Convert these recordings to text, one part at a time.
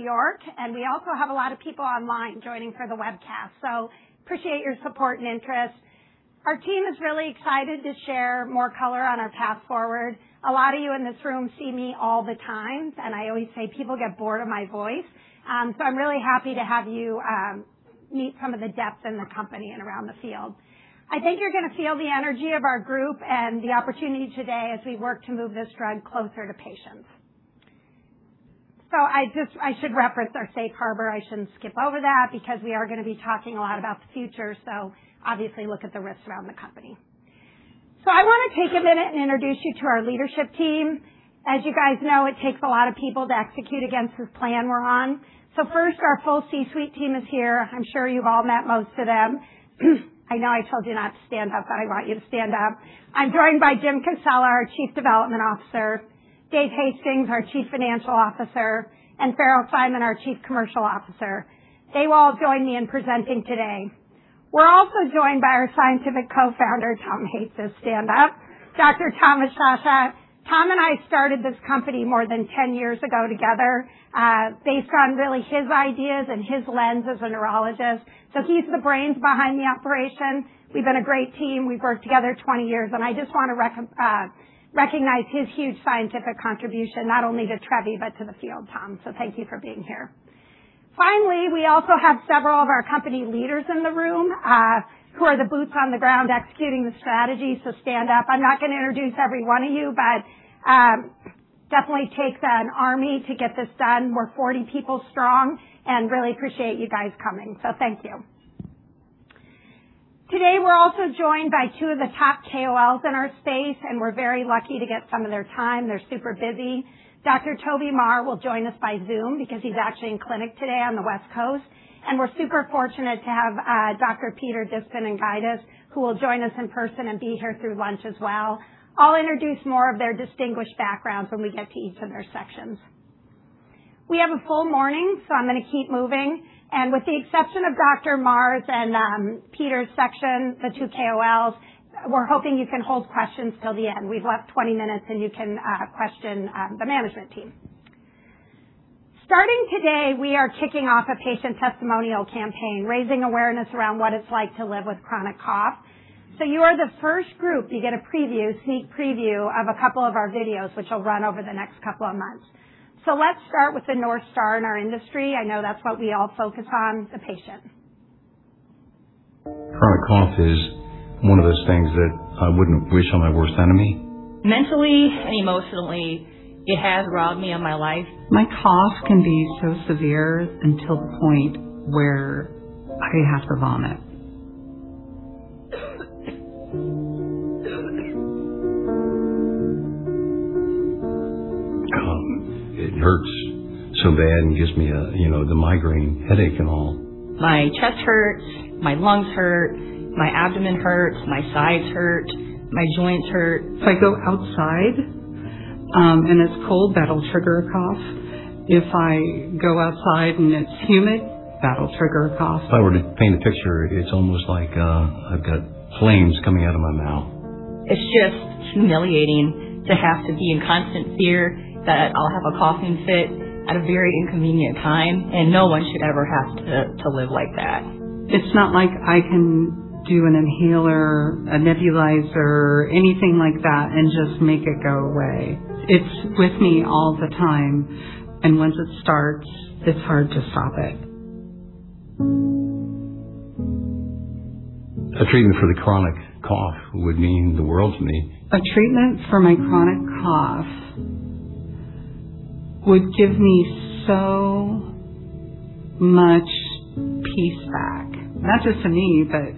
In New York, we also have a lot of people online joining for the webcast. Appreciate your support and interest. Our team is really excited to share more color on our path forward. A lot of you in this room see me all the time, and I always say people get bored of my voice. I'm really happy to have you meet some of the depth in the company and around the field. I think you're gonna feel the energy of our group and the opportunity today as we work to move this drug closer to patients. I should reference our safe harbor. I shouldn't skip over that because we are gonna be talking a lot about the future, so obviously look at the risks around the company. I wanna take a minute and introduce you to our leadership team. As you guys know, it takes a lot of people to execute against this plan we're on. First, our full C-suite team is here. I'm sure you've all met most of them. I know I told you not to stand up, but I want you to stand up. I'm joined by James Cassella, our chief development officer, David Hastings, our chief financial officer, and Farrell Simon, our chief commercial officer. They will all join me in presenting today. We're also joined by our scientific co-founder, Tom hates to stand up, Dr. Thomas Sciascia. Tom and I started this company more than 10 years ago together, based on really his ideas and his lens as a neurologist, so he's the brains behind the operation. We've been a great team. We've worked together 20 years. I just wanna recognize his huge scientific contribution not only to Trevi but to the field, Tom. Thank you for being here. Finally, we also have several of our company leaders in the room who are the boots on the ground executing the strategy. Stand up. I'm not gonna introduce every one of you. Definitely takes an army to get this done. We're 40 people strong. Really appreciate you guys coming. Thank you. Today, we're also joined by two of the top KOLs in our space. We're very lucky to get some of their time. They're super busy. Dr. Toby Maher will join us by Zoom because he's actually in clinic today on the West Coast. We're super fortunate to have Dr. Peter Dicpinigaitis, who will join us in person and be here through lunch as well. I'll introduce more of their distinguished backgrounds when we get to each of their sections. We have a full morning, I'm gonna keep moving. With the exception of Dr. Maher's and Peter's section, the two KOLs, we're hoping you can hold questions till the end. We've left 20 minutes, you can question the management team. Starting today, we are kicking off a patient testimonial campaign, raising awareness around what it's like to live with chronic cough. You are the first group to get a preview, sneak preview of two of our videos which will run over the next two months. Let's start with the North Star in our industry. I know that's what we all focus on, the patient. Chronic cough is one of those things that I wouldn't wish on my worst enemy. Mentally and emotionally, it has robbed me of my life. My cough can be so severe until the point where I have to vomit. It hurts so bad and gives me a, you know, the migraine headache and all. My chest hurts, my lungs hurt, my abdomen hurts, my sides hurt, my joints hurt. If I go outside, and it's cold, that'll trigger a cough. If I go outside and it's humid, that'll trigger a cough. If I were to paint a picture, it's almost like, I've got flames coming out of my mouth. It's just humiliating to have to be in constant fear that I'll have a coughing fit at a very inconvenient time. No one should ever have to live like that. It's not like I can do an inhaler, a nebulizer, anything like that and just make it go away. It's with me all the time and once it starts, it's hard to stop it. A treatment for the chronic cough would mean the world to me. A treatment for my chronic cough would give me so much peace back. Not just to me, but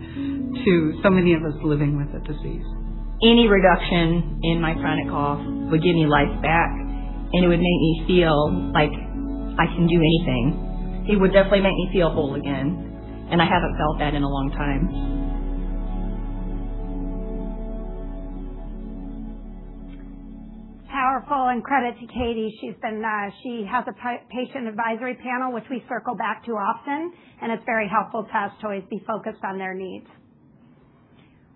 to so many of us living with the disease. Any reduction in my chronic cough would give me life back, and it would make me feel like I can do anything. It would definitely make me feel whole again, and I haven't felt that in a long time. Powerful and credit to Katie. She has a patient advisory panel which we circle back to often, and it's very helpful to us to always be focused on their needs.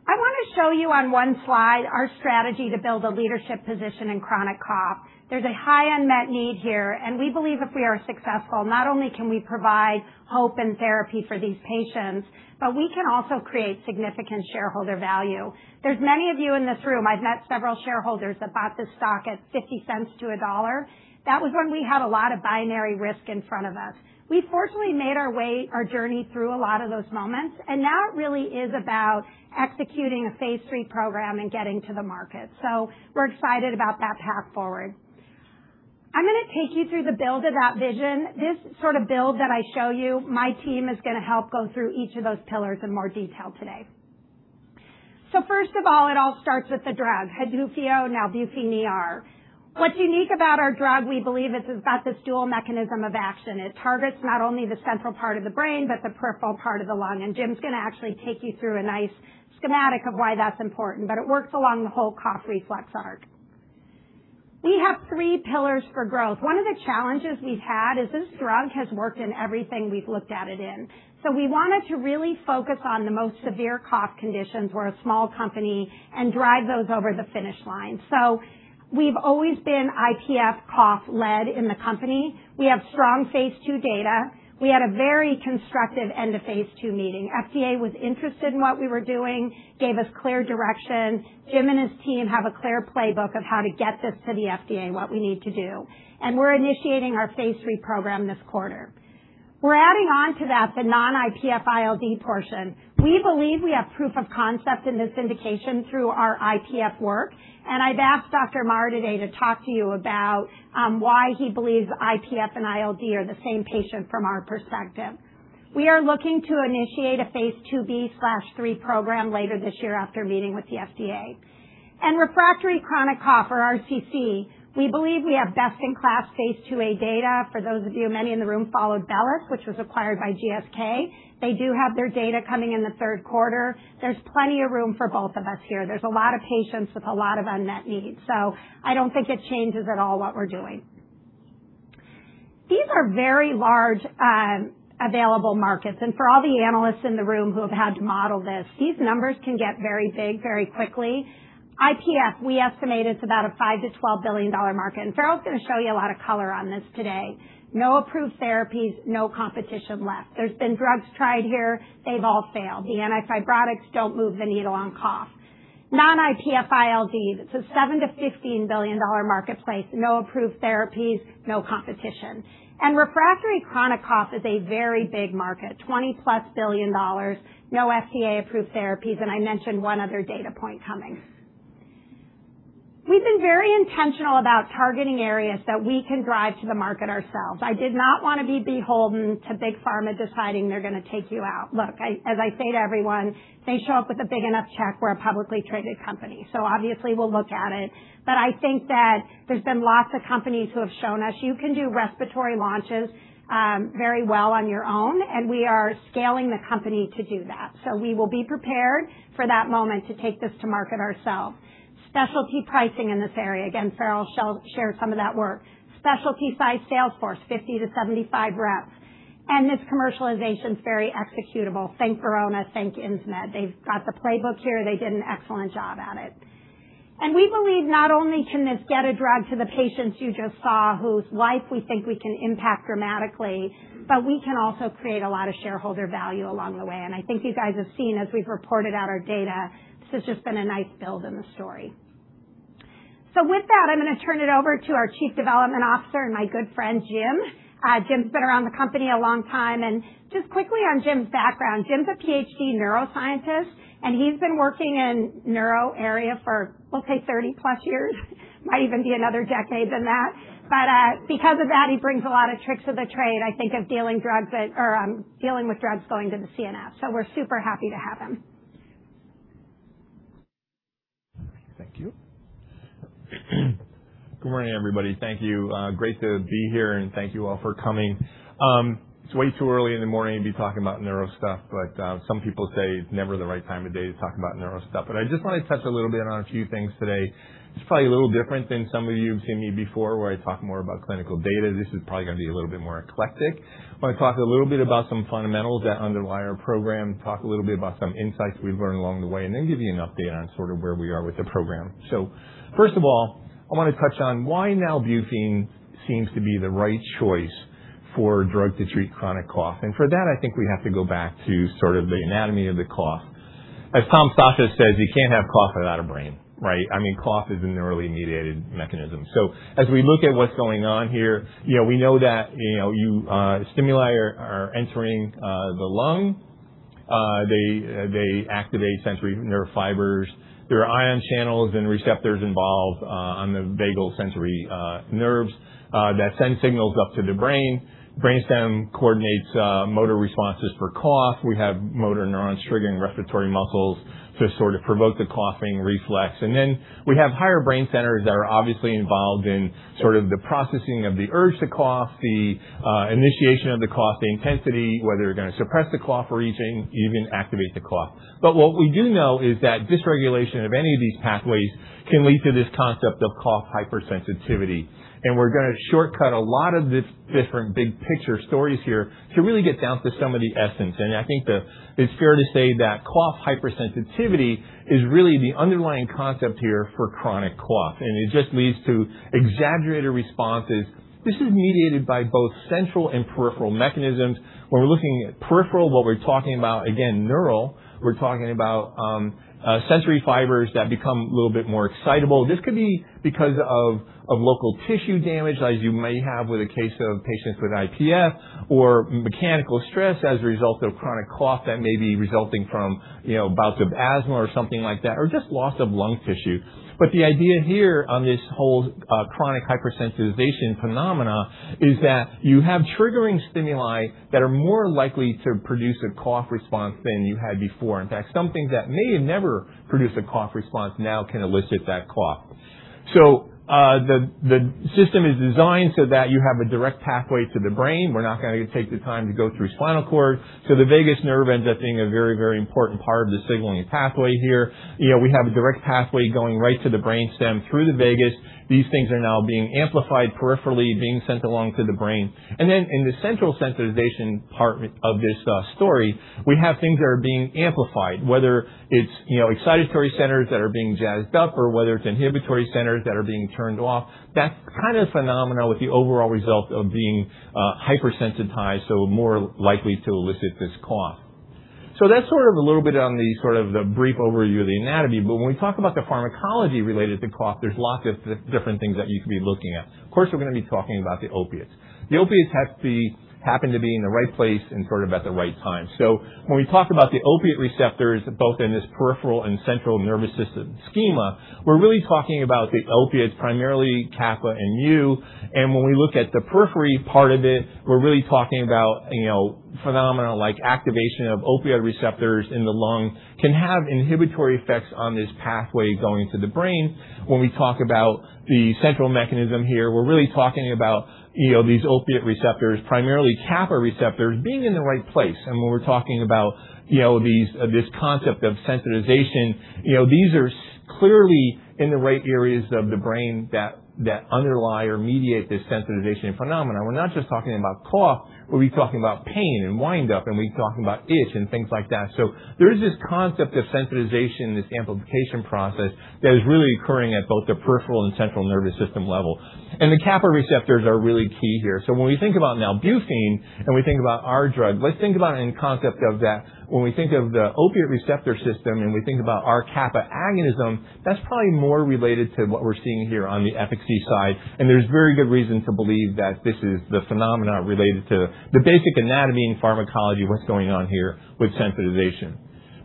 I want to show you on one slide our strategy to build a leadership position in chronic cough. There's a high unmet need here, and we believe if we are successful, not only can we provide hope and therapy for these patients, but we can also create significant shareholder value. There's many of you in this room. I've met several shareholders that bought this stock at $0.50-$1. That was when we had a lot of binary risk in front of us. We fortunately made our way, our journey through a lot of those moments, and now it really is about executing a phase III program and getting to the market. We're excited about that path forward. I'm gonna take you through the build of that vision. This sort of build that I show you, my team is gonna help go through each of those pillars in more detail today. First of all, it all starts with the drug, Haduvio, now nalbuphine ER. What's unique about our drug, we believe it's got this dual mechanism of action. It targets not only the central part of the brain but the peripheral part of the lung, and Jim's gonna actually take you through a nice schematic of why that's important. It works along the whole cough reflex arc. We have three pillars for growth. One of the challenges we've had is this drug has worked in everything we've looked at it in. We wanted to really focus on the most severe cough conditions. We're a small company and drive those over the finish line. We've always been IPF cough-led in the company. We have strong phase II data. We had a very constructive end of phase II meeting. FDA was interested in what we were doing, gave us clear direction. Jim and his team have a clear playbook of how to get this to the FDA and what we need to do. We're initiating our phase III program this quarter. We're adding on to that the non-IPF ILD portion. We believe we have proof of concept in this indication through our IPF work, and I've asked Dr. Toby Maher today to talk to you about why he believes IPF and ILD are the same patient from our perspective. We are looking to initiate a phase II-B/III program later this year after meeting with the FDA. Refractory chronic cough or RCC, we believe we have best-in-class phase IIa data. For those of you, many in the room followed BELLUS Health, which was acquired by GSK. They do have their data coming in the Q3. There's plenty of room for both of us here. There's a lot of patients with a lot of unmet needs. I don't think it changes at all what we're doing. These are very large, available markets. For all the analysts in the room who have had to model this, these numbers can get very big very quickly. IPF, we estimate it's about a $5 billion-$12 billion market, and Farrell's gonna show you a lot of color on this today. No approved therapies, no competition left. There's been drugs tried here. They've all failed. The antifibrotics don't move the needle on cough. Non-IPF ILD, it's a $7 billion-$15 billion marketplace. No approved therapies, no competition. Refractory chronic cough is a very big market, $20+ billion, no FDA-approved therapies, I mentioned one other data point coming. We've been very intentional about targeting areas that we can drive to the market ourselves. I did not want to be beholden to big pharma deciding they're going to take you out. Look, as I say to everyone, they show up with a big enough check, we're a publicly traded company, obviously we will look at it. I think that there has been lots of companies who have shown us you can do respiratory launches very well on your own, we are scaling the company to do that. We will be prepared for that moment to take this to market ourselves. Specialty pricing in this area. Farrell shared some of that work. Specialty-sized sales force, 50-75 reps. This commercialization is very executable. Thank Verona, thank Insmed. They've got the playbook here. They did an excellent job at it. We believe not only can this get a drug to the patients you just saw whose life we think we can impact dramatically, but we can also create a lot of shareholder value along the way. I think you guys have seen as we've reported out our data, this has just been a nice build in the story. With that, I'm gonna turn it over to our Chief Development Officer and my good friend, Jim. Jim's been around the company a long time. Just quickly on Jim's background, Jim's a PhD neuroscientist, and he's been working in neuro area for, we'll say, 30-plus years. Might even be another decade than that. Because of that, he brings a lot of tricks to the trade, I think, of dealing with drugs going to the CNS. We're super happy to have him. Thank you. Good morning, everybody. Thank you. Great to be here, and thank you all for coming. It's way too early in the morning to be talking about neuro stuff, but some people say it's never the right time of day to talk about neuro stuff. I just wanna touch a little bit on a few things today. It's probably a little different than some of you who've seen me before, where I talk more about clinical data. This is probably gonna be a little bit more eclectic. I wanna talk a little bit about some fundamentals that underlie our program, talk a little bit about some insights we've learned along the way, and then give you an update on sort of where we are with the program. First of all, I want to touch on why nalbuphine seems to be the right choice for a drug to treat chronic cough. For that, I think we have to go back to sort of the anatomy of the cough. As Tom Sciascia says, "You can't have cough without a brain," right? I mean, cough is a neurally mediated mechanism. As we look at what's going on here, you know, we know that, you, stimuli are entering the lung. They activate sensory nerve fibers. There are ion channels and receptors involved on the vagal sensory nerves that send signals up to the brain. Brain stem coordinates motor responses for cough. We have motor neurons triggering respiratory muscles to sort of provoke the coughing reflex. We have higher brain centers that are obviously involved in sort of the processing of the urge to cough, the initiation of the cough, the intensity, whether you're gonna suppress the cough or even activate the cough. What we do know is that dysregulation of any of these pathways can lead to this concept of cough hypersensitivity. We're gonna shortcut a lot of the different big picture stories here to really get down to some of the essence. I think it's fair to say that cough hypersensitivity is really the underlying concept here for chronic cough. It just leads to exaggerated responses. This is mediated by both central and peripheral mechanisms. When we're looking at peripheral, what we're talking about, again, neural, we're talking about sensory fibers that become a little bit more excitable. This could be because of local tissue damage, as you may have with a case of patients with IPF or mechanical stress as a result of chronic cough that may be resulting from, you know, bouts of asthma or something like that, or just loss of lung tissue. The idea here on this whole chronic hypersensitization phenomena is that you have triggering stimuli that are more likely to produce a cough response than you had before. In fact, some things that may have never produced a cough response now can elicit that cough. The system is designed so that you have a direct pathway to the brain. We're not gonna take the time to go through spinal cord. The vagus nerve ends up being a very important part of the signaling pathway here. You know, we have a direct pathway going right to the brainstem through the vagus. These things are now being amplified peripherally, being sent along to the brain. In the central sensitization part of this story, we have things that are being amplified, whether it's, you know, excitatory centers that are being jazzed up or whether it's inhibitory centers that are being turned off. That kind of phenomena with the overall result of being hypersensitized, more likely to elicit this cough. That's sort of a little bit on the sort of the brief overview of the anatomy. When we talk about the pharmacology related to cough, there's lots of different things that you could be looking at. Of course, we're going to be talking about the opiates. The opiates happen to be in the right place and sort of at the right time. When we talk about the opiate receptors, both in this peripheral and central nervous system schema, we're really talking about the opiates, primarily kappa and mu. When we look at the periphery part of it, we're really talking about, you know, phenomena like activation of opiate receptors in the lung can have inhibitory effects on this pathway going to the brain. When we talk about the central mechanism here, we're really talking about, you know, these opiate receptors, primarily kappa receptors being in the right place. When we're talking about, you know, this concept of sensitization, you know, these are clearly in the right areas of the brain that underlie or mediate this sensitization phenomena. We're not just talking about cough, we'll be talking about pain and windup, and we'll be talking about itch and things like that. There is this concept of sensitization, this amplification process that is really occurring at both the peripheral and central nervous system level. The kappa receptors are really key here. When we think about nalbuphine and we think about our drug, let's think about it in concept of that. When we think of the opioid receptor system and we think about our kappa agonism, that's probably more related to what we're seeing here on the efficacy side. There's very good reason to believe that this is the phenomena related to the basic anatomy and pharmacology of what's going on here with sensitization.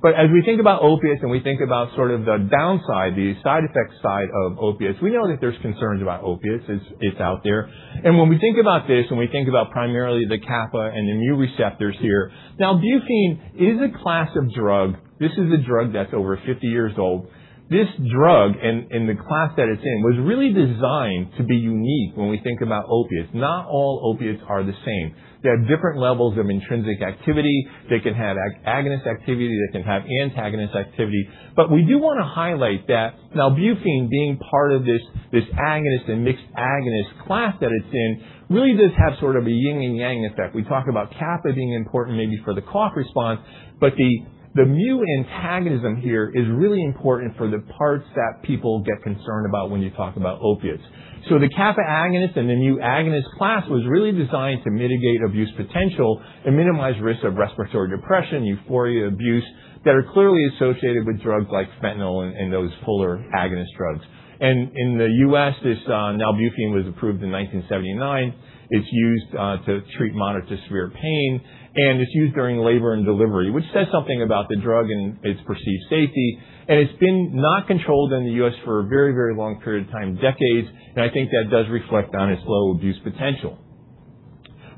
As we think about opiates and we think about sort of the downside, the side effect side of opiates, we know that there's concerns about opiates. It's out there. When we think about this and we think about primarily the kappa and the mu receptors here, nalbuphine is a class of drug. This is a drug that's over 50 years old. This drug and the class that it's in was really designed to be unique when we think about opiates. Not all opiates are the same. They have different levels of intrinsic activity. They can have agonist activity, they can have antagonist activity. We do wanna highlight that nalbuphine being part of this agonist and mixed agonist class that it's in really does have sort of a yin and yang effect. We talk about kappa being important maybe for the cough response, but the mu antagonism here is really important for the parts that people get concerned about when you talk about opiates. The kappa agonist and the mu agonist class was really designed to mitigate abuse potential and minimize risk of respiratory depression, euphoria, abuse that are clearly associated with drugs like fentanyl and those fuller agonist drugs. In the U.S., this nalbuphine was approved in 1979. It's used to treat moderate to severe pain, and it's used during labor and delivery, which says something about the drug and its perceived safety. It's been not controlled in the U.S. for a very, very long period of time, decades. I think that does reflect on its low abuse potential.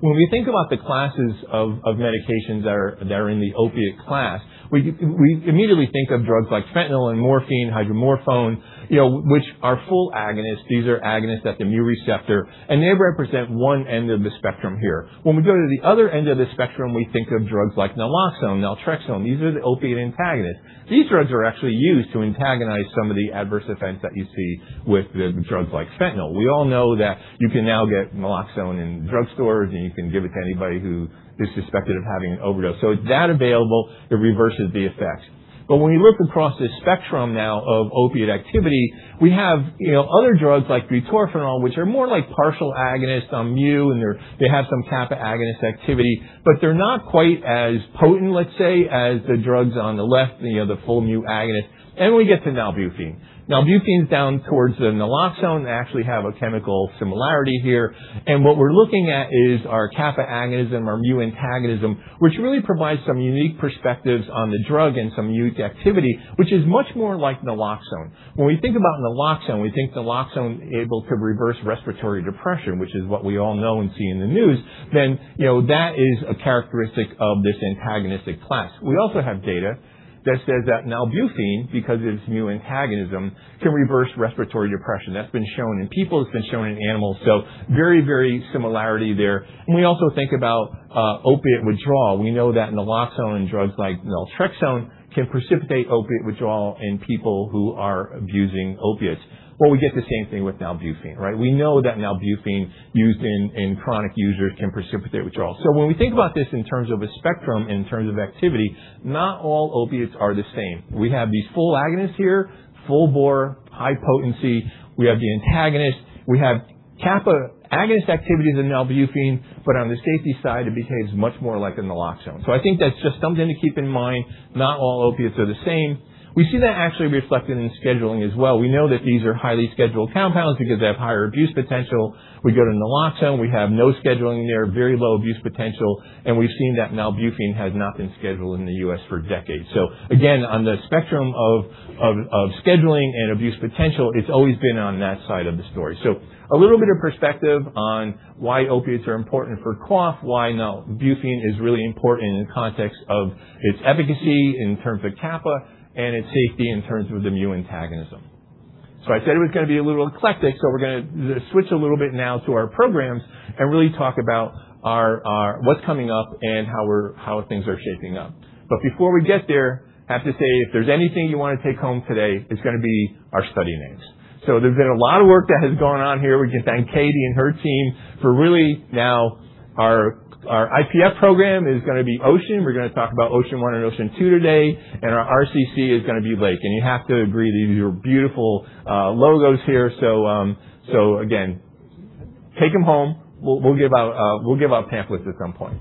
When we think about the classes of medications that are in the opiate class, we immediately think of drugs like fentanyl and morphine, hydromorphone, you know, which are full agonists. These are agonists at the mu receptor. They represent one end of the spectrum here. When we go to the other end of the spectrum, we think of drugs like naloxone, naltrexone. These are the opiate antagonists. These drugs are actually used to antagonize some of the adverse events that you see with the drugs like fentanyl. We all know that you can now get naloxone in drugstores. You can give it to anybody who is suspected of having an overdose. It's that available. It reverses the effects. When we look across this spectrum now of opiate activity, we have, you know, other drugs like butorphanol, which are more like partial agonists on mu, and they have some kappa agonist activity, but they're not quite as potent, let's say, as the drugs on the left, you know, the full mu agonist. We get to nalbuphine. Nalbuphine's down towards the naloxone. They actually have a chemical similarity here. What we're looking at is our kappa agonism, our mu antagonism, which really provides some unique perspectives on the drug and some mu activity, which is much more like naloxone. When we think about naloxone, we think naloxone able to reverse respiratory depression, which is what we all know and see in the news, then, you know, that is a characteristic of this antagonistic class. We also have data that says that nalbuphine, because of its mu antagonism, can reverse respiratory depression. That's been shown in people. It's been shown in animals. Very similarity there. We also think about opiate withdrawal. We know that naloxone and drugs like naltrexone can precipitate opiate withdrawal in people who are abusing opiates. We get the same thing with nalbuphine, right? We know that nalbuphine used in chronic users can precipitate withdrawal. When we think about this in terms of a spectrum, in terms of activity, not all opiates are the same. We have these full agonists here, full bore, high potency. We have the antagonist. We have kappa agonist activity in the nalbuphine, but on the safety side it behaves much more like a naloxone. I think that's just something to keep in mind. Not all opiates are the same. We see that actually reflected in scheduling as well. We know that these are highly scheduled compounds because they have higher abuse potential. We go to naloxone, we have no scheduling there, very low abuse potential. We've seen that nalbuphine has not been scheduled in the U.S. for decades. Again, on the spectrum of scheduling and abuse potential, it's always been on that side of the story. A little bit of perspective on why opiates are important for cough, why nalbuphine is really important in the context of its efficacy in terms of kappa and its safety in terms of the mu antagonism. I said it was gonna be a little eclectic, so we're gonna switch a little bit now to our programs and really talk about our what's coming up and how things are shaping up. Before we get there, I have to say, if there's anything you wanna take home today, it's gonna be our study names. There's been a lot of work that has gone on here. We can thank Katie and her team for really now our IPF program is gonna be OCEAN. We're gonna talk about OCEAN one and OCEAN two today. Our RCC is gonna be LAKE. You have to agree, these are beautiful logos here. Take them home. We'll give out pamphlets at some point.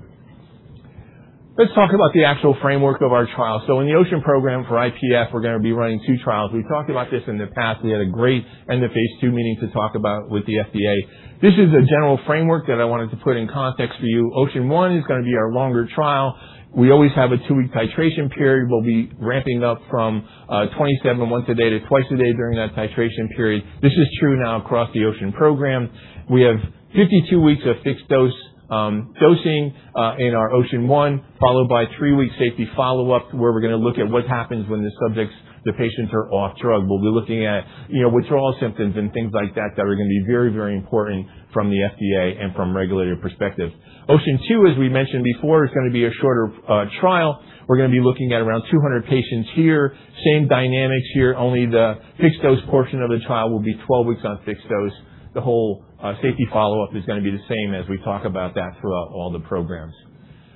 Let's talk about the actual framework of our trial. In the OCEAN program for IPF, we're gonna be running two trials. We've talked about this in the past. We had a great end-of-phase II meeting to talk about with the FDA. This is a general framework that I wanted to put in context for you. OCEAN one is going to be our longer trial. We always have a two-week titration period. We'll be ramping up from 27 once a day to twice a day during that titration period. This is true now across the OCEAN program. We have 52 weeks of fixed-dose dosing in our OCEAN one, followed by three weeks safety follow-up, where we're going to look at what happens when the subjects, the patients are off drug. We'll be looking at, you know, withdrawal symptoms and things like that are going to be very, very important from the FDA and from regulatory perspective. OCEAN-02, as we mentioned before, is going to be a shorter trial. We're going to be looking at around 200 patients here. Same dynamics here, only the fixed-dose portion of the trial will be 12 weeks on fixed dose. The whole safety follow-up is gonna be the same as we talk about that throughout all the programs.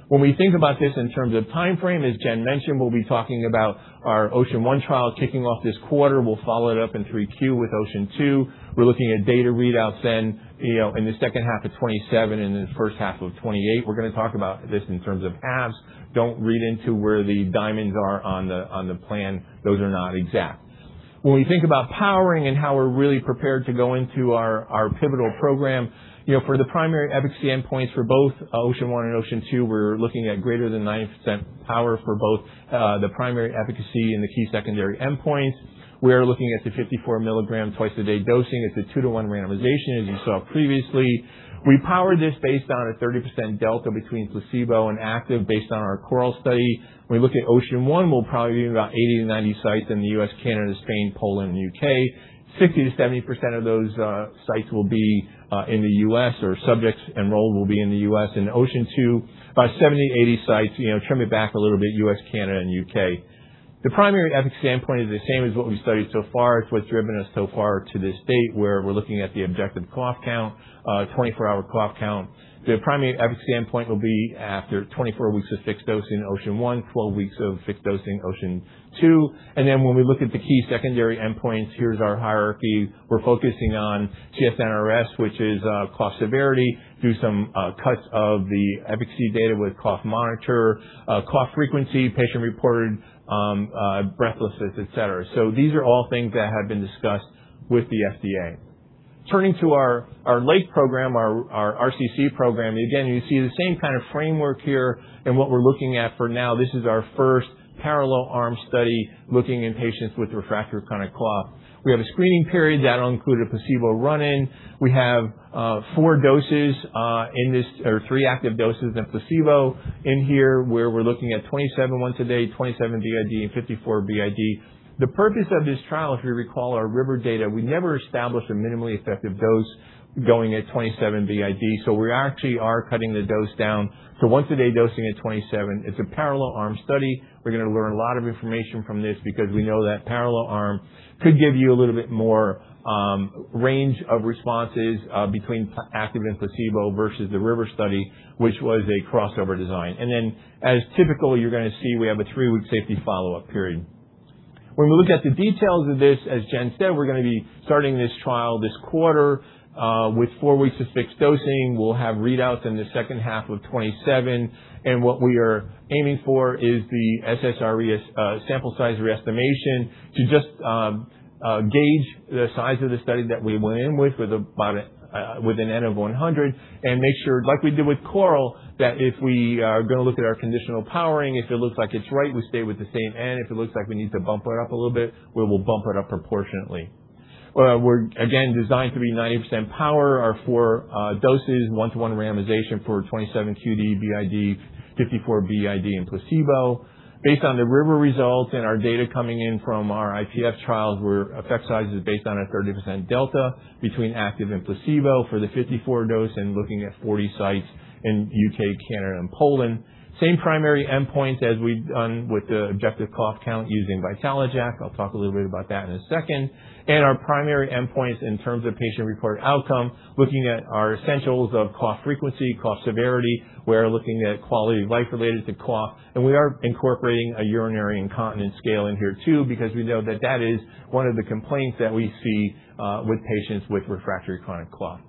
When we think about this in terms of timeframe, as Jen mentioned, we'll be talking about our OCEAN one trial kicking off this quarter. We'll follow it up in Q3 with OCEAN two. We're looking at data readouts then, you know, in the second half of 2027 and in the first half of 2028. We're gonna talk about this in terms of halves. Don't read into where the diamonds are on the, on the plan. Those are not exact. When we think about powering and how we're really prepared to go into our pivotal program, you know, for the primary efficacy endpoints for both OCEAN one and OCEAN-02, we're looking at greater than 9% power for both the primary efficacy and the key secondary endpoints. We are looking at the 54 milligram twice-a-day dosing. It's a 2-to-1 randomization, as you saw previously. We powered this based on a 30% delta between placebo and active based on our CORAL study. When we look at OCEAN one, we'll probably be about 80-90 sites in the U.S., Canada, Spain, Poland, and U.K. 60%-70% of those sites will be in the U.S., or subjects enrolled will be in the U.S. In OCEAN-02, about 70-80 sites, you know, trimming back a little bit U.S., Canada, and U.K. The primary efficacy endpoint is the same as what we've studied so far. It's what's driven us so far to this state where we're looking at the objective cough count, 24-hour cough count. The primary efficacy endpoint will be after 24 weeks of fixed dose in OCEAN one, 12 weeks of fixed dosing OCEAN two. When we look at the key secondary endpoints, here's our hierarchy. We're focusing on CS-NRS, which is cough severity, do some cuts of the efficacy data with cough monitor, cough frequency, patient-reported breathlessness, et cetera. These are all things that have been discussed with the FDA. Turning to our LAKE program, our RCC program, again, you see the same kind of framework here and what we're looking at for now. This is our 1st parallel arm study looking in patients with refractory chronic cough. We have a screening period that will include a placebo run-in. We have four doses, or three active doses and placebo in here, where we are looking at 27 once a day, 27 BID, and 54 BID. The purpose of this trial, if you recall our RIVER data, we never established a minimally effective dose going at 27 BID, we actually are cutting the dose down to once a day dosing at 27. It is a parallel arm study. We are going to learn a lot of information from this because we know that parallel arm could give you a little bit more range of responses between active and placebo versus the RIVER study, which was a crossover design. As typical, you are going to see we have a three-week safety follow-up period. When we look at the details of this, as Jen said, we're going to be starting this trial this quarter, with four weeks of fixed dosing. We'll have readouts in the second half of 2027. What we are aiming for is the SSRE, sample size re-estimation to just gauge the size of the study that we went in with an N of 100. Make sure, like we did with CORAL, that if we are going to look at our conditional powering, if it looks like it's right, we stay with the same N. If it looks like we need to bump it up a little bit, we will bump it up proportionately. We're again designed to be 90% power. Our four doses, one-to-one randomization for 27 QD, BID, 54 BID, and placebo. Based on the RIVER results and our data coming in from our IPF trials where effect size is based on a 30% delta between active and placebo for the 54 dose and looking at 40 sites in U.K., Canada, and Poland. Same primary endpoints as we've done with the objective cough count using VitaloJAK. I'll talk a little bit about that in a second. Our primary endpoints in terms of patient-reported outcome, looking at our essentials of cough frequency, cough severity. We're looking at quality of life related to cough, we are incorporating a urinary incontinence scale in here too because we know that that is one of the complaints that we see with patients with refractory chronic cough.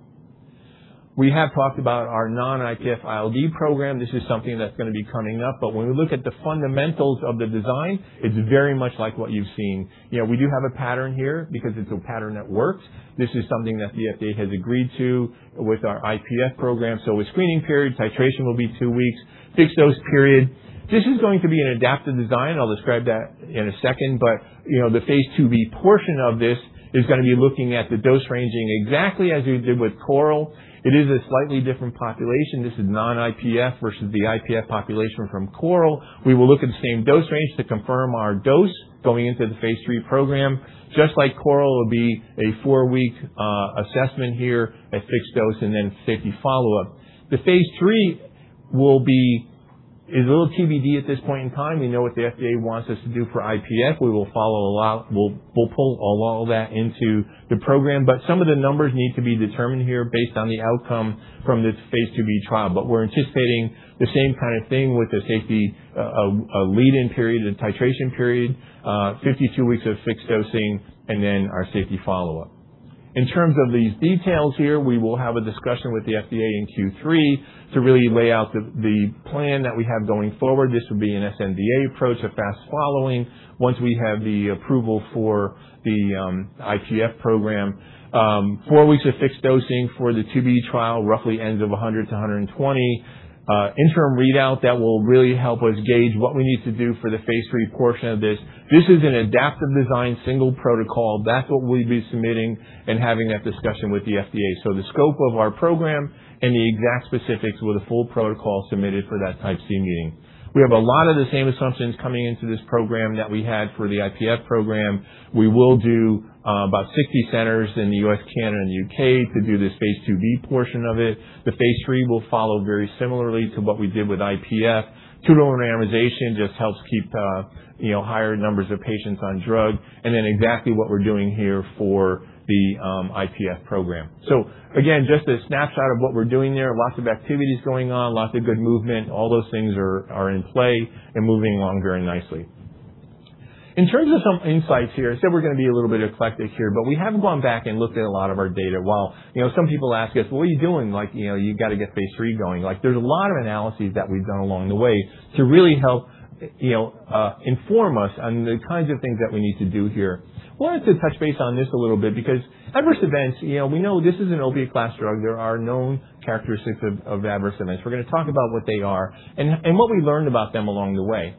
We have talked about our non-IPF ILD program. This is something that's gonna be coming up. When we look at the fundamentals of the design, it's very much like what you've seen. You know, we do have a pattern here because it's a pattern that works. This is something that the FDA has agreed to with our IPF program. A screening period, titration will be two weeks, fixed-dose period. This is going to be an adaptive design. I'll describe that in a second. You know, the phase II-B portion of this is gonna be looking at the dose ranging exactly as we did with CORAL. It is a slightly different population. This is non-IPF versus the IPF population from CORAL. We will look at the same dose range to confirm our dose going into the phase III program. Just like CORAL, it will be a four-week assessment here at fixed dose and then safety follow-up. The phase III will be a little TBD at this point in time. We know what the FDA wants us to do for IPF. We will follow a lot. We'll pull all that into the program. Some of the numbers need to be determined here based on the outcome from this phase II-B trial. We're anticipating the same kind of thing with the safety, a lead-in period and titration period, 52 weeks of fixed dosing, and then our safety follow-up. In terms of these details here, we will have a discussion with the FDA in Q3 to really lay out the plan that we have going forward. This would be an sNDA approach, a fast following once we have the approval for the IPF program. Four weeks of fixed dosing for the phase II-B trial roughly ends of 100-120. Interim readout that will really help us gauge what we need to do for the phase III portion of this. This is an adaptive design, single protocol. That's what we'll be submitting and having that discussion with the FDA. The scope of our program and the exact specifics with a full protocol submitted for that Type C meeting. We have a lot of the same assumptions coming into this program that we had for the IPF program. We will do, about 60 centers in the U.S., Canada, and U.K. to do this phase II-B portion of it. The phase III will follow very similarly to what we did with IPF. 2-to-1 randomization just helps keep, you know, higher numbers of patients on drug, exactly what we're doing here for the IPF program. Again, just a snapshot of what we're doing there. Lots of activities going on, lots of good movement. All those things are in play and moving along very nicely. In terms of some insights here, I said we're gonna be a little bit eclectic here, but we have gone back and looked at a lot of our data. While, you know, some people ask us, "What are you doing?" Like, you know, "You gotta get phase III going." Like, there's a lot of analyses that we've done along the way to really help, you know, inform us on the kinds of things that we need to do here. Wanted to touch base on this a little bit because adverse events, you know, we know this is an opiate class drug. There are known characteristics of adverse events. We're gonna talk about what they are and what we learned about them along the way.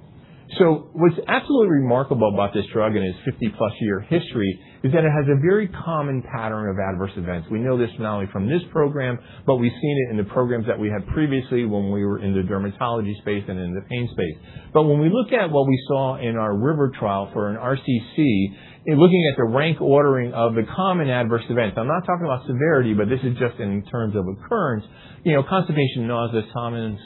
What's absolutely remarkable about this drug and its 50-plus year history is that it has a very common pattern of adverse events. We know this not only from this program, but we've seen it in the programs that we had previously when we were in the dermatology space and in the pain space. When we look at what we saw in our RIVER trial for an RCC, in looking at the rank ordering of the common adverse events, I'm not talking about severity, but this is just in terms of occurrence. You know, constipation, nausea, somnolence,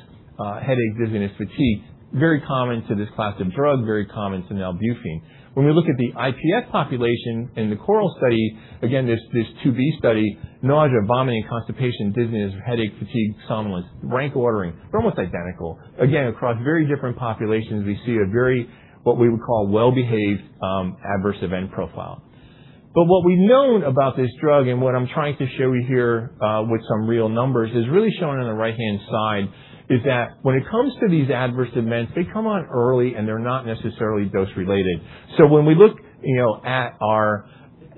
headache, dizziness, fatigue, very common to this class of drug, very common to nalbuphine. When we look at the IPF population in the CORAL study, again, this phase II-B study, nausea, vomiting, constipation, dizziness, headache, fatigue, somnolence. Rank ordering, they're almost identical. Again, across very different populations, we see a very what we would call well-behaved adverse event profile. What we've known about this drug and what I'm trying to show you here with some real numbers is really shown on the right-hand side, is that when it comes to these adverse events, they come on early, and they're not necessarily dose related. When we look, you know, at our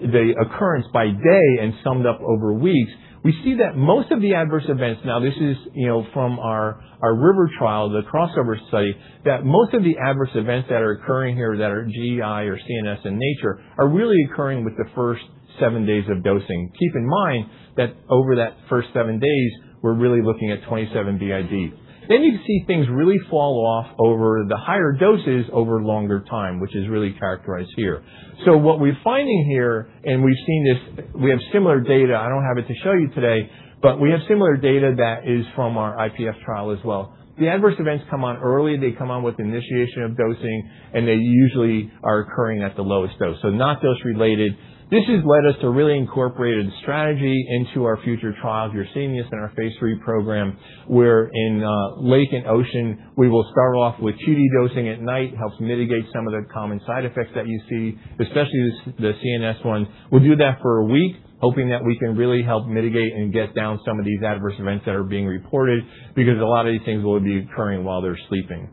RIVER trial, the crossover study, we see that most of the adverse events that are occurring here that are GI or CNS in nature are really occurring with the first seven days of dosing. Keep in mind that over that first seven days, we're really looking at 27 BID. You can see things really fall off over the higher doses over longer time, which is really characterized here. What we're finding here, and we've seen this, we have similar data, I don't have it to show you today, but we have similar data that is from our IPF trial as well. The adverse events come on early, they come on with initiation of dosing, and they usually are occurring at the lowest dose, so not dose related. This has led us to really incorporate a strategy into our future trials. You're seeing this in our phase III program, where in LAKE and OCEAN, we will start off with QD dosing at night. Helps mitigate some of the common side effects that you see, especially the CNS ones. We'll do that for one week, hoping that we can really help mitigate and get down some of these adverse events that are being reported because a lot of these things will be occurring while they're sleeping.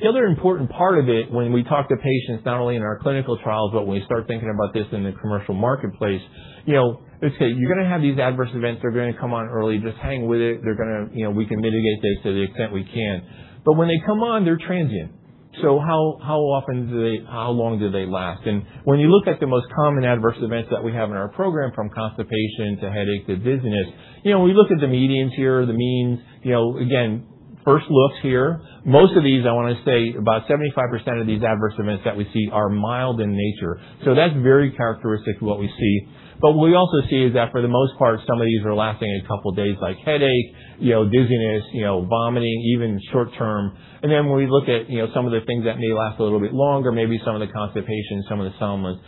The other important part of it when we talk to patients, not only in our clinical trials, but when we start thinking about this in the commercial marketplace, you know, let's say you're gonna have these adverse events, they're gonna come on early. Just hang with it. You know, we can mitigate this to the extent we can. When they come on, they're transient. How often do they How long do they last? When you look at the most common adverse events that we have in our program, from constipation to headache to dizziness, you know, when we look at the medians here, the means, you know, again, first looks here, most of these, I wanna say about 75% of these adverse events that we see are mild in nature. That's very characteristic to what we see. What we also see is that for the most part, some of these are lasting a couple days, like headache, you know, dizziness, you know, vomiting, even short term. When we look at, you know, some of the things that may last a little bit longer, maybe some of the constipation, some of the somnolence.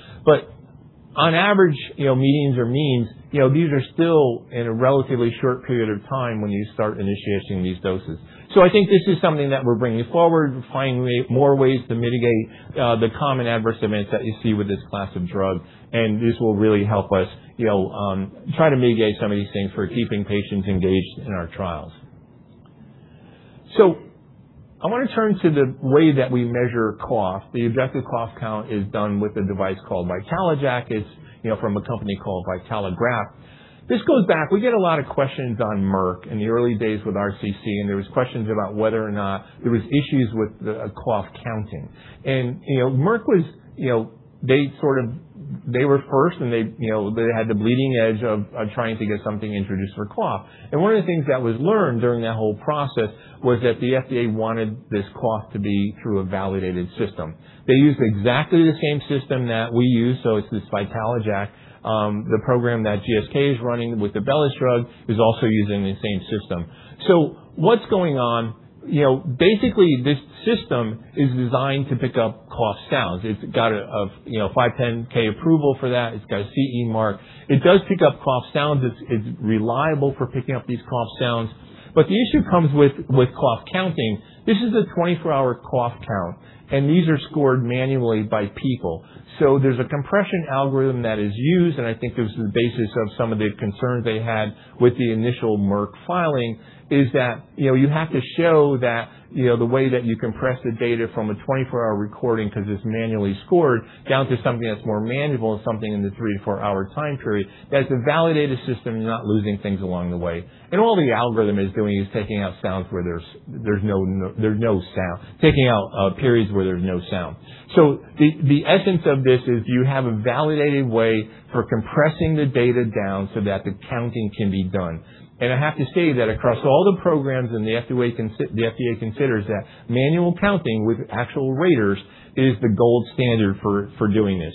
On average, you know, medians or means, you know, these are still in a relatively short period of time when you start initiating these doses. I think this is something that we're bringing forward, finding more ways to mitigate the common adverse events that you see with this class of drug, and this will really help us, you know, try to mitigate some of these things for keeping patients engaged in our trials. I want to turn to the way that we measure cough. The objective cough count is done with a device called VitaloJAK. It's from a company called Vitalograph. This goes back. We get a lot of questions on Merck in the early days with RCC, there were questions about whether or not there were issues with the cough counting. Merck was, they were first, and they had the bleeding edge of trying to get something introduced for cough. One of the things that was learned during that whole process was that the FDA wanted this cough to be through a validated system. They used exactly the same system that we use, so it's this VitaloJAK. The program that GSK is running with the BELLUS drug is also using the same system. What's going on? You know, basically, this system is designed to pick up cough sounds. It's got a, you know, 510(k) approval for that. It's got a CE mark. It does pick up cough sounds. It's reliable for picking up these cough sounds. The issue comes with cough counting. This is a 24-hour cough count, and these are scored manually by people. There's a compression algorithm that is used, and I think this is the basis of some of the concerns they had with the initial Merck filing, is that, you know, you have to show that, you know, the way that you compress the data from a 24-hour recording 'cause it's manually scored down to something that's more manageable and something in the 3-4 hour time period, that it's a validated system and you're not losing things along the way. All the algorithm is doing is taking out sounds where there's no sound. Taking out periods where there's no sound. The essence of this is you have a validated way for compressing the data down so that the counting can be done. I have to say that across all the programs and the FDA considers that manual counting with actual raters is the gold standard for doing this.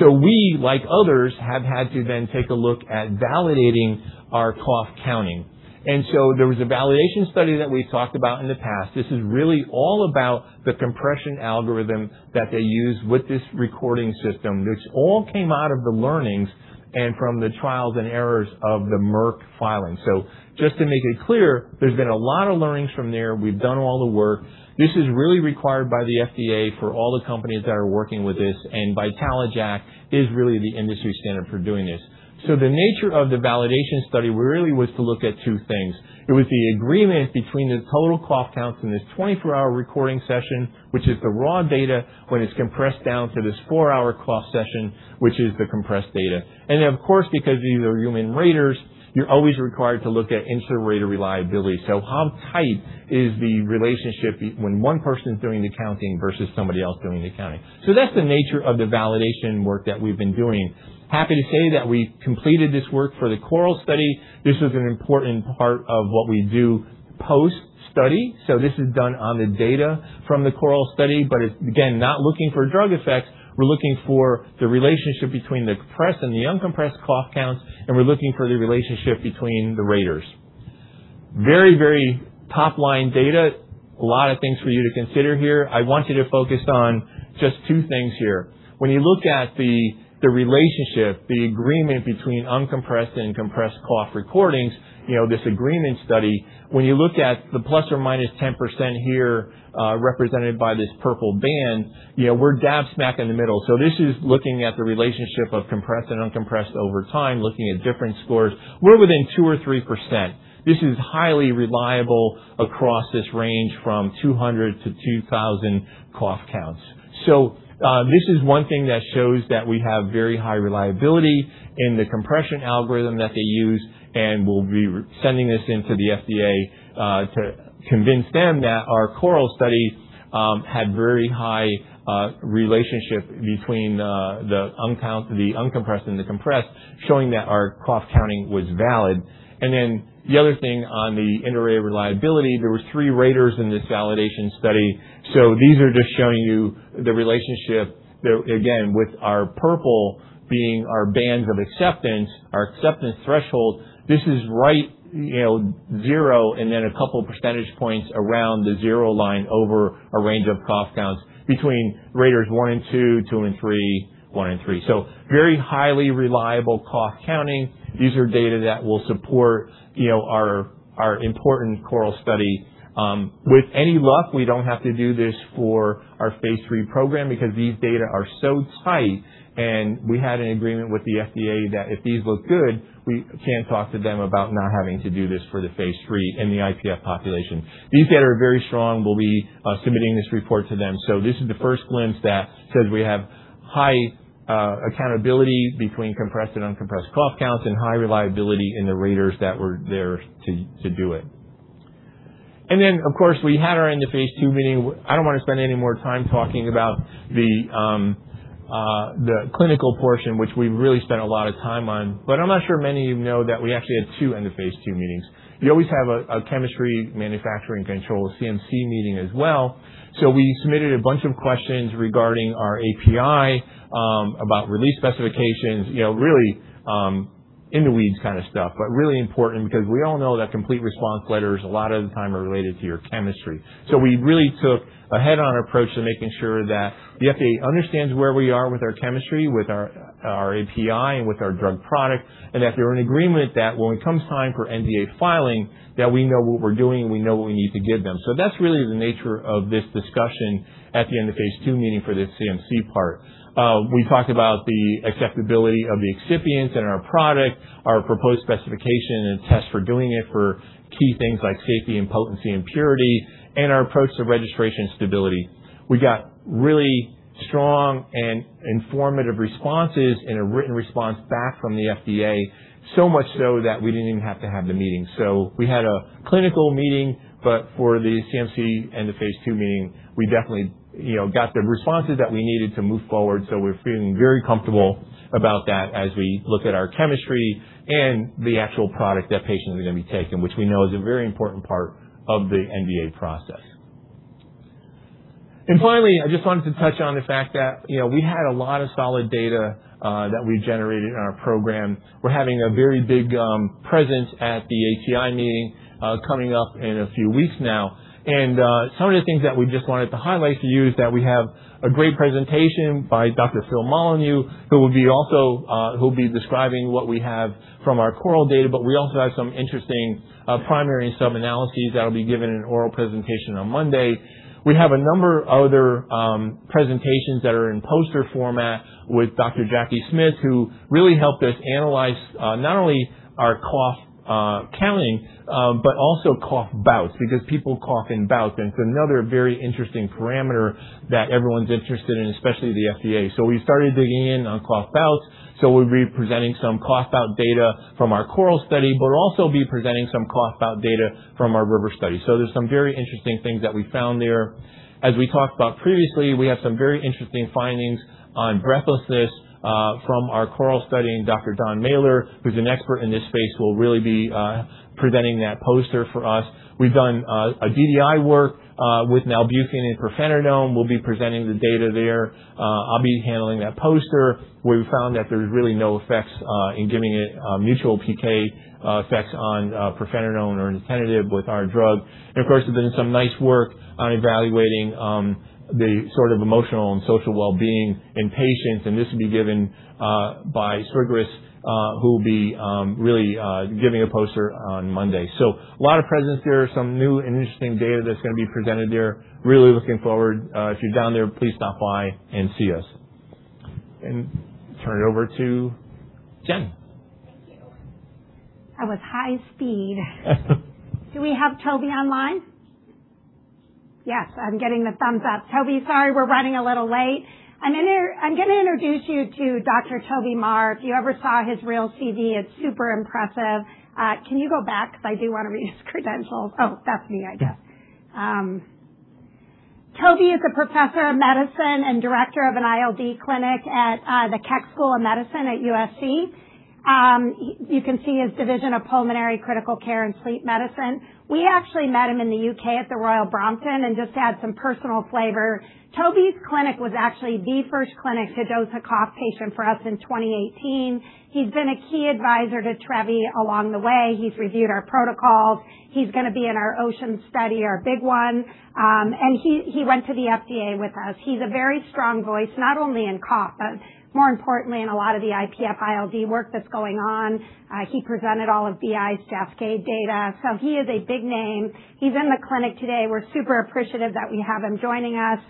We, like others, have had to then take a look at validating our cough counting. There was a validation study that we talked about in the past. This is really all about the compression algorithm that they use with this recording system. This all came out of the learnings and from the trials and errors of the Merck filing. Just to make it clear, there's been a lot of learnings from there. We've done all the work. This is really required by the FDA for all the companies that are working with this, and VitaloJAK is really the industry standard for doing this. The nature of the validation study really was to look at two things. It was the agreement between the total cough counts in this 24-hour recording session, which is the raw data, when it's compressed down to this 4-hour cough session, which is the compressed data. Of course, because these are human raters, you're always required to look at inter-rater reliability. How tight is the relationship when one person's doing the counting versus somebody else doing the counting? That's the nature of the validation work that we've been doing. Happy to say that we completed this work for the CORAL study. This was an important part of what we do post-study. This is done on the data from the CORAL study, but it's again, not looking for drug effects. We're looking for the relationship between the compressed and the uncompressed cough counts, and we're looking for the relationship between the raters. Very, very top-line data. A lot of things for you to consider here. I want you to focus on just two things here. When you look at the relationship, the agreement between uncompressed and compressed cough recordings, you know, this agreement study, when you look at the plus or minus 10% here, represented by this purple band, you know, we're dab smack in the middle. This is looking at the relationship of compressed and uncompressed over time, looking at different scores. We're within 2% or 3%. This is highly reliable across this range from 200-2,000 cough counts. This is one thing that shows that we have very high reliability in the compression algorithm that they use, and we'll be re-sending this in to the FDA to convince them that our CORAL study had very high relationship between the uncompressed and the compressed, showing that our cough counting was valid. The other thing on the inter-rater reliability, there were three raters in this validation study. These are just showing you the relationship there. With our purple being our bands of acceptance, our acceptance threshold, this is right, you know, zero and then a couple percentage points around the zero line over a range of cough counts between raters one and two and three, one and three. Very highly reliable cough counting. These are data that will support, you know, our important CORAL study. With any luck, we don't have to do this for our phase III program because these data are so tight and we had an agreement with the FDA that if these look good, we can talk to them about not having to do this for the phase III in the IPF population. These data are very strong. We'll be submitting this report to them. This is the first glimpse that says we have high accountability between compressed and uncompressed cough counts and high reliability in the raters that were there to do it. I don't want to spend any more time talking about the clinical portion, which we really spent a lot of time on, but I'm not sure many of you know that we actually had two end of phase II meetings. You always have a chemistry manufacturing control, a CMC meeting as well. We submitted a bunch of questions regarding our API about release specifications, you know, really in the weeds kind of stuff, but really important because we all know that complete response letters a lot of the time are related to your chemistry. We really took a head-on approach to making sure that the FDA understands where we are with our chemistry, with our API and with our drug product, and that they're in agreement that when it comes time for NDA filing, that we know what we're doing and we know what we need to give them. That's really the nature of this discussion at the end of phase II meeting for this CMC part. We talked about the acceptability of the excipient and our product, our proposed specification and test for doing it for key things like safety and potency and purity, and our approach to registration stability. We got really strong and informative responses and a written response back from the FDA, so much so that we didn't even have to have the meeting. We had a clinical meeting, but for the CMC and the phase II meeting, we definitely, you know, got the responses that we needed to move forward. We're feeling very comfortable about that as we look at our chemistry and the actual product that patients are gonna be taking, which we know is a very important part of the NDA process. Finally, I just wanted to touch on the fact that, you know, we had a lot of solid data that we generated in our program. We're having a very big presence at the ATS meeting coming up in a few weeks now. Some of the things that we just wanted to highlight to you is that we have a great presentation by Dr. Philip Molyneaux, who will be also who'll be describing what we have from our CORAL data. We also have some interesting primary and sub-analyses that'll be given an oral presentation on Monday. We have a number of other presentations that are in poster format with Dr. Jackie Smith, who really helped us analyze not only our cough counting, but also cough bouts because people cough in bouts, and it's another very interesting parameter that everyone's interested in, especially the FDA. We started digging in on cough bouts. We'll be presenting some cough bout data from our CORAL study, but also be presenting some cough bout data from our RIVER study. There's some very interesting things that we found there. As we talked about previously, we have some very interesting findings on breathlessness from our CORAL study, and Dr. Donald Mahler, who's an expert in this space, will really be presenting that poster for us. We've done a DDI work with nalbuphine and pirfenidone. We'll be presenting the data there. I'll be handling that poster where we found that there's really no effects in giving it mutual PK effects on pirfenidone or nintedanib with our drug. Of course, there's been some nice work on evaluating the sort of emotional and social well-being in patients, and this will be given by Srigurus, who will be really giving a poster on Monday. A lot of presence there, some new and interesting data that's gonna be presented there. Really looking forward. If you're down there, please stop by and see us. Turn it over to Jen. Thank you. That was high speed. Do we have Toby online? Yes, I'm getting the thumbs up. Toby, sorry we're running a little late. I'm gonna introduce you to Dr. Toby Maher. If you ever saw his real CV, it's super impressive. Can you go back, 'cause I do wanna read his credentials. Oh, that's me, I guess. Toby Maher is a professor of medicine and director of an ILD clinic at the Keck School of Medicine of USC. You can see his division of pulmonary critical care and sleep medicine. We actually met him in the U.K. at the Royal Brompton just to add some personal flavor. Toby Maher's clinic was actually the first clinic to dose a cough patient for us in 2018. He's been a key advisor to Trevi along the way. He's reviewed our protocols. He's gonna be in our OCEAN study, our big one. He went to the FDA with us. He's a very strong voice, not only in cough, but more importantly, in a lot of the IPF-ILD work that's going on. He presented all of BI's Cascade data. He is a big name. He's in the clinic today. We're super appreciative that we have him joining us.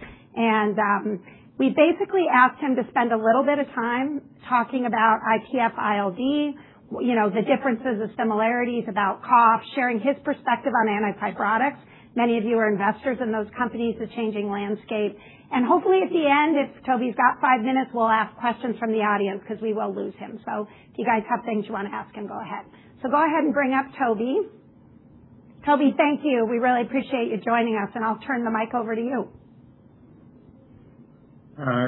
Hopefully, at the end, if Toby's got five minutes, we'll ask questions from the audience 'cause we will lose him. If you guys have things you wanna ask him, go ahead. Go ahead and bring up Toby. Toby, thank you. We really appreciate you joining us, and I'll turn the mic over to you.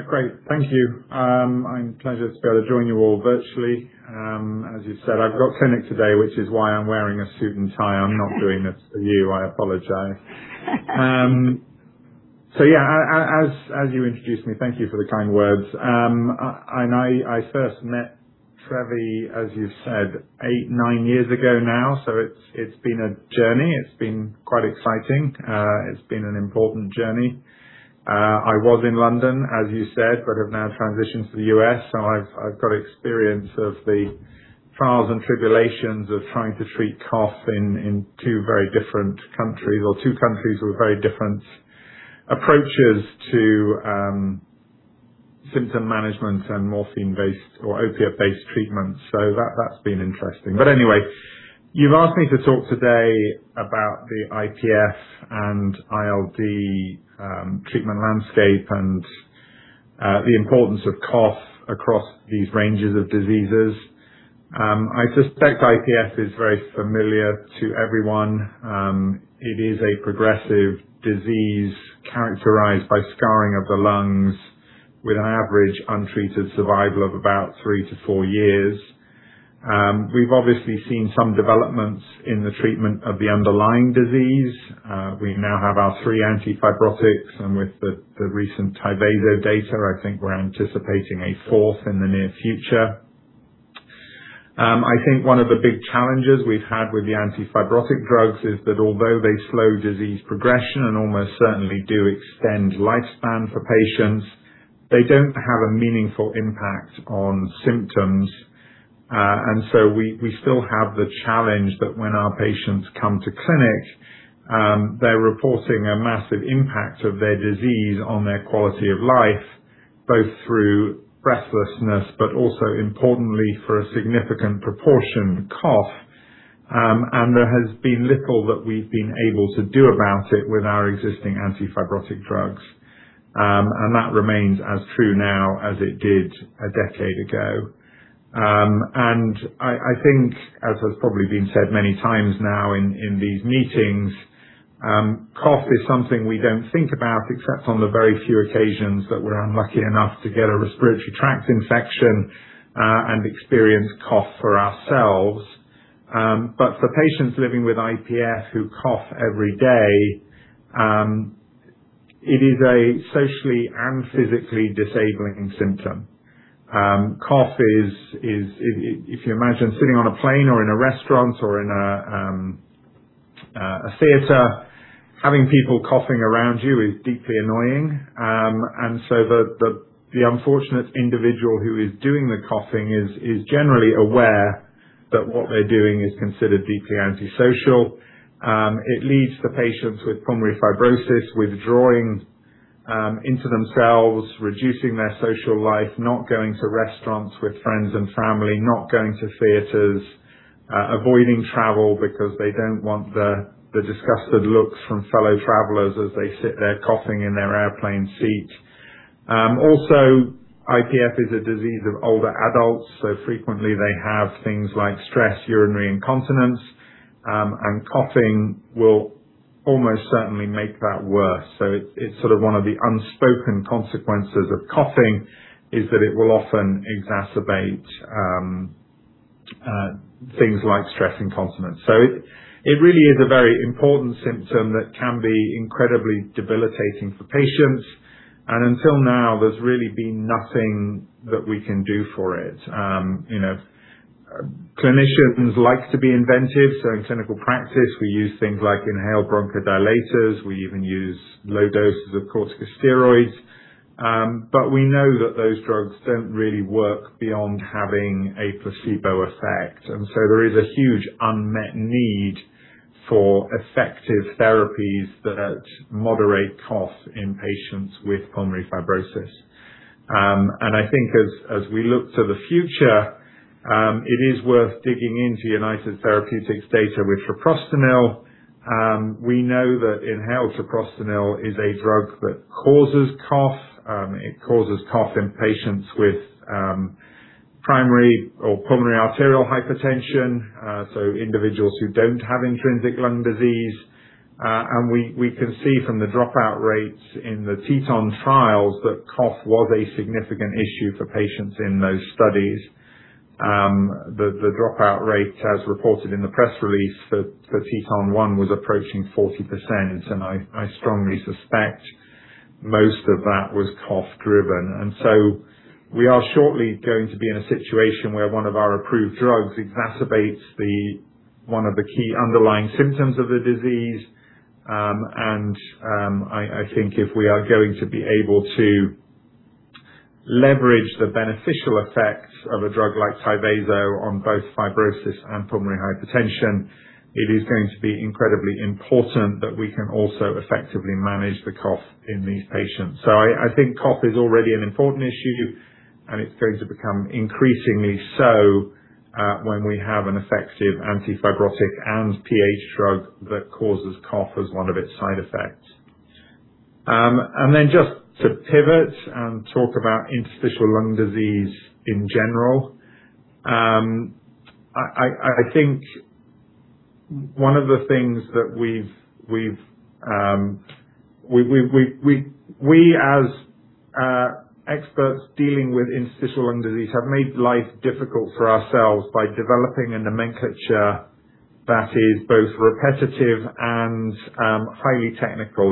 Great. Thank you. Pleasure to be able to join you all virtually. As you said, I've got clinic today, which is why I'm wearing a suit and tie. I'm not doing this for you. I apologize. Yeah, as you introduced me, thank you for the kind words. I first met Trevi, as you said, eight, nine years ago now. It's been a journey. It's been quite exciting. It's been an important journey. I was in London, as you said, have now transitioned to the U.S., I've got experience of the trials and tribulations of trying to treat cough in two very different countries or two countries with very different approaches to symptom management and morphine-based or opiate-based treatments. That's been interesting. Anyway, you've asked me to talk today about the IPF and ILD treatment landscape and the importance of cough across these ranges of diseases. I suspect IPF is very familiar to everyone. It is a progressive disease characterized by scarring of the lungs with an average untreated survival of about 3-4 years. We've obviously seen some developments in the treatment of the underlying disease. We now have our three antifibrotics, and with the recent TYVASO data, I think we're anticipating a fourth in the near future. I think one of the big challenges we've had with the antifibrotic drugs is that although they slow disease progression and almost certainly do extend lifespan for patients, they don't have a meaningful impact on symptoms. We still have the challenge that when our patients come to clinic, they're reporting a massive impact of their disease on their quality of life, both through breathlessness, but also importantly for a significant proportion, cough. There has been little that we've been able to do about it with our existing antifibrotic drugs. That remains as true now as it did a decade ago. I think, as has probably been said many times now in these meetings, cough is something we don't think about except on the very few occasions that we're unlucky enough to get a respiratory tract infection and experience cough for ourselves. For patients living with IPF who cough every day, it is a socially and physically disabling symptom. Cough is, if you imagine sitting on a plane or in a restaurant or in a theater, having people coughing around you is deeply annoying. The unfortunate individual who is doing the coughing is generally aware that what they're doing is considered deeply antisocial. It leads to patients with pulmonary fibrosis withdrawing into themselves, reducing their social life, not going to restaurants with friends and family, not going to theaters, avoiding travel because they don't want the disgusted looks from fellow travelers as they sit there coughing in their airplane seat. Also, IPF is a disease of older adults, so frequently they have things like stress urinary incontinence, and coughing will almost certainly make that worse. It's sort of one of the unspoken consequences of coughing, is that it will often exacerbate things like stress incontinence. It really is a very important symptom that can be incredibly debilitating for patients. Until now, there's really been nothing that we can do for it. You know, clinicians like to be inventive, so in clinical practice we use things like inhaled bronchodilators. We even use low doses of corticosteroids. We know that those drugs don't really work beyond having a placebo effect. There is a huge unmet need for effective therapies that moderate cough in patients with pulmonary fibrosis. I think as we look to the future, it is worth digging into United Therapeutics data with treprostinil. We know that inhaled treprostinil is a drug that causes cough. It causes cough in patients with primary or pulmonary arterial hypertension, so individuals who don't have intrinsic lung disease. We can see from the dropout rates in the TETON trials that cough was a significant issue for patients in those studies. The dropout rate as reported in the press release for TETON 1 was approaching 40%, and I strongly suspect most of that was cough driven. We are shortly going to be in a situation where one of our approved drugs exacerbates one of the key underlying symptoms of the disease. I think if we are going to be able to leverage the beneficial effects of a drug like TYVASO on both fibrosis and pulmonary hypertension, it is going to be incredibly important that we can also effectively manage the cough in these patients. I think cough is already an important issue, and it's going to become increasingly so when we have an effective antifibrotic and PH drug that causes cough as one of its side effects. Just to pivot and talk about interstitial lung disease in general. I think one of the things that we've, we as experts dealing with interstitial lung disease have made life difficult for ourselves by developing a nomenclature that is both repetitive and highly technical.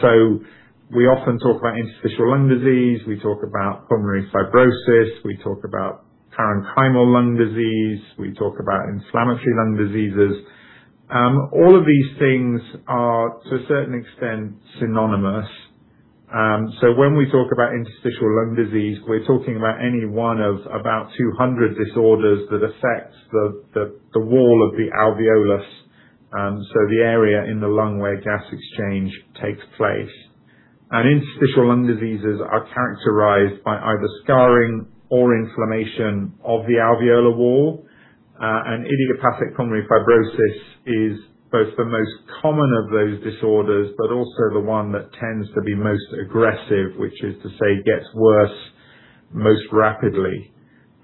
So we often talk about interstitial lung disease, we talk about pulmonary fibrosis, we talk about parenchymal lung disease, we talk about inflammatory lung diseases. All of these things are to a certain extent synonymous. So when we talk about interstitial lung disease, we're talking about any one of about 200 disorders that affect the wall of the alveolus, so the area in the lung where gas exchange takes place. Interstitial lung diseases are characterized by either scarring or inflammation of the alveolar wall. Idiopathic pulmonary fibrosis is both the most common of those disorders, but also the one that tends to be most aggressive, which is to say, gets worse most rapidly.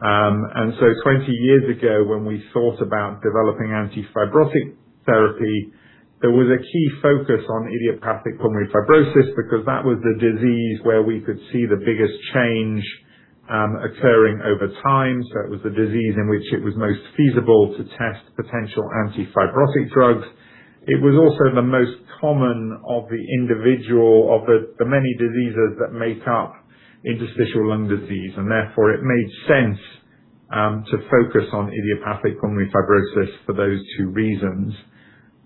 20 years ago, when we thought about developing anti-fibrotic therapy, there was a key focus on idiopathic pulmonary fibrosis because that was the disease where we could see the biggest change occurring over time. It was the disease in which it was most feasible to test potential anti-fibrotic drugs. It was also the most common of the many diseases that make up interstitial lung disease, it made sense to focus on idiopathic pulmonary fibrosis for those two reasons.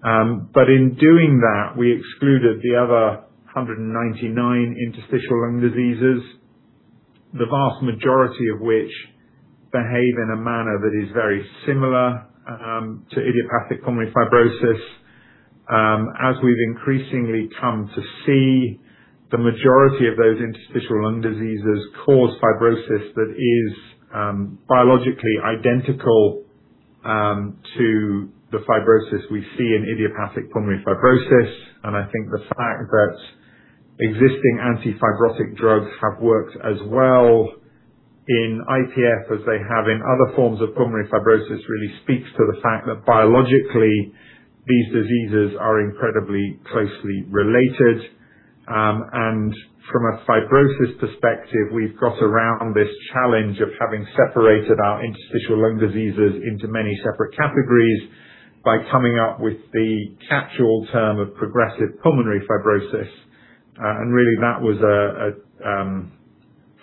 In doing that, we excluded the other 199 interstitial lung diseases, the vast majority of which behave in a manner that is very similar to idiopathic pulmonary fibrosis. As we've increasingly come to see, the majority of those interstitial lung diseases cause fibrosis that is biologically identical to the fibrosis we see in idiopathic pulmonary fibrosis. I think the fact that existing antifibrotic drugs have worked as well in IPF as they have in other forms of pulmonary fibrosis, really speaks to the fact that biologically these diseases are incredibly closely related. From a fibrosis perspective, we've got around this challenge of having separated our interstitial lung diseases into many separate categories by coming up with the capsule term of progressive pulmonary fibrosis. Really that was a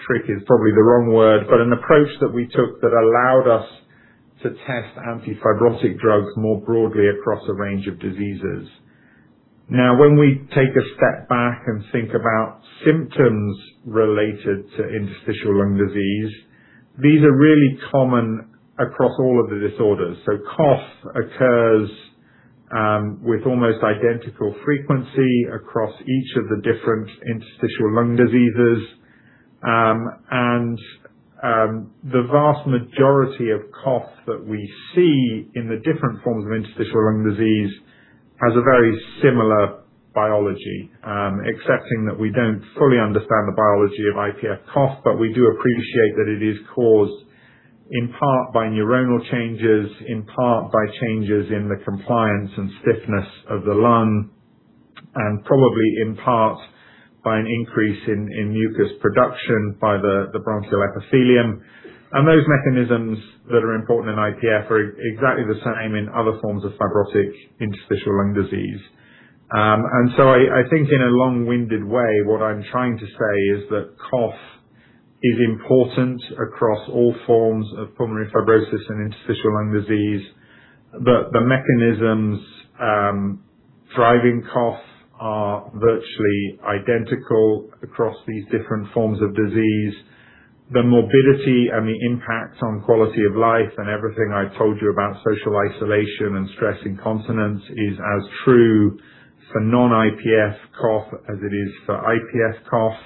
trick is probably the wrong word, but an approach that we took that allowed us to test antifibrotic drugs more broadly across a range of diseases. When we take a step back and think about symptoms related to interstitial lung disease, these are really common across all of the disorders. Cough occurs with almost identical frequency across each of the different interstitial lung diseases. The vast majority of cough that we see in the different forms of interstitial lung disease has a very similar biology. Excepting that we don't fully understand the biology of IPF cough, we do appreciate that it is caused in part by neuronal changes, in part by changes in the compliance and stiffness of the lung, and probably in part by an increase in mucus production by the bronchial epithelium. Those mechanisms that are important in IPF are exactly the same in other forms of fibrotic interstitial lung disease. I think in a long-winded way, what I'm trying to say is that cough is important across all forms of pulmonary fibrosis and interstitial lung disease. The mechanisms driving cough are virtually identical across these different forms of disease. The morbidity and the impact on quality of life and everything I've told you about social isolation and stress incontinence is as true for non-IPF cough as it is for IPF cough.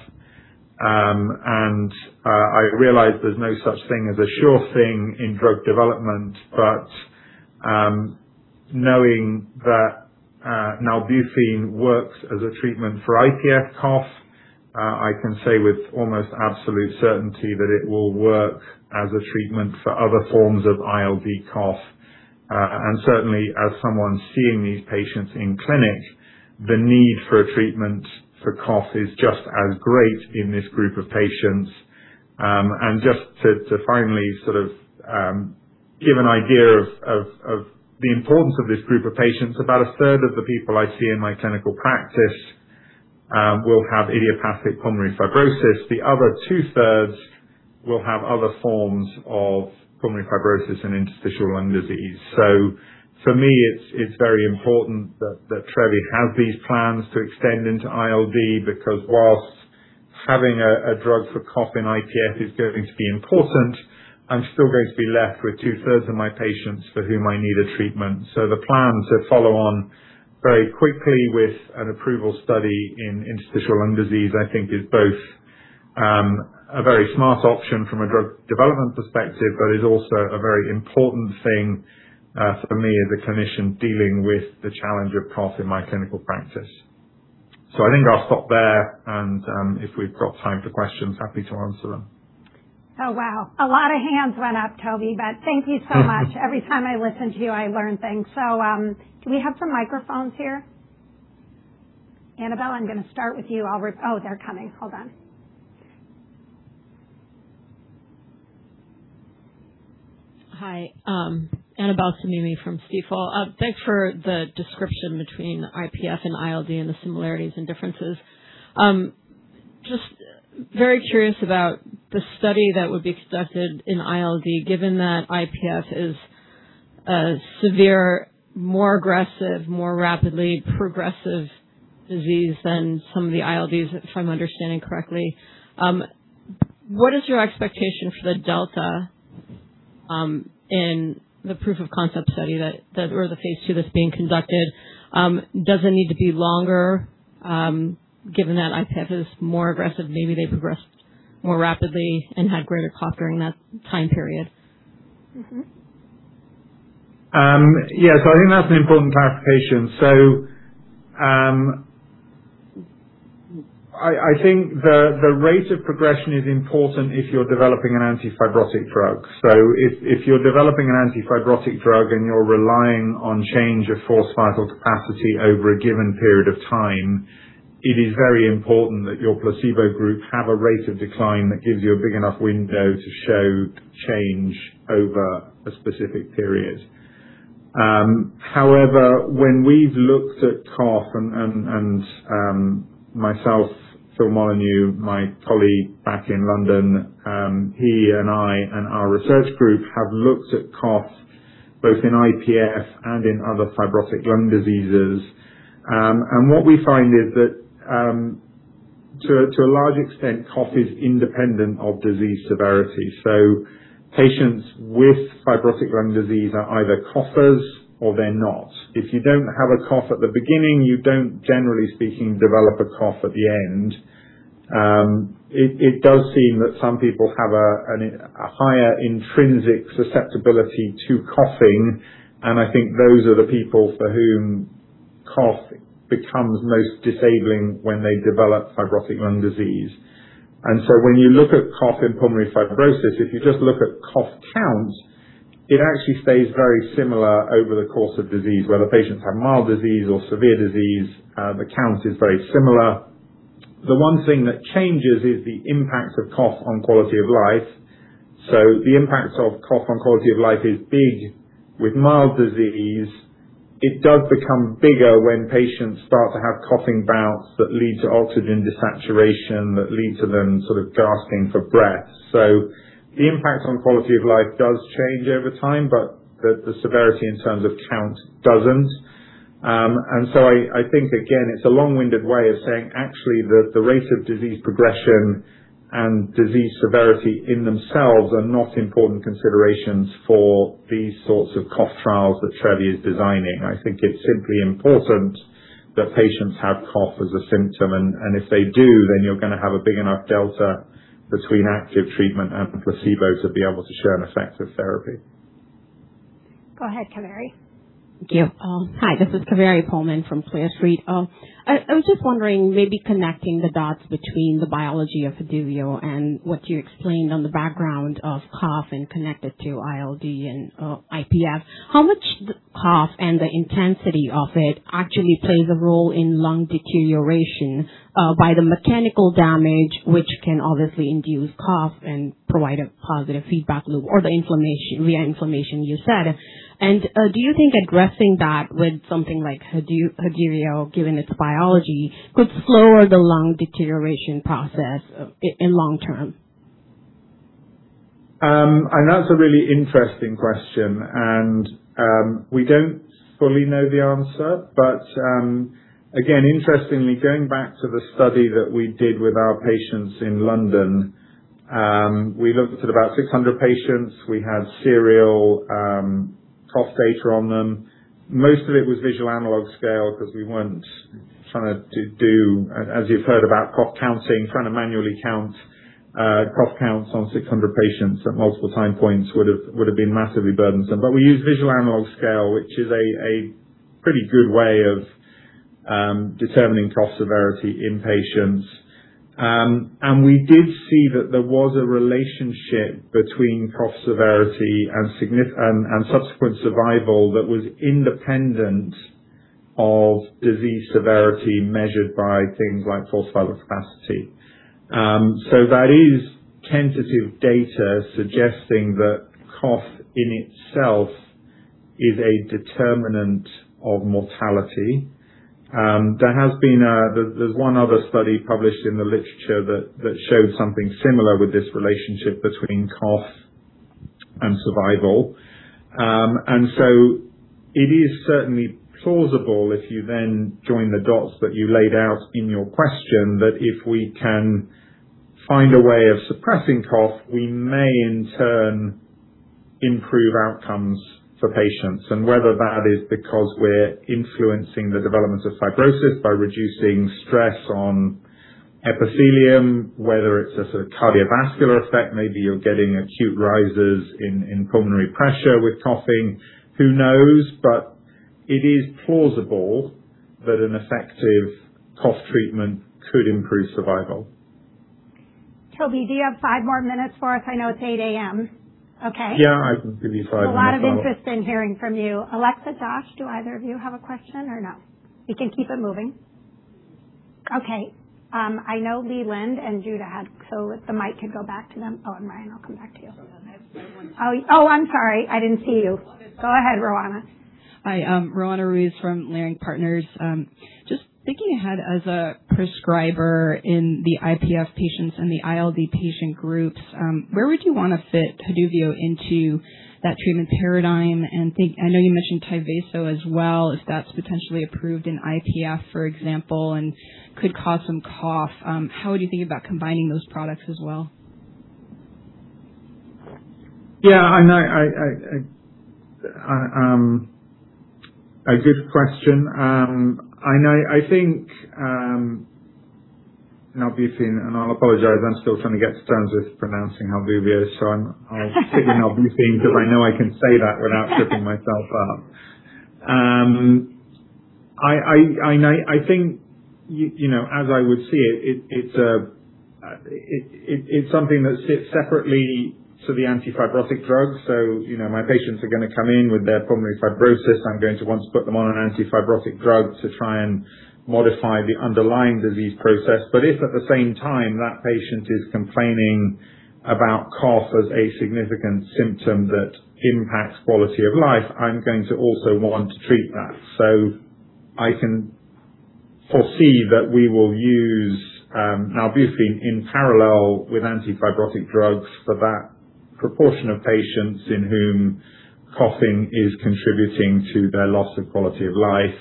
I realize there's no such thing as a sure thing in drug development, but knowing that nalbuphine works as a treatment for IPF cough, I can say with almost absolute certainty that it will work as a treatment for other forms of ILD cough. Certainly as someone seeing these patients in clinic, the need for a treatment for cough is just as great in this group of patients. Just to finally give an idea of the importance of this group of patients, about a third of the people I see in my clinical practice will have Idiopathic Pulmonary Fibrosis. The other two-thirds will have other forms of pulmonary fibrosis and Interstitial Lung Disease. For me, it's very important that Trevi has these plans to extend into ILD, because whilst having a drug for cough in IPF is going to be important, I'm still going to be left with two-thirds of my patients for whom I need a treatment. The plan to follow on very quickly with an approval study in interstitial lung disease, I think is both a very smart option from a drug development perspective, but is also a very important thing for me as a clinician dealing with the challenge of cough in my clinical practice. I think I'll stop there and, if we've got time for questions, happy to answer them. Oh, wow. A lot of hands went up, Toby, but thank you so much. Every time I listen to you, I learn things. Do we have some microphones here? Annabel, I'm gonna start with you. Oh, they're coming. Hold on. Hi. Annabel Samimy from Stifel. Thanks for the description between IPF and ILD and the similarities and differences. Just very curious about the study that would be conducted in ILD, given that IPF is a severe, more aggressive, more rapidly progressive disease than some of the ILDs, if I'm understanding correctly. What is your expectation for the delta in the proof of concept study that or the phase II that's being conducted? Does it need to be longer, given that IPF is more aggressive, maybe they've progressed more rapidly and had greater cough during that time period? Yeah. I think that's an important clarification. I think the rate of progression is important if you're developing an anti-fibrotic drug. If you're developing an anti-fibrotic drug and you're relying on change of forced vital capacity over a given period of time, it is very important that your placebo group have a rate of decline that gives you a big enough window to show change over a specific period. However, when we've looked at cough and myself, Philip Molyneaux, my colleague back in London, he and I and our research group have looked at cough both in IPF and in other fibrotic lung diseases. And what we find is that to a large extent, cough is independent of disease severity. Patients with fibrotic lung disease are either coughers or they're not. If you don't have a cough at the beginning, you don't, generally speaking, develop a cough at the end. It does seem that some people have a higher intrinsic susceptibility to coughing, and I think those are the people for whom cough becomes most disabling when they develop fibrotic lung disease. When you look at cough and pulmonary fibrosis, if you just look at cough counts. It actually stays very similar over the course of disease. Whether patients have mild disease or severe disease, the count is very similar. The one thing that changes is the impact of cough on quality of life. The impact of cough on quality of life is big with mild disease. It does become bigger when patients start to have coughing bouts that lead to oxygen desaturation, that lead to them sort of gasping for breath. The impact on quality of life does change over time, but the severity in terms of count doesn't. I think, again, it's a long-winded way of saying actually that the rate of disease progression and disease severity in themselves are not important considerations for these sorts of cough trials that Trevi is designing. I think it's simply important that patients have cough as a symptom, and if they do, then you're gonna have a big enough delta between active treatment and placebo to be able to show an effect of therapy. Go ahead, Kaveri. Thank you. Hi, this is Kaveri Pohlman from Clear Street. I was just wondering, maybe connecting the dots between the biology of Haduvio and what you explained on the background of cough and connected to ILD and IPF. How much cough and the intensity of it actually plays a role in lung deterioration by the mechanical damage which can obviously induce cough and provide a positive feedback loop or the inflammation, reinflammation you said. Do you think addressing that with something like Haduvio, given its biology, could slow the lung deterioration process in long term? That's a really interesting question, we don't fully know the answer. Again, interestingly, going back to the study that we did with our patients in London, we looked at about 600 patients. We had serial cough data on them. Most of it was visual analog scale because we weren't trying to do, as you've heard about cough counting, trying to manually count cough counts on 600 patients at multiple time points would have been massively burdensome. We used visual analog scale, which is a pretty good way of determining cough severity in patients. We did see that there was a relationship between cough severity and subsequent survival that was independent of disease severity measured by things like forced vital capacity. That is tentative data suggesting that cough in itself is a determinant of mortality. There's one other study published in the literature that showed something similar with this relationship between cough and survival. It is certainly plausible if you then join the dots that you laid out in your question, that if we can find a way of suppressing cough, we may in turn improve outcomes for patients. Whether that is because we're influencing the development of fibrosis by reducing stress on epithelium, whether it's a sort of cardiovascular effect, maybe you're getting acute rises in pulmonary pressure with coughing. Who knows? It is plausible that an effective cough treatment could improve survival. Toby, do you have five more minutes for us? I know it's 8:00 A.M. Okay. Yeah, I can give you five minutes, Laura. There's a lot of interest in hearing from you. Alexa, Josh, do either of you have a question or no? We can keep it moving. Okay. I know Lee, Lynn, and Jude had, the mic can go back to them. Ryan, I'll come back to you. I'm sorry. I didn't see you. Go ahead, Roanna. Hi, Roanna Ruiz from Leerink Partners. Just thinking ahead as a prescriber in the IPF patients and the ILD patient groups, where would you want to fit Haduvio into that treatment paradigm? I know you mentioned TYVASO as well, if that's potentially approved in IPF, for example, and could cause some cough. How would you think about combining those products as well? Yeah, and I. A good question. I think, I'll apologize, I'm still trying to get to terms with pronouncing Haduvio, so I'll stick with nalbuphine because I know I can say that without tripping myself up. I think you know, as I would see it's something that sits separately to the antifibrotic drugs. You know, my patients are gonna come in with their pulmonary fibrosis. I'm going to want to put them on an antifibrotic drug to try and modify the underlying disease process. If at the same time that patient is complaining about cough as a significant symptom that impacts quality of life, I'm going to also want to treat that. I can foresee that we will use Haduvio in parallel with anti-fibrotic drugs for that proportion of patients in whom coughing is contributing to their loss of quality of life.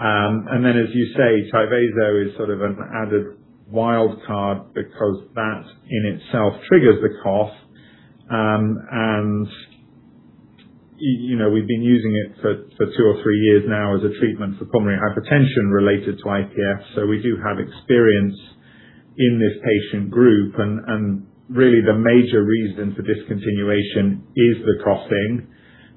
As you say, TYVASO is sort of an added wild card because that in itself triggers the cough. You know, we've been using it for two or three years now as a treatment for pulmonary hypertension related to IPF. We do have experience in this patient group, and really the major reason for discontinuation is the coughing.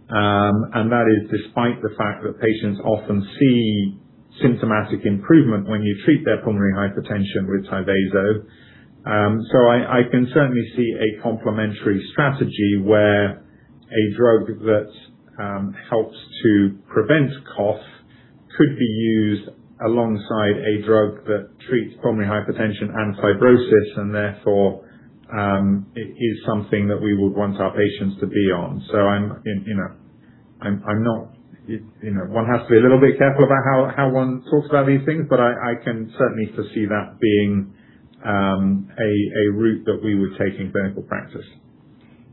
That is despite the fact that patients often see symptomatic improvement when you treat their pulmonary hypertension with TYVASO. I can certainly see a complementary strategy where a drug that helps to prevent cough could be used alongside a drug that treats pulmonary hypertension and fibrosis and therefore, it is something that we would want our patients to be on. I'm, you know, I'm not, you know, one has to be a little bit careful about how one talks about these things, but I can certainly foresee that being a route that we would take in clinical practice.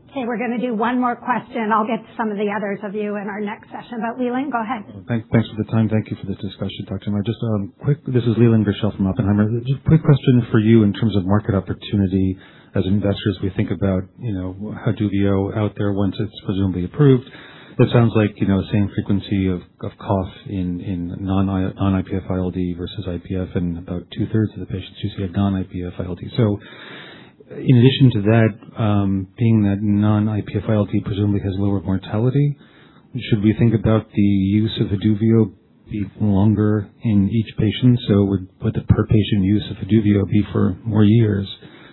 Okay, we're gonna do one more question. I'll get to some of the others of you in our next session. Leland, go ahead. Thanks for the time. Thank you for the discussion, Dr. Maher. This is Leland Gershell from Oppenheimer. Just a quick question for you in terms of market opportunity. As investors, we think about, you know, how Haduvio out there once it's presumably approved. It sounds like, you know, same frequency of cough in non-IPF ILD versus IPF in about two-thirds of the patients usually have non-IPF ILD. In addition to that, being that non-IPF ILD presumably has lower mortality, should we think about the use of Haduvio be longer in each patient? Would the per patient use of Haduvio be for more years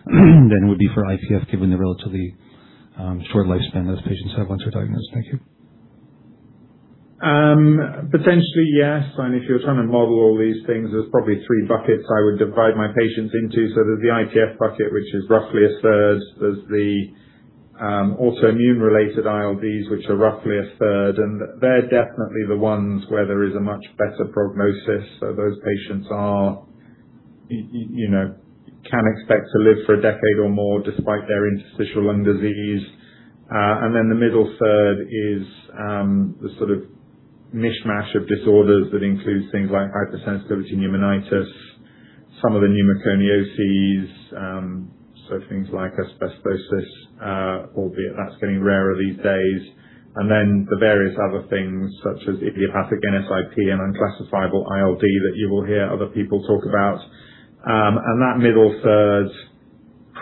than it would be for IPF, given the relatively short lifespan those patients have once they're diagnosed? Thank you. Potentially, yes. I mean, if you're trying to model all these things, there's probably three buckets I would divide my patients into. There's the IPF bucket, which is roughly a third. There's the autoimmune related ILDs, which are roughly a third, and they're definitely the ones where there is a much better prognosis. Those patients are, you know, can expect to live for a decade or more despite their interstitial lung disease. The middle third is the sort of mishmash of disorders that includes things like hypersensitivity pneumonitis, some of the pneumoconioses, so things like asbestosis, albeit that's getting rarer these days. The various other things such as idiopathic NSIP and unclassifiable ILD that you will hear other people talk about. That middle third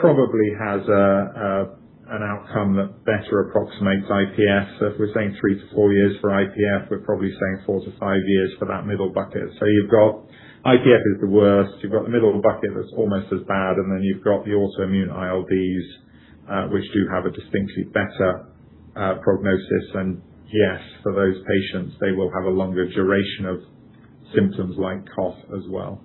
probably has an outcome that better approximates IPF. If we're saying 3-4 years for IPF, we're probably saying 4-5 years for that middle bucket. You've got IPF is the worst. You've got the middle bucket that's almost as bad, and then you've got the autoimmune ILDs, which do have a distinctly better prognosis. Yes, for those patients, they will have a longer duration of symptoms like cough as well.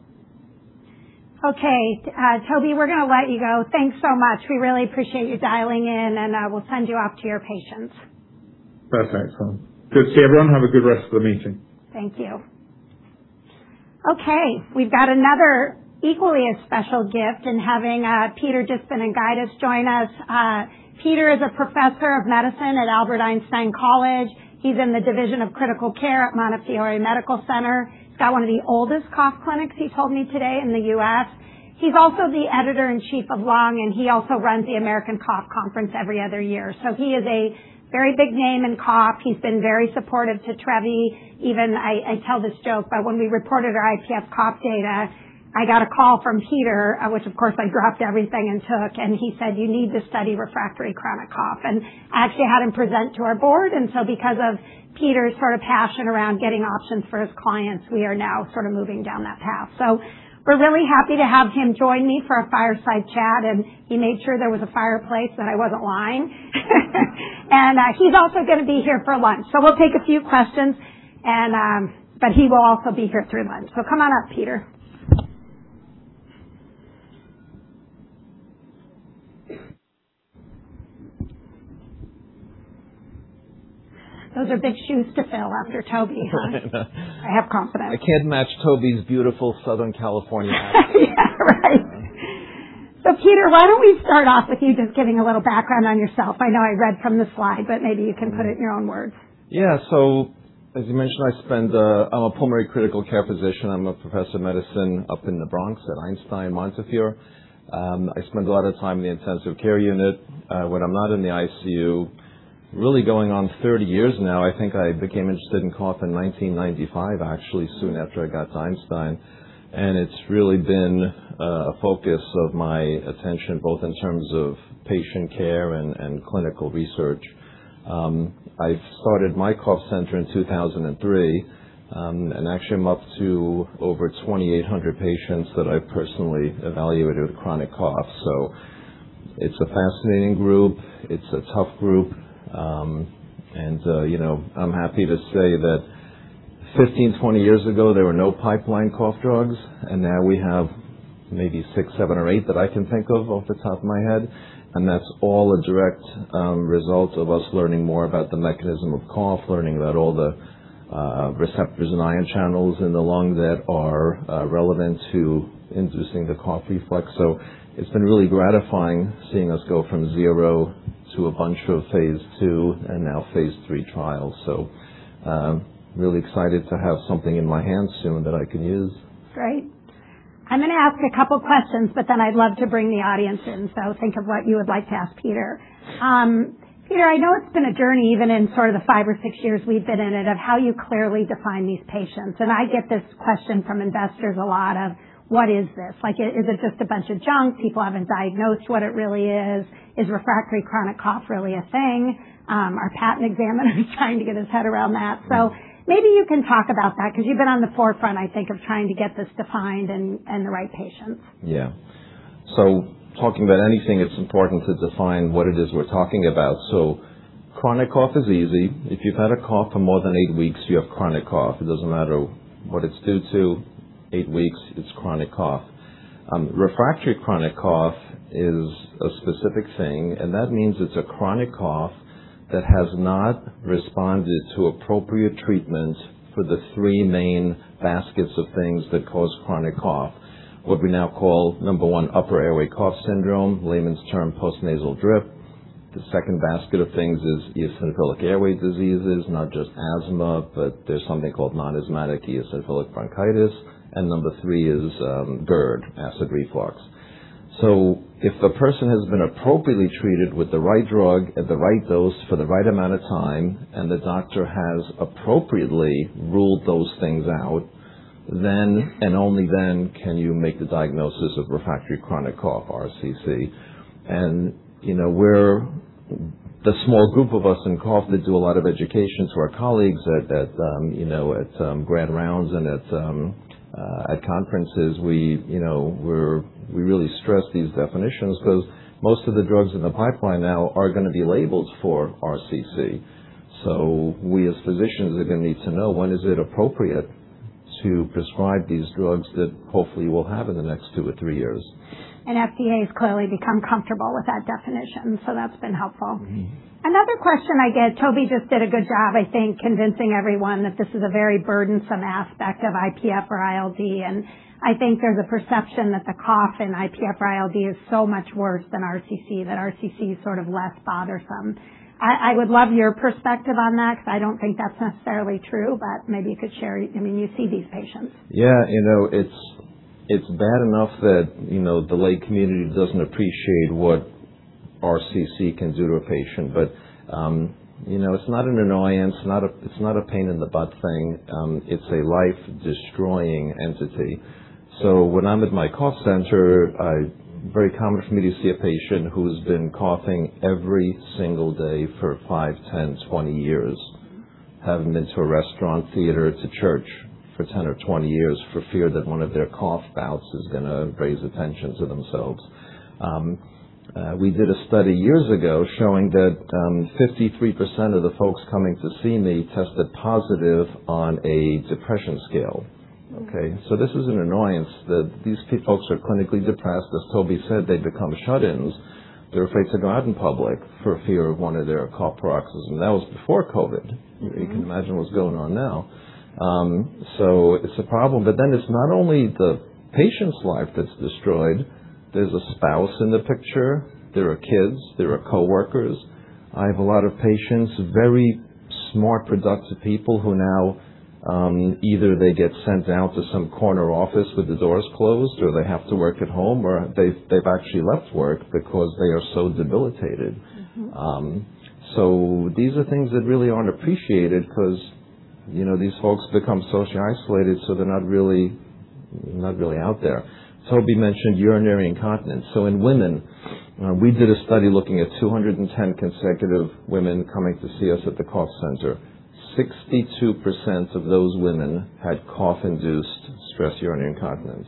Okay. Toby, we're gonna let you go. Thanks so much. We really appreciate you dialing in, and we'll send you off to your patients. Perfect. Good to see everyone. Have a good rest of the meeting. Thank you. Okay, we've got another equally as special gift in having Peter Dicpinigaitis join us. Peter is a professor of medicine at Albert Einstein College of Medicine. He's in the Division of Critical Care at Montefiore Medical Center. He's got one of the oldest cough clinics, he told me today, in the U.S. He's also the editor-in-chief of LUNG, and he also runs the American Cough Conference every other year. He is a very big name in cough. He's been very supportive to Trevi even. I tell this joke, but when we reported our IPF cough data, I got a call from Peter, which of course I dropped everything and took, and he said, "You need to study refractory chronic cough." I actually had him present to our board, because of Peter's sort of passion around getting options for his clients, we are now sort of moving down that path. We're very happy to have him join me for our fireside chat, and he made sure there was a fireplace and I wasn't lying. He's also gonna be here for lunch. We'll take a few questions and, but he will also be here through lunch. Come on up, Peter. Those are big shoes to fill after Toby, huh? I have confidence. I can't match Toby's beautiful Southern California accent. Yeah, right. Peter, why don't we start off with you just giving a little background on yourself. I know I read from the slide, maybe you can put it in your own words. As you mentioned, I spend, I'm a pulmonary critical care physician. I'm a professor of medicine up in the Bronx at Montefiore Einstein. I spend a lot of time in the intensive care unit, when I'm not in the ICU, really going on 30 years now. I think I became interested in cough in 1995, actually, soon after I got to Einstein, and it's really been a focus of my attention, both in terms of patient care and clinical research. I started my cough center in 2003, and actually I'm up to over 2,800 patients that I've personally evaluated with chronic cough. It's a fascinating group. It's a tough group. You know, I'm happy to say that 15, 20 years ago, there were no pipeline cough drugs, now we have maybe six, seven or eight that I can think of off the top of my head. That's all a direct result of us learning more about the mechanism of cough, learning about all the receptors and ion channels in the lung that are relevant to inducing the cough reflex. It's been really gratifying seeing us go from zero to a bunch of phase II and now phase III trials. Really excited to have something in my hands soon that I can use. Great. I'm gonna ask a couple questions, but then I'd love to bring the audience in. Think of what you would like to ask Peter. Peter, I know it's been a journey, even in sort of the five or six years we've been in it, of how you clearly define these patients. I get this question from investors a lot, of what is this? Like, is it just a bunch of junk? People haven't diagnosed what it really is. Is refractory chronic cough really a thing? Our patent examiner is trying to get his head around that. Maybe you can talk about that 'cause you've been on the forefront, I think, of trying to get this defined and the right patients. Yeah. Talking about anything, it's important to define what it is we're talking about. Chronic cough is easy. If you've had a cough for more than eight weeks, you have chronic cough. It doesn't matter what it's due to. Eight weeks, it's chronic cough. Refractory chronic cough is a specific thing, and that means it's a chronic cough that has not responded to appropriate treatment for the three main baskets of things that cause chronic cough. What we now call, number 1, upper airway cough syndrome, layman's term, postnasal drip. The second basket of things is eosinophilic airway diseases, not just asthma, but there's something called non-asthmatic eosinophilic bronchitis. Number 3 is GERD, acid reflux. If the person has been appropriately treated with the right drug at the right dose for the right amount of time, and the doctor has appropriately ruled those things out, then and only then can you make the diagnosis of refractory chronic cough, RCC. You know, we're the small group of us in cough that do a lot of education to our colleagues at, you know, at grand rounds and at conferences, we, you know, we really stress these definitions 'cause most of the drugs in the pipeline now are gonna be labeled for RCC. We as physicians are gonna need to know when is it appropriate to prescribe these drugs that hopefully we'll have in the next two or three years. FDA has clearly become comfortable with that definition, so that's been helpful. Another question I get, Toby just did a good job, I think, convincing everyone that this is a very burdensome aspect of IPF or ILD, and I think there's a perception that the cough in IPF or ILD is so much worse than RCC, that RCC is sort of less bothersome. I would love your perspective on that because I don't think that's necessarily true, but maybe you could share. I mean, you see these patients. Yeah, you know, it's bad enough that, you know, the lay community doesn't appreciate what RCC can do to a patient. You know, it's not an annoyance, it's not a pain in the butt thing. It's a life-destroying entity. When I'm at my cough center, very common for me to see a patient who has been coughing every single day for 5, 10, 20 years, haven't been to a restaurant, theater, to church for 10 or 20 years for fear that one of their cough bouts is gonna raise attention to themselves. We did a study years ago showing that 53% of the folks coming to see me tested positive on a depression scale. Okay? this is an annoyance that these pe-folks are clinically depressed. As Toby said, they become shut-ins. They're afraid to go out in public for fear of one of their cough paroxysms. that was before COVID. You can imagine what's going on now. It's a problem. It's not only the patient's life that's destroyed. There's a spouse in the picture, there are kids, there are coworkers. I have a lot of patients, very smart, productive people who now either they get sent out to some corner office with the doors closed, or they have to work at home, or they've actually left work because they are so debilitated. These are things that really aren't appreciated 'cause, you know, these folks become socially isolated, so they're not really out there. Toby mentioned urinary incontinence. In women, we did a study looking at 210 consecutive women coming to see us at the cough center. 62% of those women had cough-induced stress urinary incontinence.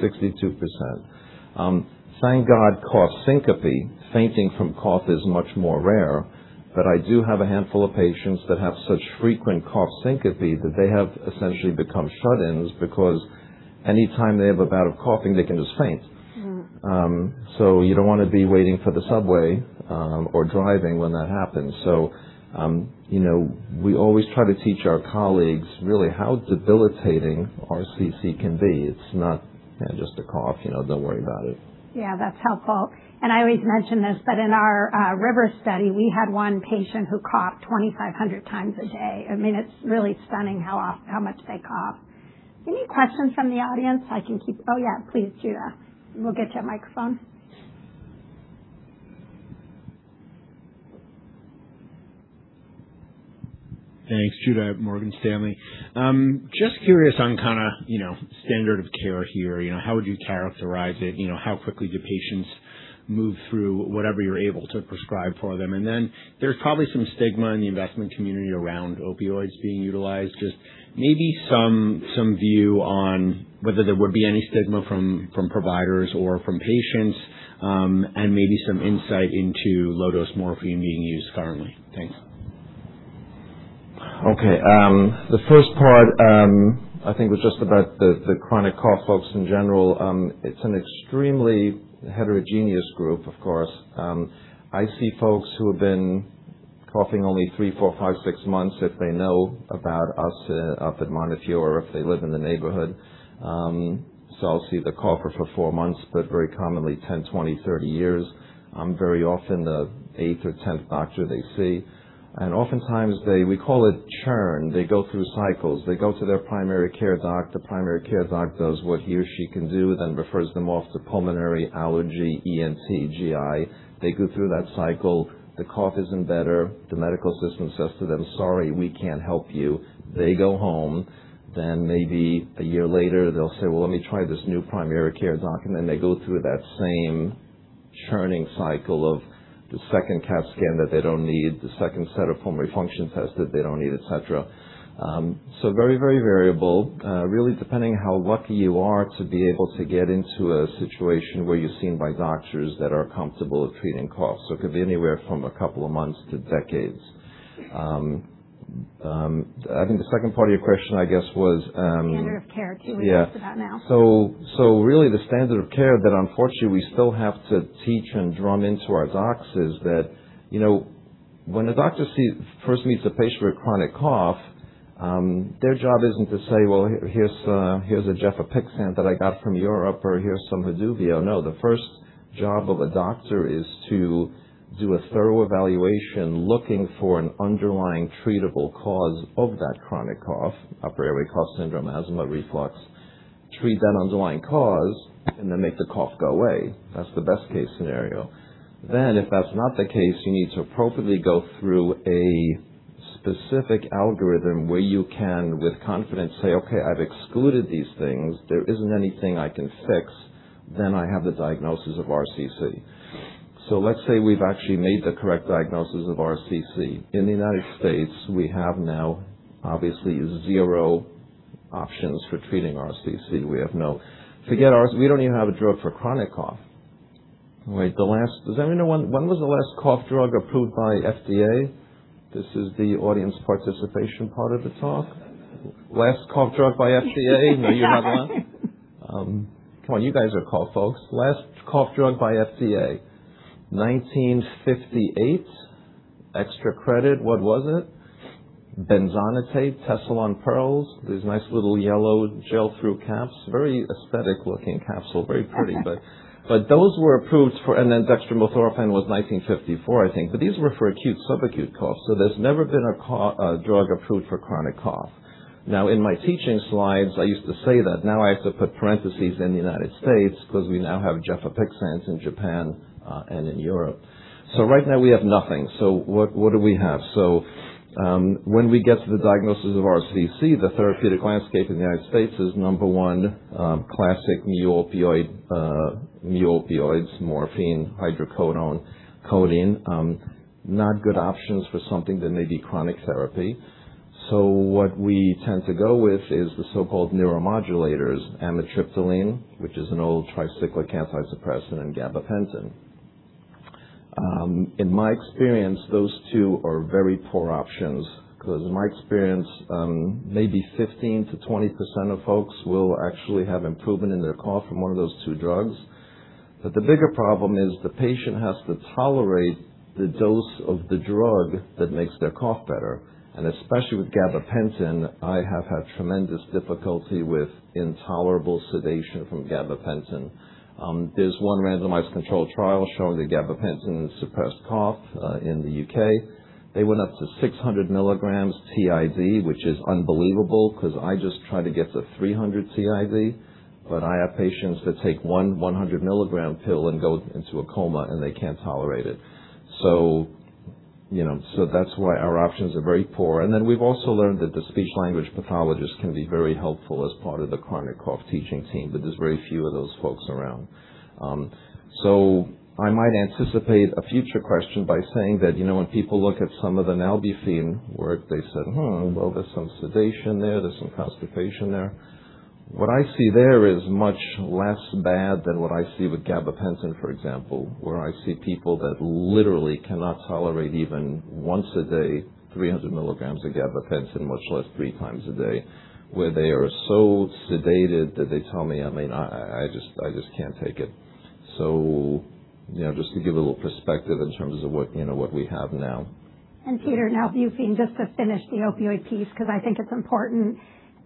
62%. Thank God, cough syncope, fainting from cough is much more rare. I do have a handful of patients that have such frequent cough syncope that they have essentially become shut-ins because any time they have a bout of coughing, they can just faint. You don't wanna be waiting for the subway or driving when that happens. You know, we always try to teach our colleagues really how debilitating RCC can be. It's not, you know, just a cough, you know, don't worry about it. Yeah, that's helpful. I always mention this, but in our RIVER study, we had one patient who coughed 2,500 times a day. I mean, it's really stunning how much they cough. Any questions from the audience? I can keep. Oh, yeah, please, Judah. We'll get you a microphone. Thanks. Judah, Morgan Stanley. Just curious on kinda, you know, standard of care here. You know, how would you characterize it? You know, how quickly do patients move through whatever you're able to prescribe for them? There's probably some stigma in the investment community around opioids being utilized. Just maybe some view on whether there would be any stigma from providers or from patients, and maybe some insight into low-dose morphine being used currently. Thanks. Okay. The first part, I think was just about the chronic cough folks in general. It's an extremely heterogeneous group, of course. I see folks who have been coughing only three, four, five, six months if they know about us, up at Montefiore or if they live in the neighborhood. I'll see the cougher for four months, but very commonly 10, 20, 30 years. I'm very often the eighth or tenth doctor they see, and oftentimes they. We call it churn. They go through cycles. They go to their primary care doc. The primary care doc does what he or she can do, then refers them off to pulmonary, allergy, ENT, GI. They go through that cycle. The cough isn't better. The medical system says to them, "Sorry, we can't help you." They go home. Maybe a year later they'll say, "Well, let me try this new primary care doc," and then they go through that same churning cycle of the second CAT scan that they don't need, the second set of pulmonary function tests that they don't need, et cetera. Very, very variable, really depending how lucky you are to be able to get into a situation where you're seen by doctors that are comfortable with treating cough. It could be anywhere from a couple of months to decades. I think the second part of your question, I guess, was, Standard of care, can we talk about now? Yeah. really the standard of care that unfortunately we still have to teach and drum into our docs is that, you know, when a doctor first meets a patient with chronic cough, their job isn't to say, "Well, here's a gefapixant that I got from Europe," or, "Here's some Haduvio." No, the first job of a doctor is to do a thorough evaluation looking for an underlying treatable cause of that chronic cough, upper airway cough syndrome, asthma, reflux. Treat that underlying cause, and then make the cough go away. That's the best-case scenario. Then if that's not the case, you need to appropriately go through a specific algorithm where you can, with confidence, say, "Okay, I've excluded these things. There isn't anything I can fix. I have the diagnosis of RCC. Let's say we've actually made the correct diagnosis of RCC. In the United States, we have now obviously zero options for treating RCC. We have no Forget ours, we don't even have a drug for chronic cough. Right. The last. Does anyone know when was the last cough drug approved by FDA? This is the audience participation part of the talk. Last cough drug by FDA. Now you have one? Come on, you guys are cough folks. Last cough drug by FDA. 1958. Extra credit. What was it? benzonatate. TESSALON Perles. These nice little yellow gel-through caps. Very aesthetic-looking capsule. Very pretty. Those were approved for. dextromethorphan was 1954, I think. These were for acute, subacute cough. There's never been a drug approved for chronic cough. Now, in my teaching slides, I used to say that. Now I have to put parentheses in the United States because we now have gefapixant in Japan, and in Europe. Right now we have nothing. What do we have? When we get to the diagnosis of RCC, the therapeutic landscape in the United States is, number one, classic mu-opioids, morphine, hydrocodone, codeine. Not good options for something that may be chronic therapy. What we tend to go with is the so-called neuromodulators, amitriptyline, which is an old tricyclic antidepressant, and gabapentin. In my experience, those two are very poor options because in my experience, maybe 15% to 20% of folks will actually have improvement in their cough from one of those two drugs. The bigger problem is the patient has to tolerate the dose of the drug that makes their cough better. Especially with gabapentin, I have had tremendous difficulty with intolerable sedation from gabapentin. There's one randomized controlled trial showing that gabapentin suppressed cough in the U.K. They went up to 600 milligrams TID, which is unbelievable because I just try to get to 300 TID, but I have patients that take 100 milligram pill and go into a coma, and they can't tolerate it. You know, so that's why our options are very poor. We've also learned that the speech-language pathologist can be very helpful as part of the chronic cough teaching team, but there's very few of those folks around. I might anticipate a future question by saying that, you know, when people look at some of the nalbuphine work, they said, "Hmm, well, there's some sedation there. There's some constipation there." What I see there is much less bad than what I see with gabapentin, for example, where I see people that literally cannot tolerate even once a day 300 milligrams of gabapentin, much less three times a day, where they are so sedated that they tell me, "I mean, I just can't take it." you know, just to give a little perspective in terms of what, you know, what we have now. Peter, nalbuphine, just to finish the opioid piece because I think it's important.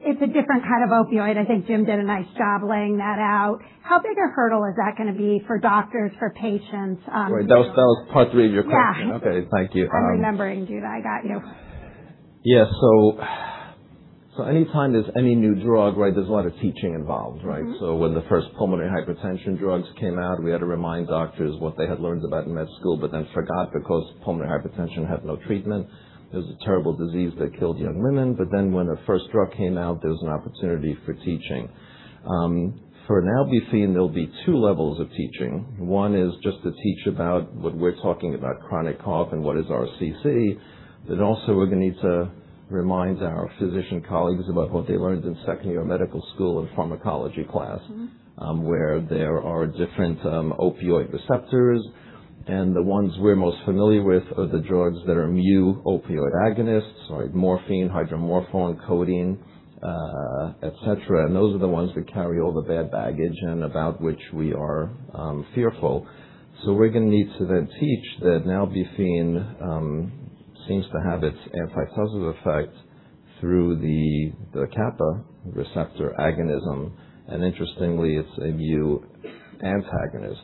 It's a different kind of opioid. I think Jim did a nice job laying that out. How big a hurdle is that gonna be for doctors, for patients? Right. That was part three of your question. Yeah. Okay. Thank you. I'm remembering, dude. I got you. Yeah. anytime there's any new drug, right, there's a lot of teaching involved, right? When the first pulmonary hypertension drugs came out, we had to remind doctors what they had learned about in med school but then forgot because pulmonary hypertension had no treatment. It was a terrible disease that killed young women. When the first drug came out, there was an opportunity for teaching. For nalbuphine, there'll be two levels of teaching. One is just to teach about what we're talking about, chronic cough and what is RCC. Also we're gonna need to remind our physician colleagues about what they learned in second-year medical school in pharmacology class- where there are different opioid receptors, and the ones we're most familiar with are the drugs that are mu opioid agonists, like morphine, hydromorphone, codeine, et cetera. Those are the ones that carry all the bad baggage and about which we are fearful. We're gonna need to then teach that nalbuphine seems to have its antitussive effect through the kappa receptor agonism, and interestingly, it's a mu antagonist.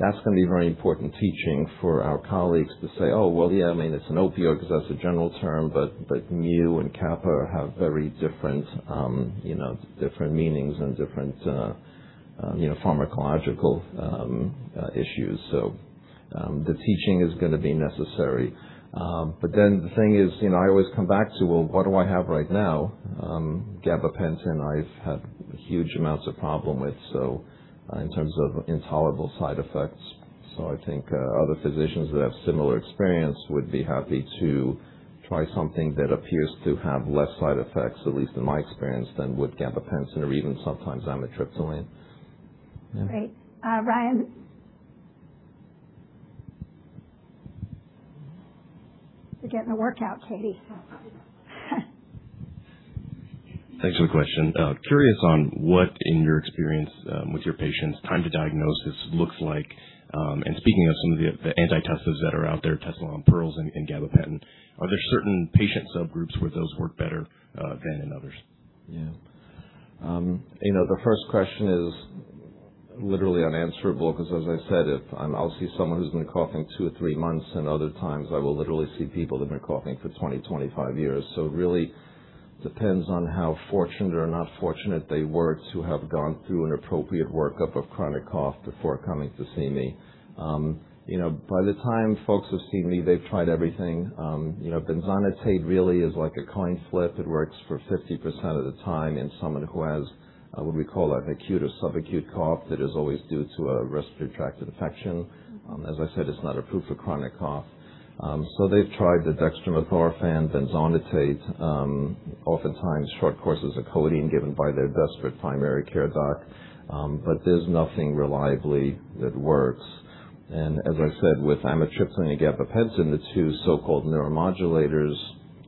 That's gonna be very important teaching for our colleagues to say, "Oh, well, yeah, I mean, it's an opioid because that's a general term, but mu and kappa have very different, you know, different meanings and different, you know, pharmacological issues." The teaching is gonna be necessary. The thing is, you know, I always come back to, well, what do I have right now? Gabapentin I've had huge amounts of problem with, so, in terms of intolerable side effects. I think, other physicians that have similar experience would be happy to try something that appears to have less side effects, at least in my experience, than with gabapentin or even sometimes amitriptyline. Yeah. Great. Ryan. You're getting a workout, Katie. Thanks for the question. Curious on what, in your experience, with your patients, time to diagnosis looks like. Speaking of some of the antitussives that are out there, TESSALON Perles and gabapentin, are there certain patient subgroups where those work better than in others? Yeah. you know, the first question is literally unanswerable because as I said, if I'll see someone who's been coughing two or three months, and other times I will literally see people that have been coughing for 20, 25 years. it really depends on how fortunate or not fortunate they were to have gone through an appropriate workup of chronic cough before coming to see me. you know, by the time folks have seen me, they've tried everything. you know, benzonatate really is like a coin flip. It works for 50% of the time in someone who has, what we call an acute or subacute cough that is always due to a respiratory tract infection. as I said, it's not approved for chronic cough. They've tried the dextromethorphan, benzonatate, oftentimes short courses of codeine given by their desperate primary care doc. There's nothing reliably that works. As I said, with amitriptyline and gabapentin, the two so-called neuromodulators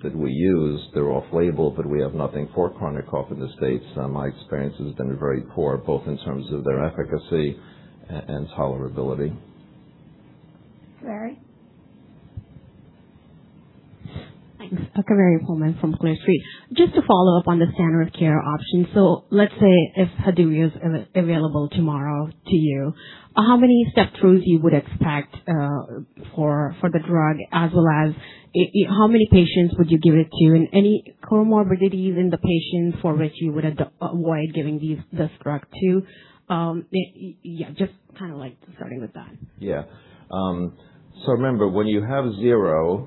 that we use, they're off-label, but we have nothing for chronic cough in the States. My experience has been very poor, both in terms of their efficacy and tolerability. Kaveri. Thanks. Kaveri Pohlman from Clear Street. Just to follow up on the standard care options. Let's say if Haduvio is available tomorrow to you, how many step-throughs you would expect for the drug, as well as how many patients would you give it to? Any comorbidities in the patient for which you would avoid giving this drug to? Yeah, just kinda like starting with that. Yeah. Remember, when you have zero,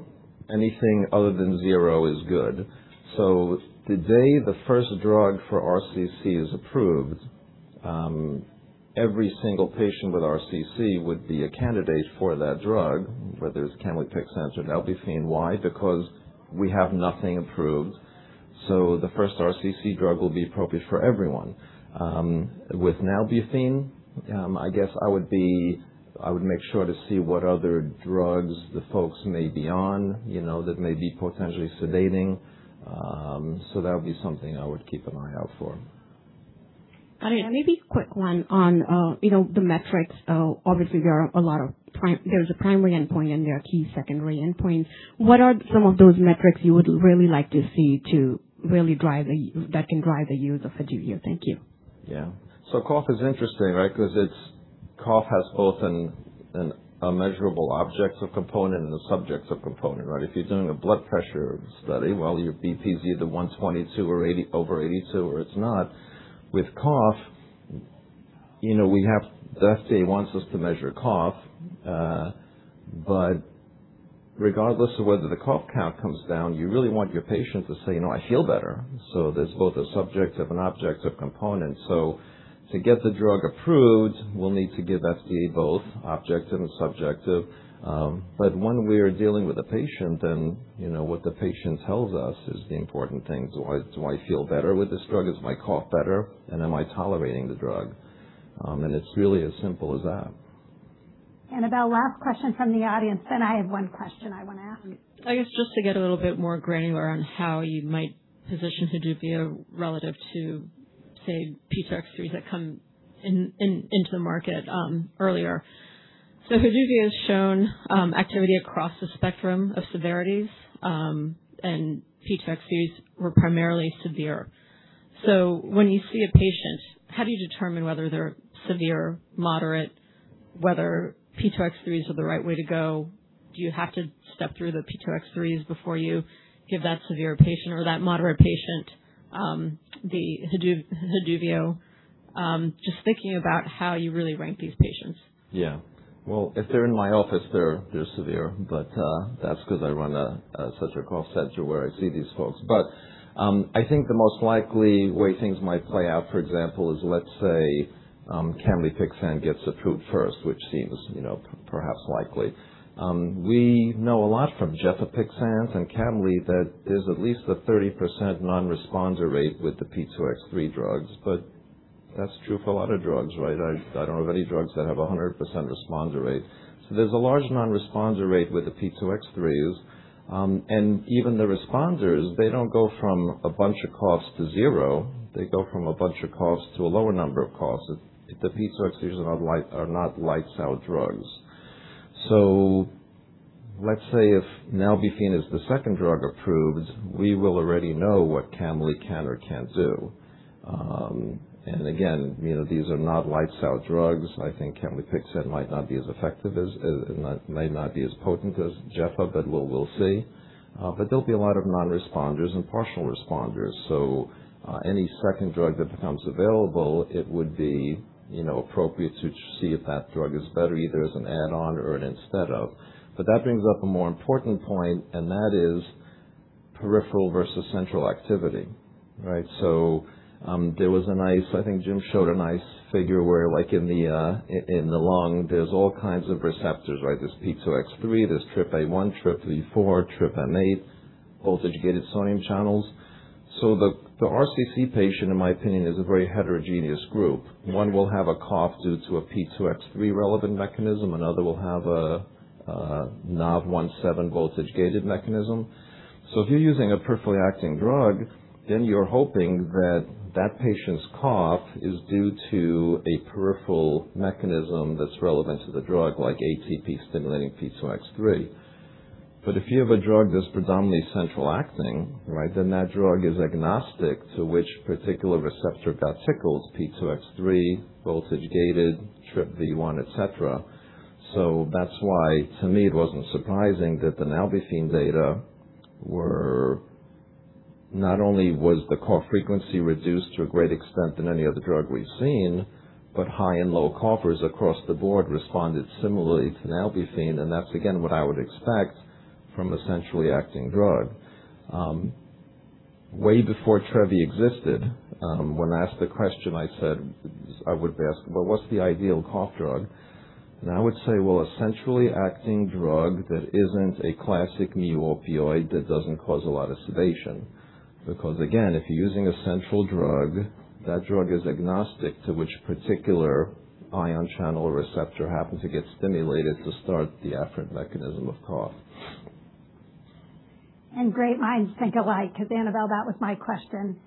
anything other than zero is good. The day the first drug for RCC is approved, every single patient with RCC would be a candidate for that drug, whether it's camlipixant or nalbuphine. Why? Because we have nothing approved, so the first RCC drug will be appropriate for everyone. With nalbuphine, I guess I would make sure to see what other drugs the folks may be on, you know, that may be potentially sedating. That would be something I would keep an eye out for. All right. Maybe quick one on, you know, the metrics. Obviously, there are a lot of. There's a primary endpoint, and there are key secondary endpoints. What are some of those metrics you would really like to see to really drive the that can drive the use of Haduvio? Thank you. Yeah. Cough is interesting, right? 'Cause cough has both a measurable objective component and a subjective component, right? If you're doing a blood pressure study, well, your BP is either 122 or 82 or it's not. With cough, you know, we have. The FDA wants us to measure cough. But regardless of whether the cough count comes down, you really want your patient to say, "You know, I feel better." There's both a subjective and objective component. To get the drug approved, we'll need to give FDA both objective and subjective. But when we are dealing with a patient and, you know, what the patient tells us is the important thing. Do I feel better with this drug? Is my cough better, and am I tolerating the drug? It's really as simple as that. Annabel, last question from the audience, then I have one question I want to ask. I guess just to get a little bit more granular on how you might position Haduvio relative to, say, P2X3 that come into the market earlier. Haduvio has shown activity across the spectrum of severities, and P2X3s were primarily severe. When you see a patient, how do you determine whether they're severe or moderate, whether P2X3s are the right way to go? Do you have to step through the P2X3s before you give that severe patient or that moderate patient the Haduvio? Just thinking about how you really rank these patients. Well, if they're in my office, they're severe, but that's 'cause I run a central cough center where I see these folks. I think the most likely way things might play out, for example, is let's say, camlipixant gets approved first, which seems, you know, perhaps likely. We know a lot from gefapixant and camli that there's at least a 30% non-responder rate with the P2X3 drugs. That's true for a lot of drugs, right? I don't know of any drugs that have a 100% responder rate. There's a large non-responder rate with the P2X3s. Even the responders, they don't go from a bunch of coughs to zero. They go from a bunch of coughs to a lower number of coughs. The P2X3s are not lifestyle drugs. Let's say if nalbuphine is the second drug approved, we will already know what camlipixant can or can't do. And again, you know, these are not lifestyle drugs. I think camlipixant might not be as potent as gefapixant, but we'll see. There'll be a lot of non-responders and partial responders. Any second drug that becomes available, it would be, you know, appropriate to see if that drug is better, either as an add-on or instead of. That brings up a more important point, and that is peripheral versus central activity, right? There was a nice figure, I think Jim showed, where like in the lung, there's all kinds of receptors, right? There's P2X3, there's TRPA1, TRPV4, TRPM8, voltage-gated sodium channels. The RCC patient, in my opinion, is a very heterogeneous group. One will have a cough due to a P2X3 relevant mechanism, another will have a NaV1.7 voltage-gated mechanism. If you're using a peripherally acting drug, then you're hoping that that patient's cough is due to a peripheral mechanism that's relevant to the drug, like ATP stimulating P2X3. If you have a drug that's predominantly central acting, right, then that drug is agnostic to which particular receptor got tickled, P2X3, voltage-gated, TRPV1, et cetera. that's why to me it wasn't surprising that the nalbuphine data were not only was the cough frequency reduced to a great extent than any other drug we've seen, but high and low coughers across the board responded similarly to nalbuphine, and that's again what I would expect from a centrally acting drug. way before Trevi existed, when asked the question, I said, I would be asked, "Well, what's the ideal cough drug?" I would say, "Well, a centrally acting drug that isn't a classic mu opioid that doesn't cause a lot of sedation." Because again, if you're using a central drug, that drug is agnostic to which particular ion channel or receptor happens to get stimulated to start the afferent mechanism of cough. great minds think alike 'cause Annabel, that was my question.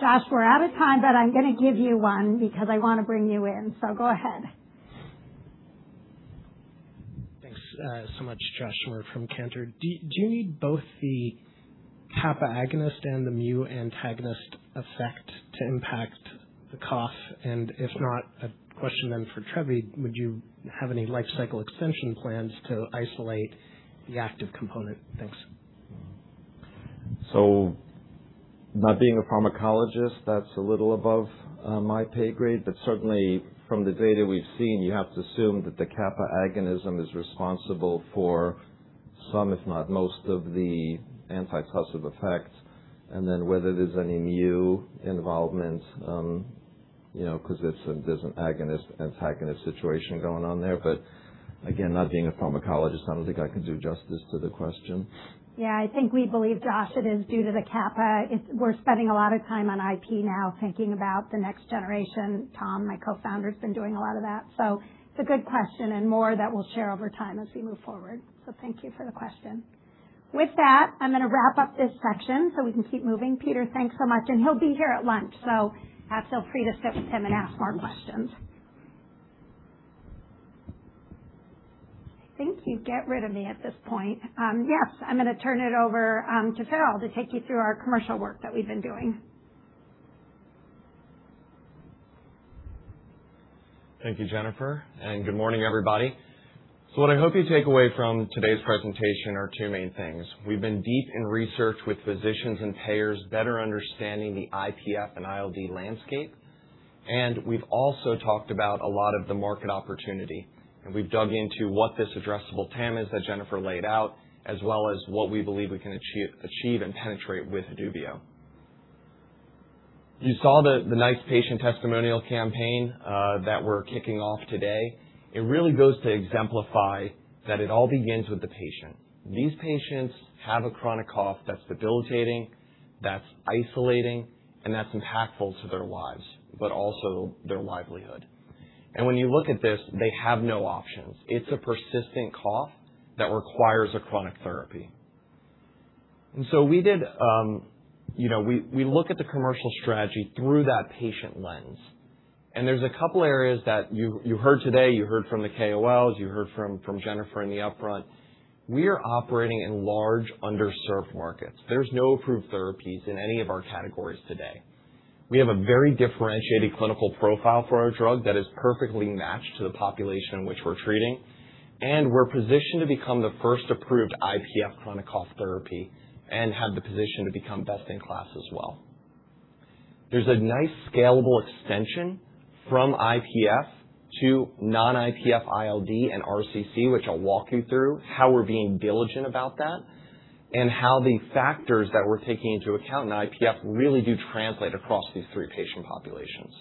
Josh, we're out of time, but I'm gonna give you one because I wanna bring you in. go ahead. Thanks, so much. Josh Schimmer from Cantor. Do you need both the kappa agonist and the mu antagonist effect to impact the cough? If not, a question then for Trevi, would you have any lifecycle extension plans to isolate the active component? Thanks. Not being a pharmacologist, that's a little above my pay grade. Certainly from the data we've seen, you have to assume that the kappa agonism is responsible for some, if not most of the antitussive effects. Whether there's any mu involvement, you know, 'cause there's an agonist/antagonist situation going on there. Again, not being a pharmacologist, I don't think I can do justice to the question. Yeah. I think we believe, Josh, it is due to the kappa. We're spending a lot of time on IP now thinking about the next generation. Tom, my co-founder, has been doing a lot of that. It's a good question and more that we'll share over time as we move forward. Thank you for the question. With that, I'm gonna wrap up this section so we can keep moving. Peter, thanks so much. He'll be here at lunch, so feel free to sit with him and ask more questions. I think you get rid of me at this point. Yes. I'm gonna turn it over to Farrell to take you through our commercial work that we've been doing. Thank you, Jennifer, and good morning, everybody. What I hope you take away from today's presentation are two main things. We've been deep in research with physicians and payers better understanding the IPF and ILD landscape, and we've also talked about a lot of the market opportunity. We've dug into what this addressable TAM is that Jennifer laid out, as well as what we believe we can achieve and penetrate with Haduvio. You saw the nice patient testimonial campaign that we're kicking off today. It really goes to exemplify that it all begins with the patient. These patients have a chronic cough that's debilitating, that's isolating, and that's impactful to their lives, but also their livelihood. When you look at this, they have no options. It's a persistent cough that requires a chronic therapy. We did, you know, we look at the commercial strategy through that patient lens. There's a couple areas that you heard today, you heard from the KOLs, you heard from Jennifer in the upfront. We are operating in large underserved markets. There's no approved therapies in any of our categories today. We have a very differentiated clinical profile for our drug that is perfectly matched to the population in which we're treating. We're positioned to become the first approved IPF chronic cough therapy and have the position to become best in class as well. There's a nice scalable extension from IPF to non-IPF ILD and RCC, which I'll walk you through how we're being diligent about that, and how the factors that we're taking into account in IPF really do translate across these three patient populations.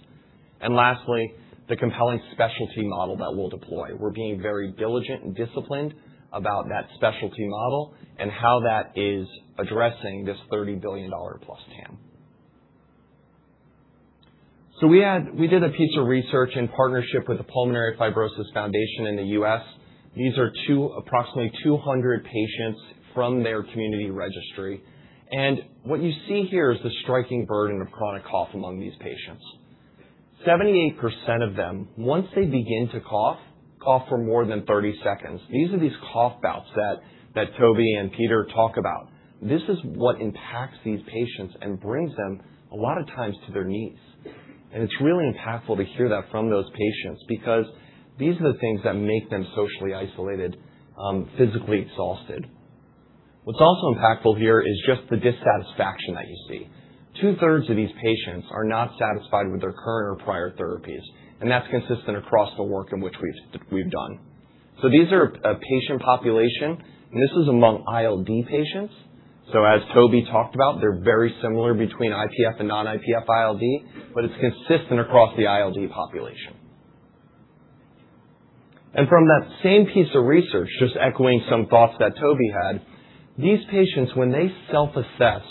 Lastly, the compelling specialty model that we'll deploy. We're being very diligent and disciplined about that specialty model and how that is addressing this $30 billion-plus TAM. We did a piece of research in partnership with the Pulmonary Fibrosis Foundation in the U.S. These are approximately 200 patients from their community registry. What you see here is the striking burden of chronic cough among these patients. 78% of them, once they begin to cough for more than 30 seconds. These are these cough bouts that Toby and Peter talk about. This is what impacts these patients and brings them a lot of times to their knees. It's really impactful to hear that from those patients because these are the things that make them socially isolated, physically exhausted. What's also impactful here is just the dissatisfaction that you see. Two-thirds of these patients are not satisfied with their current or prior therapies, and that's consistent across the work in which we've done. These are a patient population, and this is among ILD patients. As Toby talked about, they're very similar between IPF and non-IPF ILD, but it's consistent across the ILD population. From that same piece of research, just echoing some thoughts that Toby had, these patients when they self-assess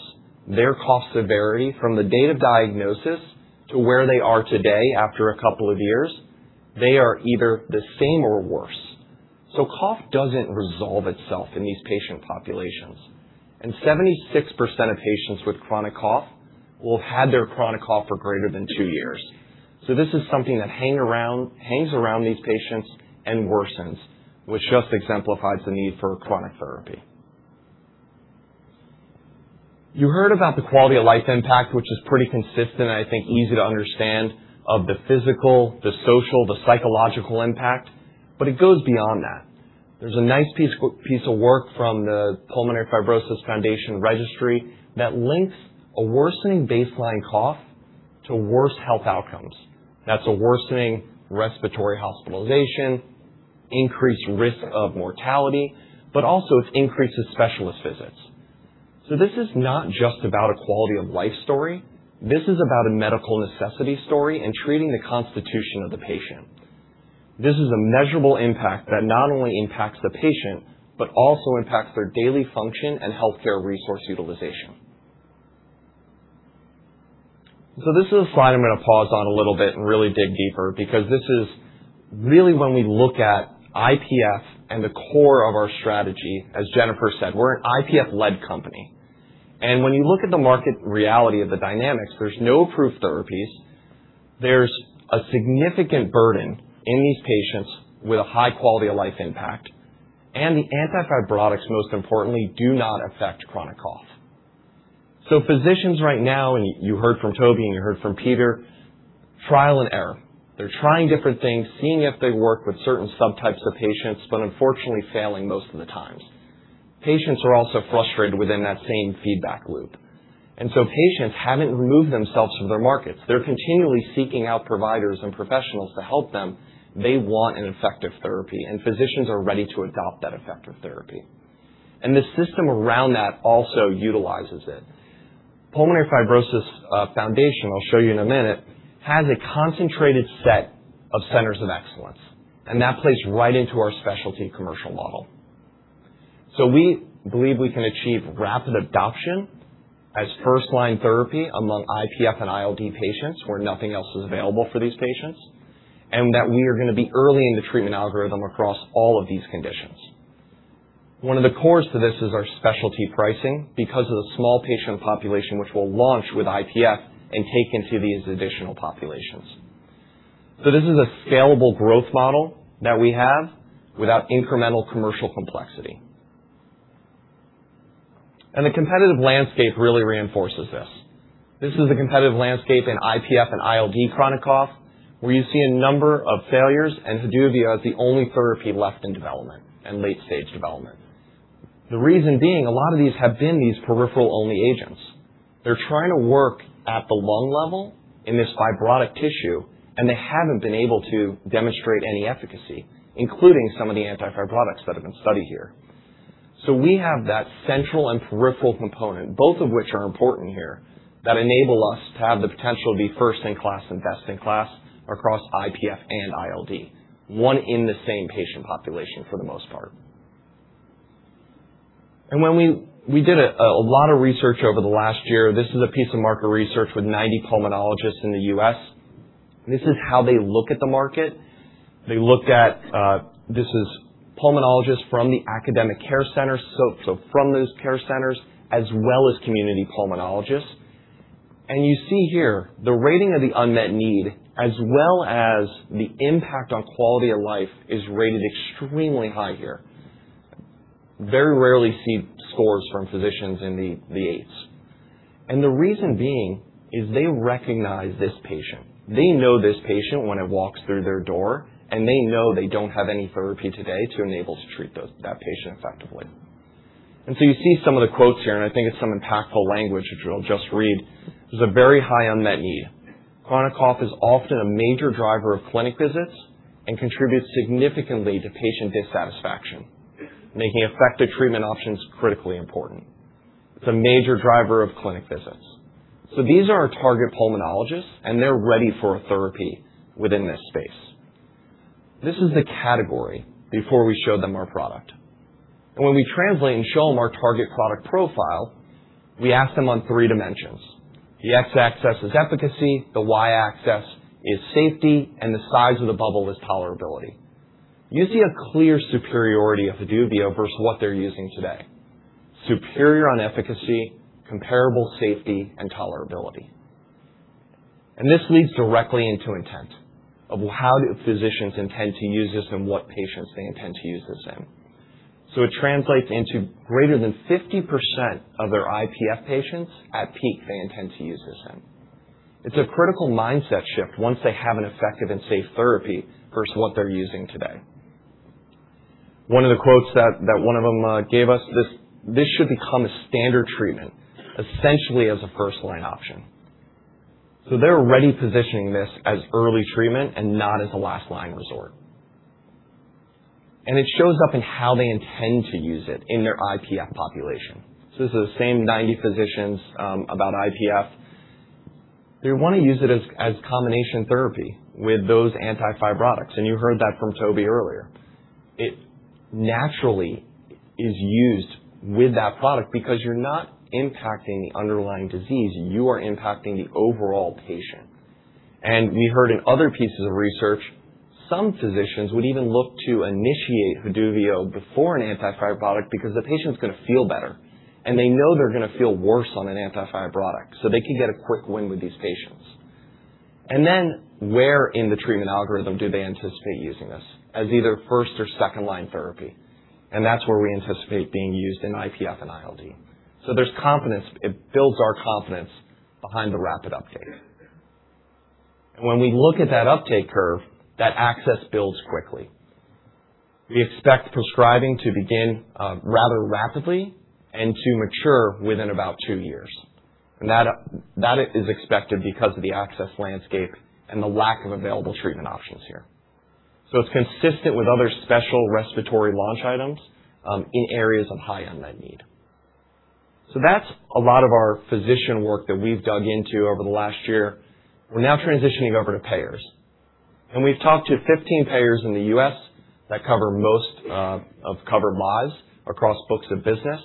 their cough severity from the date of diagnosis to where they are today after a couple of years, they are either the same or worse. Cough doesn't resolve itself in these patient populations. 76% of patients with chronic cough will have had their chronic cough for greater than two years. This is something that hangs around these patients and worsens, which just exemplifies the need for chronic therapy. You heard about the quality-of-life impact, which is pretty consistent, and I think easy to understand of the physical, the social, the psychological impact, but it goes beyond that. There's a nice piece of work from the Pulmonary Fibrosis Foundation Registry that links a worsening baseline cough to worse health outcomes. That's a worsening respiratory hospitalization, increased risk of mortality, but also it increases specialist visits. This is not just about a quality-of-life story. This is about a medical necessity story and treating the constitution of the patient. This is a measurable impact that not only impacts the patient, but also impacts their daily function and healthcare resource utilization. This is a slide I'm gonna pause on a little bit and really dig deeper because this is really when we look at IPF and the core of our strategy. As Jennifer said, we're an IPF-led company. When you look at the market reality of the dynamics, there's no approved therapies. There's a significant burden in these patients with a high quality-of-life impact. The antifibrotics, most importantly, do not affect chronic cough. Physicians right now, and you heard from Toby and you heard from Peter, trial and error. They're trying different things, seeing if they work with certain subtypes of patients, but unfortunately failing most of the time. Patients are also frustrated within that same feedback loop. Patients haven't removed themselves from their markets. They're continually seeking out providers and professionals to help them. They want an effective therapy, and physicians are ready to adopt that effective therapy. The system around that also utilizes it. Pulmonary Fibrosis Foundation, I'll show you in a minute, has a concentrated set of centers of excellence, and that plays right into our specialty commercial model. we believe we can achieve rapid adoption as first-line therapy among IPF and ILD patients where nothing else is available for these patients, and that we are gonna be early in the treatment algorithm across all of these conditions. One of the cores to this is our specialty pricing because of the small patient population which we'll launch with IPF and take into these additional populations. this is a scalable growth model that we have without incremental commercial complexity. the competitive landscape really reinforces this. This is a competitive landscape in IPF and ILD chronic cough, where you see a number of failures, and Haduvio is the only therapy left in development, in late-stage development. The reason being a lot of these have been these peripheral-only agents. They're trying to work at the lung level in this fibrotic tissue, and they haven't been able to demonstrate any efficacy, including some of the antifibrotics that have been studied here. We have that central and peripheral component, both of which are important here, that enable us to have the potential to be first in class and best in class across IPF and ILD, one in the same patient population for the most part. When we did a lot of research over the last year. This is a piece of market research with 90 pulmonologists in the U.S. This is how they look at the market. They looked at this is pulmonologists from the academic care centers from those care centers, as well as community pulmonologists. You see here the rating of the unmet need, as well as the impact on quality of life, is rated extremely high here. Very rarely see scores from physicians in the eights. The reason being is they recognize this patient. They know this patient when it walks through their door, and they know they don't have any therapy today to enable to treat that patient effectively. You see some of the quotes here, and I think it's some impactful language, which I'll just read. There's a very high unmet need. Chronic cough is often a major driver of clinic visits and contributes significantly to patient dissatisfaction, making effective treatment options critically important. It's a major driver of clinic visits. These are our target pulmonologists, and they're ready for a therapy within this space. This is the category before we show them our product. when we translate and show them our target product profile, we ask them on three dimensions. The x-axis is efficacy, the y-axis is safety, and the size of the bubble is tolerability. You see a clear superiority of Haduvio versus what they're using today. Superior on efficacy, comparable safety and tolerability. This leads directly into intent of how do physicians intend to use this and what patients they intend to use this in. It translates into greater than 50% of their IPF patients at peak they intend to use this in. It's a critical mindset shift once they have an effective and safe therapy versus what they're using today. One of the quotes that one of them gave us, "This should become a standard treatment, essentially as a first-line option." They're already positioning this as early treatment and not as a last line resort. It shows up in how they intend to use it in their IPF population. This is the same 90 physicians about IPF. They wanna use it as combination therapy with those anti-fibrotics. You heard that from Toby earlier. It naturally is used with that product because you're not impacting the underlying disease, you are impacting the overall patient. We heard in other pieces of research, some physicians would even look to initiate Haduvio before an anti-fibrotic because the patient's gonna feel better, and they know they're gonna feel worse on an anti-fibrotic. They can get a quick win with these patients. Where in the treatment algorithm do they anticipate using this? As either first or second-line therapy, and that's where we anticipate being used in IPF and ILD. There's confidence. It builds our confidence behind the rapid uptake. When we look at that uptake curve, that access builds quickly. We expect prescribing to begin rather rapidly and to mature within about two years. That is expected because of the access landscape and the lack of available treatment options here. It's consistent with other special respiratory launch items in areas of high unmet need. That's a lot of our physician work that we've dug into over the last year. We're now transitioning over to payers. We've talked to 15 payers in the U.S. that cover most of covered lives across books of business.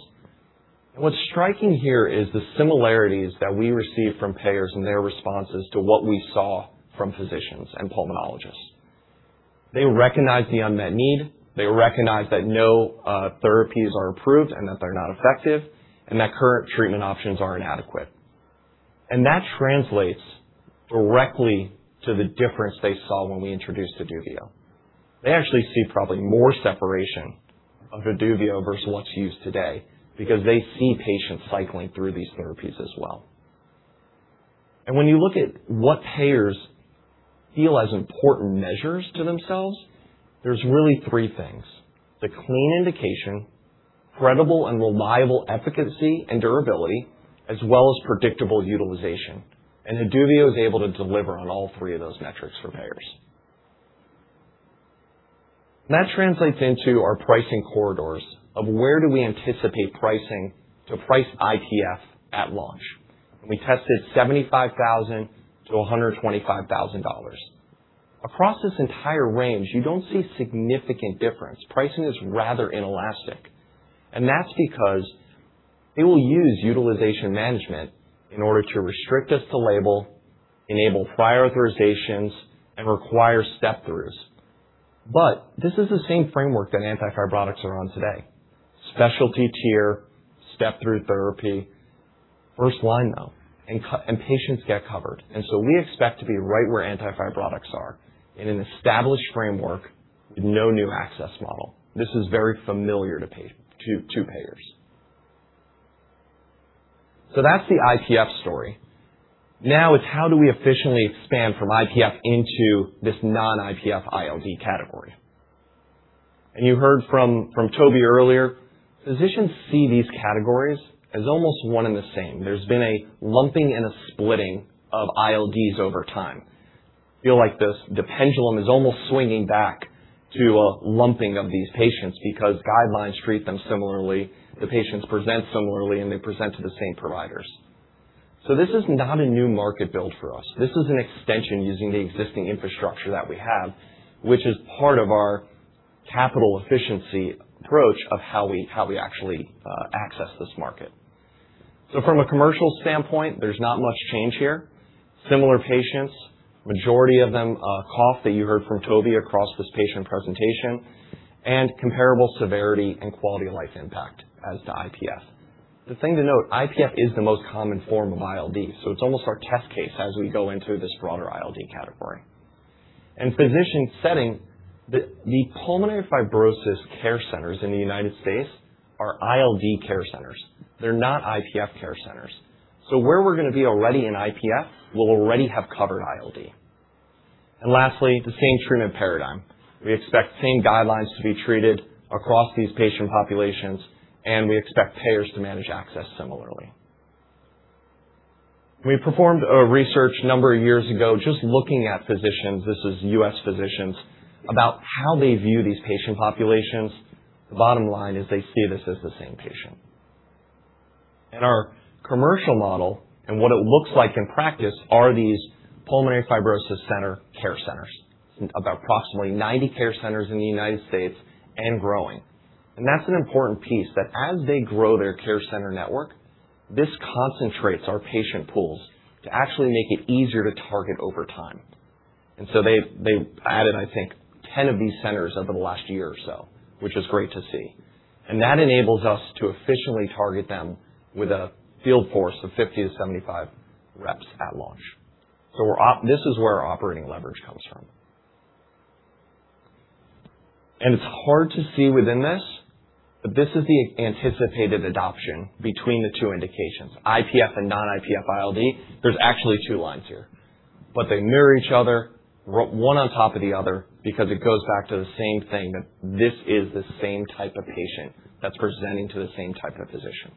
What's striking here is the similarities that we receive from payers and their responses to what we saw from physicians and pulmonologists. They recognize the unmet need, they recognize that no therapies are approved and that they're not effective, and that current treatment options are inadequate. That translates directly to the difference they saw when we introduced Haduvio. They actually see probably more separation of Haduvio versus what's used today because they see patients cycling through these therapies as well. When you look at what payers feel as important measures to themselves, there's really three things, the clean indication, credible and reliable efficacy and durability, as well as predictable utilization. Haduvio is able to deliver on all three of those metrics for payers. That translates into our pricing corridors of where do we anticipate pricing to price IPF at launch. We tested $75,000-$125,000. Across this entire range, you don't see significant difference. Pricing is rather inelastic, and that's because they will use utilization management in order to restrict us to label, enable prior authorizations, and require step-throughs. This is the same framework that anti-fibrotics are on today. Specialty tier, step-through therapy, first-line though, and patients get covered. We expect to be right where anti-fibrotics are in an established framework with no new access model. This is very familiar to payers. That's the IPF story. Now it's how do we efficiently expand from IPF into this non-IPF ILD category? You heard from Toby earlier, physicians see these categories as almost one and the same. There's been a lumping and a splitting of ILDs over time. Feel like this, the pendulum is almost swinging back to a lumping of these patients because guidelines treat them similarly, the patients present similarly, and they present to the same providers. This is not a new market build for us. This is an extension using the existing infrastructure that we have, which is part of our capital efficiency approach of how we actually access this market. From a commercial standpoint, there's not much change here. Similar patients, majority of them, cough that you heard from Toby across this patient presentation, and comparable severity and quality of life impact as to IPF. The thing to note, IPF is the most common form of ILD, so it's almost our test case as we go into this broader ILD category. Physician setting, the pulmonary fibrosis care centers in the United States are ILD care centers. They're not IPF care centers. Where we're gonna be already in IPF will already have covered ILD. Lastly, the same treatment paradigm. We expect same guidelines to be treated across these patient populations, and we expect payers to manage access similarly. We performed a research a number of years ago just looking at physicians, this is U.S. physicians, about how they view these patient populations. The bottom line is they see this as the same patient. Our commercial model and what it looks like in practice are these pulmonary fibrosis center care centers. About approximately 90 care centers in the United States and growing. That's an important piece, that as they grow their care center network, this concentrates our patient pools to actually make it easier to target over time. They've added, I think, 10 of these centers over the last year or so, which is great to see. That enables us to efficiently target them with a field force of 50-75 reps at launch. This is where our operating leverage comes from. It's hard to see within this, but this is the anticipated adoption between the two indications, IPF and non-IPF ILD. There's actually two lines here, but they mirror each other, one on top of the other because it goes back to the same thing that this is the same type of patient that's presenting to the same type of physician.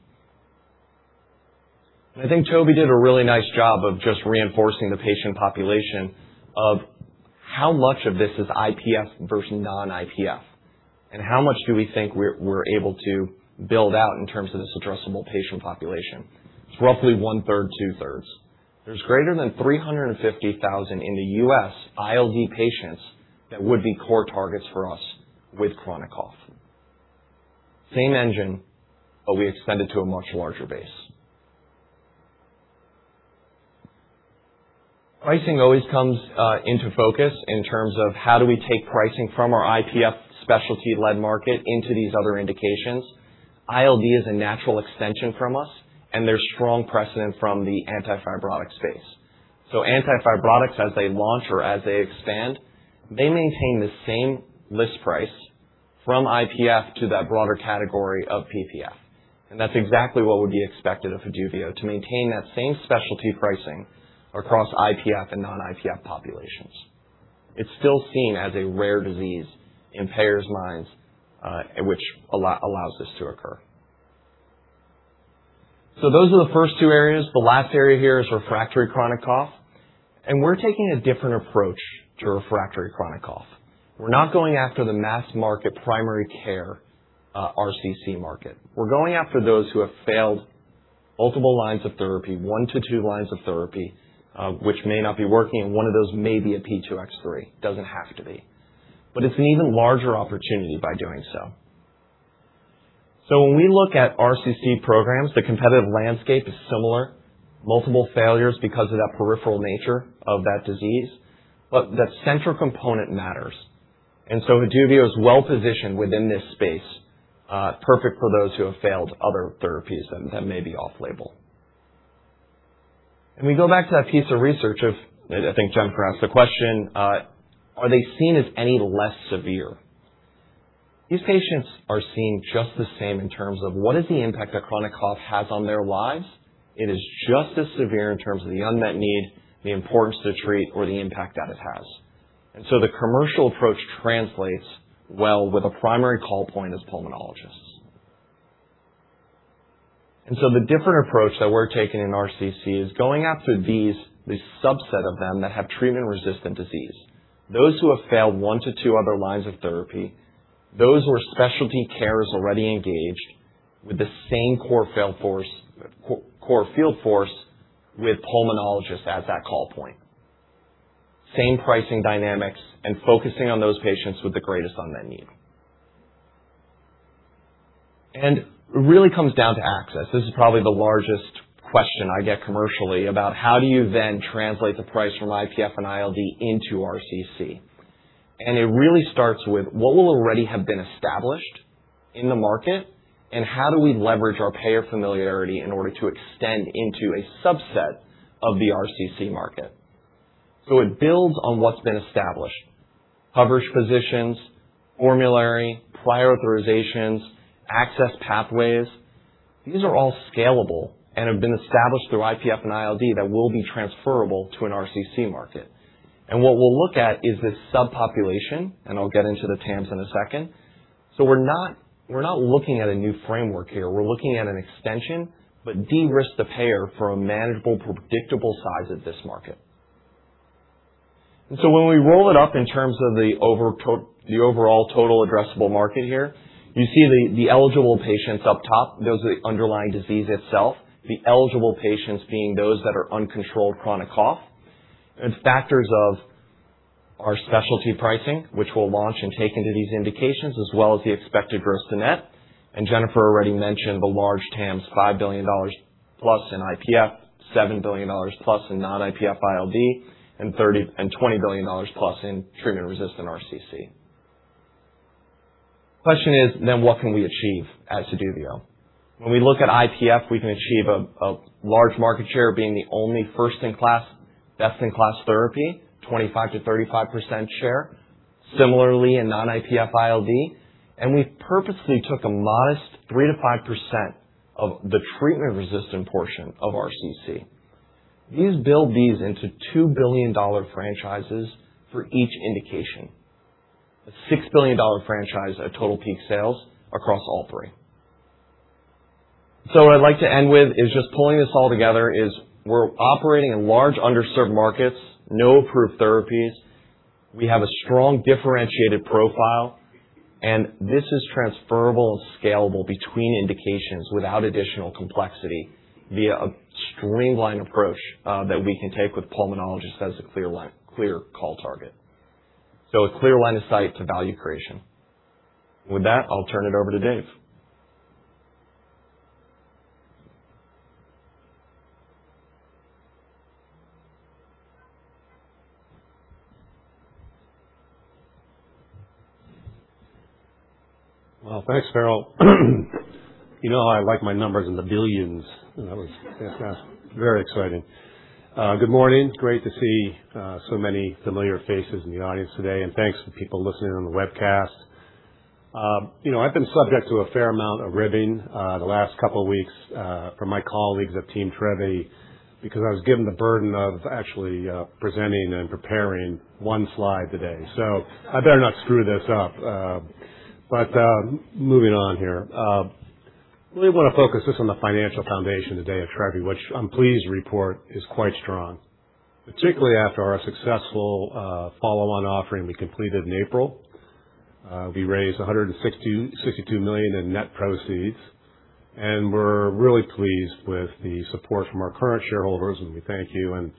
I think Toby did a really nice job of just reinforcing the patient population of how much of this is IPF versus non-IPF and how much do we think we're able to build out in terms of this addressable patient population. It's roughly one-third, two-thirds. There's greater than 350,000 in the U.S. ILD patients that would be core targets for us with chronic cough. Same engine, but we expand it to a much larger base. Pricing always comes into focus in terms of how do we take pricing from our IPF specialty-led market into these other indications. ILD is a natural extension from us, and there's strong precedent from the anti-fibrotic space. Anti-fibrotics, as they launch or as they expand, they maintain the same list price from IPF to that broader category of PPF. that's exactly what would be expected of Haduvio to maintain that same specialty pricing across IPF and non-IPF populations. It's still seen as a rare disease in payers' minds, which allows this to occur. Those are the first two areas. The last area here is refractory chronic cough, and we're taking a different approach to refractory chronic cough. We're not going after the mass market primary care, RCC market. We're going after those who have failed multiple lines of therapy, one to two lines of therapy, which may not be working, and one of those may be a P2X3. Doesn't have to be. It's an even larger opportunity by doing so. When we look at RCC programs, the competitive landscape is similar. Multiple failures because of that peripheral nature of that disease, but the central component matters. Haduvio is well-positioned within this space, perfect for those who have failed other therapies that may be off-label. We go back to that piece of research of I think Jennifer asked the question, are they seen as any less severe? These patients are seen just the same in terms of what is the impact that chronic cough has on their lives. It is just as severe in terms of the unmet need, the importance to treat, or the impact that it has. The commercial approach translates well with a primary call point as pulmonologists. The different approach that we're taking in RCC is going after these, the subset of them that have treatment-resistant disease. Those who have failed one to two other lines of therapy, those where specialty care is already engaged with the same core field force with pulmonologists as that call point. Same pricing dynamics and focusing on those patients with the greatest unmet need. It really comes down to access. This is probably the largest question I get commercially about how do you then translate the price from IPF and ILD into RCC? It really starts with what will already have been established in the market, and how do we leverage our payer familiarity in order to extend into a subset of the RCC market? It builds on what's been established. Coverage positions, formulary, prior authorizations, access pathways. These are all scalable and have been established through IPF and ILD that will be transferable to an RCC market. What we'll look at is this subpopulation, and I'll get into the TAMs in a second. We're not looking at a new framework here. We're looking at an extension, but de-risk the payer for a manageable, predictable size of this market. When we roll it up in terms of the overall total addressable market here, you see the eligible patients up top. Those are the underlying disease itself, the eligible patients being those that are uncontrolled chronic cough. Factors of our specialty pricing, which we'll launch and take into these indications, as well as the expected gross to net. Jennifer already mentioned the large TAMs, $5 billion+ in IPF, $7 billion+ in non-IPF ILD, and $20 billion+ in treatment-resistant RCC. Question is, then what can we achieve at Haduvio? When we look at IPF, we can achieve a large market share being the only first-in-class, best-in-class therapy, 25%-35% share. Similarly in non-IPF ILD. We've purposely took a modest 3%-5% of the treatment-resistant portion of RCC. These build these into $2 billion franchises for each indication. A $6 billion franchise at total peak sales across all three. What I'd like to end with is just pulling this all together is we're operating in large underserved markets, no approved therapies. We have a strong differentiated profile, and this is transferable and scalable between indications without additional complexity via a streamlined approach, that we can take with pulmonologists as a clear call target. A clear line of sight to value creation. With that, I'll turn it over to Dave. Well, thanks, Farrell. You know I like my numbers in the billions. You know, it's very exciting. Good morning. Great to see so many familiar faces in the audience today, and thanks to people listening in on the webcast. You know, I've been subject to a fair amount of ribbing the last couple weeks from my colleagues at Team Trevi, because I was given the burden of actually presenting and preparing one slide today. I better not screw this up. Moving on here. Really wanna focus just on the financial foundation today at Trevi, which I'm pleased to report is quite strong, particularly after our successful follow-on offering we completed in April. We raised $162 million in net proceeds, and we're really pleased with the support from our current shareholders, and we thank you, and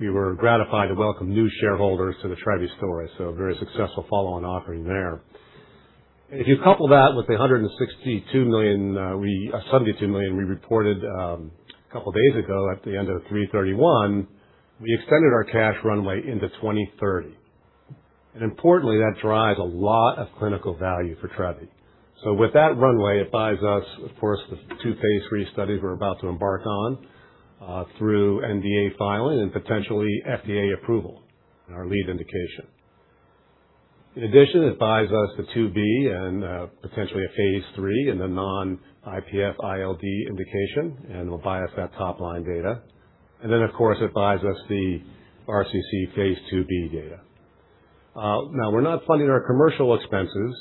we were gratified to welcome new shareholders to the Trevi story. A very successful follow-on offering there. If you couple that with the $162 million, the $72 million we reported a couple days ago at the end of 3/31, we extended our cash runway into 2030. Importantly, that drives a lot of clinical value for Trevi. With that runway, it buys us, of course, the two phase III studies we're about to embark on, through NDA filing and potentially FDA approval in our lead indication. In addition, it buys us the 2b and, potentially a phase III in the non-IPF ILD indication, and it'll buy us that top-line data. Of course, it buys us the RCC phase IIb data. Now we're not funding our commercial expenses,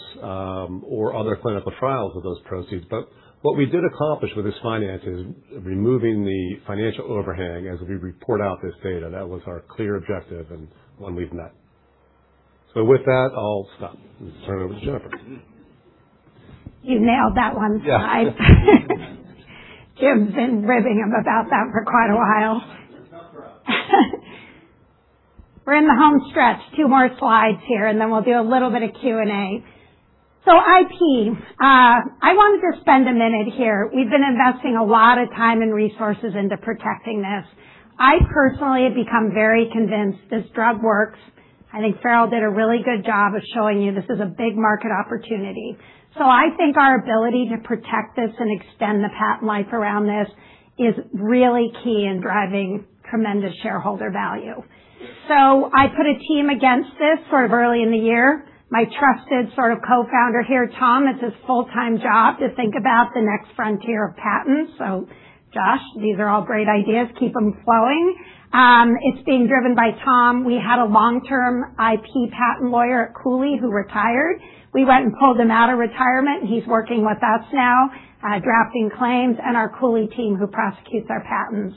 or other clinical trials with those proceeds, but what we did accomplish with this finance is removing the financial overhang as we report out this data. That was our clear objective and one we've met. With that, I'll stop and turn it over to Jennifer. You nailed that one slide. Yeah. Jim's been ribbing him about that for quite a while. We're in the home stretch. Two more slides here, and then we'll do a little bit of Q&A. IP. I wanted to spend a minute here. We've been investing a lot of time and resources into protecting this. I personally have become very convinced this drug works. I think Farrell did a really good job of showing you this is a big market opportunity. I think our ability to protect this and extend the patent life around this is really key in driving tremendous shareholder value. I put a team against this sort of early in the year. My trusted sort of co-founder here, Tom, it's his full-time job to think about the next frontier of patents. Josh, these are all great ideas. Keep them flowing. It's being driven by Tom. We had a long-term IP patent lawyer at Cooley who retired. We went and pulled him out of retirement. He's working with us now, drafting claims and our Cooley team who prosecutes our patents.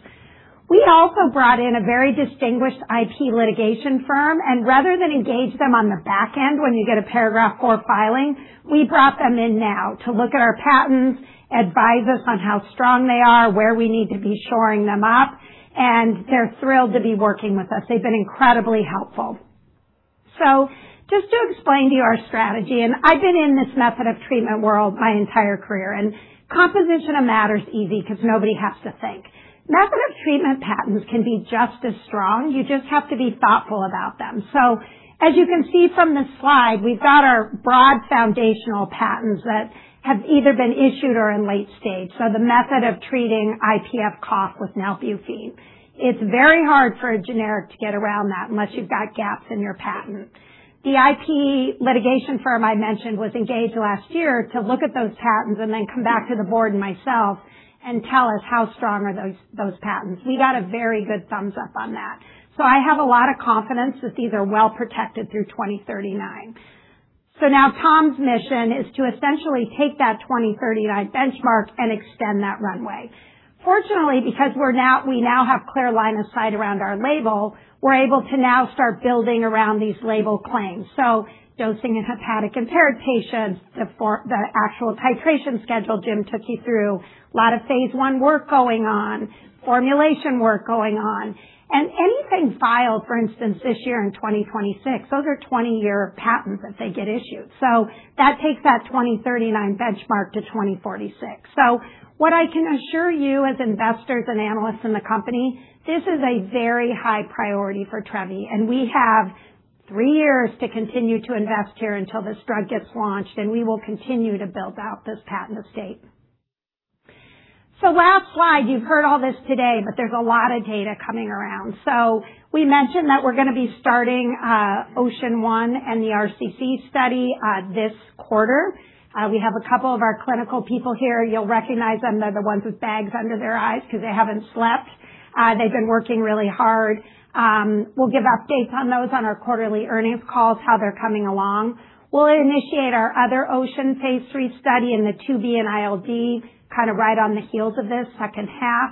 We also brought in a very distinguished IP litigation firm, and rather than engage them on the back end when you get a Paragraph IV filing, we brought them in now to look at our patents, advise us on how strong they are, where we need to be shoring them up, and they're thrilled to be working with us. They've been incredibly helpful. Just to explain to you our strategy, and I've been in this method of treatment world my entire career, and composition of matter is easy because nobody has to think. Method of treatment patents can be just as strong. You just have to be thoughtful about them. As you can see from this slide, we've got our broad foundational patents that have either been issued or in late stage. The method of treating IPF cough with nalbuphine. It's very hard for a generic to get around that unless you've got gaps in your patent. The IP litigation firm I mentioned was engaged last year to look at those patents and then come back to the board and myself and tell us how strong are those patents. We got a very good thumbs up on that. I have a lot of confidence that these are well protected through 2039. Now Tom's mission is to essentially take that 2039 benchmark and extend that runway. Fortunately, because we now have clear line of sight around our label, we're able to now start building around these label claims. Dosing in hepatic impaired patients, the actual titration schedule Jim took you through, lot of phase I work going on, formulation work going on. Anything filed, for instance, this year in 2026, those are 20-year patents if they get issued. That takes that 2039 benchmark to 2046. What I can assure you as investors and analysts in the company, this is a very high priority for Trevi, and we have three years to continue to invest here until this drug gets launched, and we will continue to build out this patent estate. Last slide. You've heard all this today, but there's a lot of data coming around. We mentioned that we're gonna be starting OCEAN one and the RCC study this quarter. We have a couple of our clinical people here. You'll recognize them. They're the ones with bags under their eyes because they haven't slept. They've been working really hard. We'll give updates on those on our quarterly earnings calls, how they're coming along. We'll initiate our other OCEAN phase III study in the 2b and ILD kinda right on the heels of this second half.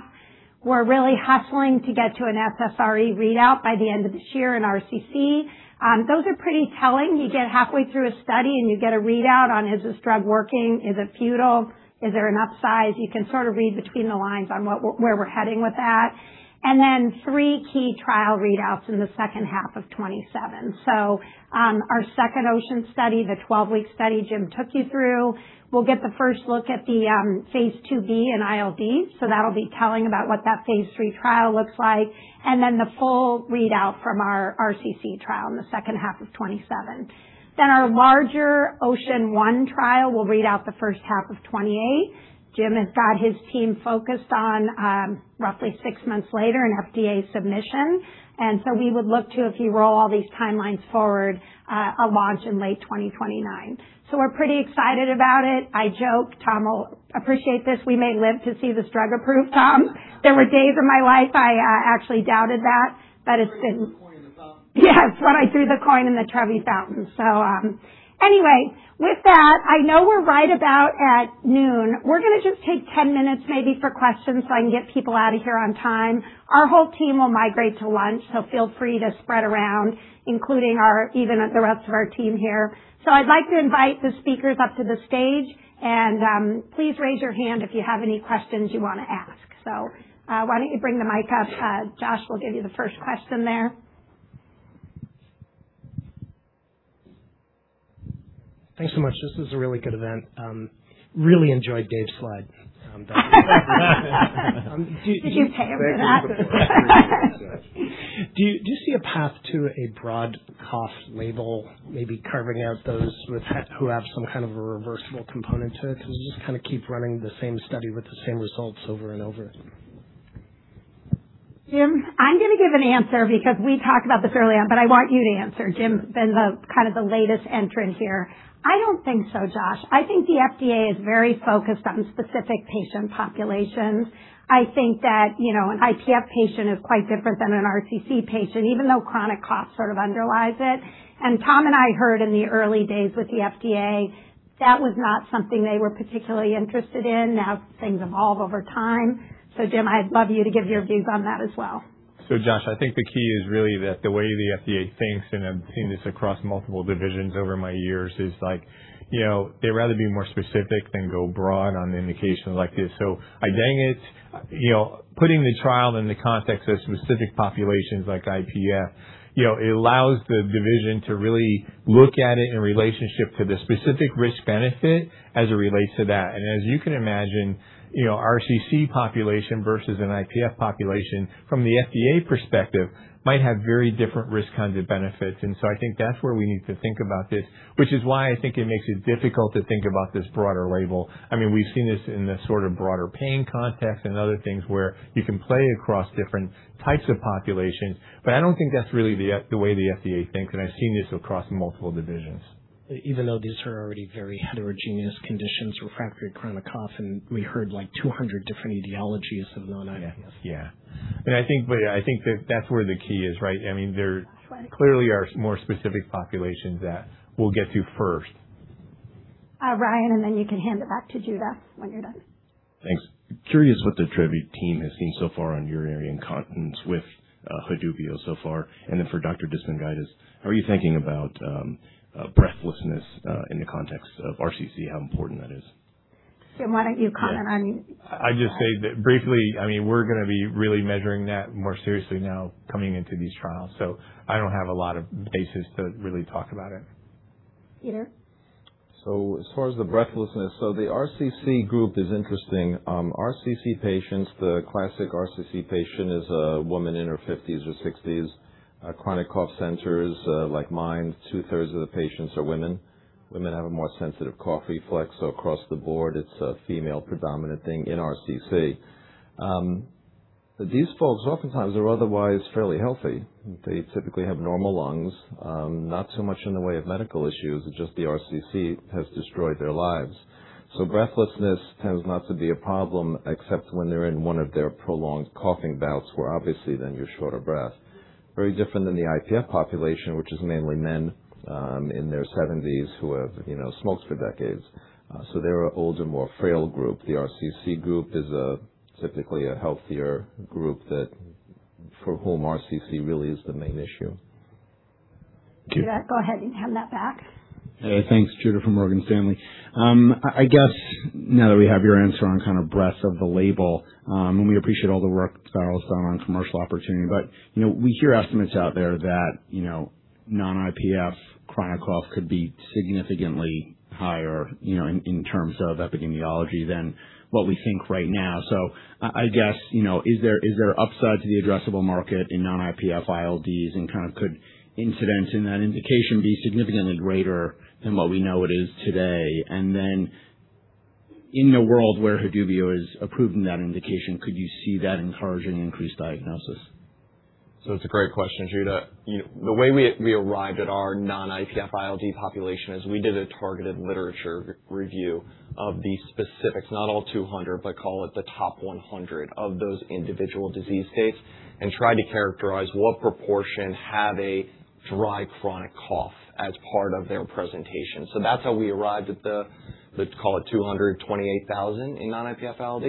We're really hustling to get to an SSRE readout by the end of this year in RCC. Those are pretty telling. You get halfway through a study, and you get a readout on, is this drug working? Is it futile? Is there an upsize? You can sort of read between the lines on what we're where we're heading with that. Three key trial readouts in the second half of 2027. Our second OCEAN study, the 12-week study Jim took you through, we'll get the first look at the phase IIb in ILD, that'll be telling about what that phase III trial looks like. The full readout from our RCC trial in the second half of 2027. Our larger OCEAN 1 trial will read out the first half of 2028. Jim has got his team focused on roughly six months later, an FDA submission. We would look to, if you roll all these timelines forward, a launch in late 2029. We're pretty excited about it. I joke, Tom will appreciate this, we may live to see this drug approved, Tom. There were days in my life I actually doubted that, but it's been- Threw the coin in the fountain. Yes, when I threw the coin in the Trevi Fountain. Anyway, with that, I know we're right about at noon. We're gonna just take 10 minutes maybe for questions, so I can get people out of here on time. Our whole team will migrate to lunch, so feel free to spread around, including our even the rest of our team here. I'd like to invite the speakers up to the stage and, please raise your hand if you have any questions you wanna ask. Why don't you bring the mic up? Josh will give you the first question there. Thanks so much. This is a really good event. really enjoyed Dave's slide. Did you pay him for that? Do you see a path to a broad cough label, maybe carving out who have some kind of a reversible component to it? Can we just kind of keep running the same study with the same results over and over? Jim, I'm gonna give an answer because we talked about this early on, but I want you to answer. Jim has been kind of the latest entrant here. I don't think so, Josh. I think the FDA is very focused on specific patient populations. I think that, you know, an IPF patient is quite different than an RCC patient, even though chronic cough sort of underlies it. Tom and I heard in the early days with the FDA, that was not something they were particularly interested in. Now, things evolve over time. Jim, I'd love you to give your views on that as well. Josh, I think the key is really that the way the FDA thinks, and I've seen this across multiple divisions over my years, is like, you know, they'd rather be more specific than go broad on an indication like this. I dang it, you know, putting the trial in the context of specific populations like IPF, you know, it allows the division to really look at it in relationship to the specific risk-benefit as it relates to that. As you can imagine, you know, RCC population versus an IPF population from the FDA perspective might have very different risk kinds of benefits. I think that's where we need to think about this, which is why I think it makes it difficult to think about this broader label. I mean, we've seen this in the sort of broader pain context and other things where you can play across different types of populations. I don't think that's really the way the FDA thinks, and I've seen this across multiple divisions. Even though these are already very heterogeneous conditions, refractory chronic cough, and we heard like 200 different etiologies of known IPFs. Yeah. I think, but I think that that's where the key is, right? I mean, there- That's right. Clearly are more specific populations that we'll get to first. Ryan, you can hand it back to Judah when you're done. Thanks. Curious what the Trevi team has seen so far on urinary incontinence with Haduvio so far. For Dr. Dicpinigaitis, I guess, how are you thinking about breathlessness in the context of RCC, how important that is? Jim, why don't you comment on- I'd just say that briefly, I mean, we're gonna be really measuring that more seriously now coming into these trials, so I don't have a lot of basis to really talk about it. Peter? As far as the breathlessness, the RCC group is interesting. RCC patients, the classic RCC patient is a woman in her fifties or sixties. Chronic cough centers, like mine, 2/3 of the patients are women. Women have a more sensitive cough reflex. Across the board, it's a female predominant thing in RCC. These folks oftentimes are otherwise fairly healthy. They typically have normal lungs, not so much in the way of medical issues, it's just the RCC has destroyed their lives. Breathlessness tends not to be a problem except when they're in one of their prolonged coughing bouts, where obviously then you're short of breath. Very different than the IPF population, which is mainly men, in their seventies who have, you know, smoked for decades. They're an older, more frail group. The RCC group is typically a healthier group for whom RCC really is the main issue. Judah, go ahead and have that back. thanks, Judah from Morgan Stanley. I guess now that we have your answer on kind of breadth of the label, and we appreciate all the work, Farrell Simon, on commercial opportunity. you know, we hear estimates out there that, you know, non-IPF chronic cough could be significantly higher, you know, in terms of epidemiology than what we think right now. I guess, you know, is there upside to the addressable market in non-IPF ILDs and kind of could incidence in that indication be significantly greater than what we know it is today? then in a world where Haduvio is approved in that indication, could you see that encouraging increased diagnosis? it's a great question, Judah. The way we arrived at our non-IPF ILD population is we did a targeted literature re-review of the specifics, not all 200, but call it the top 100 of those individual disease states and tried to characterize what proportion had a dry chronic cough as part of their presentation. That's how we arrived at the, let's call it 228,000 in non-IPF ILD.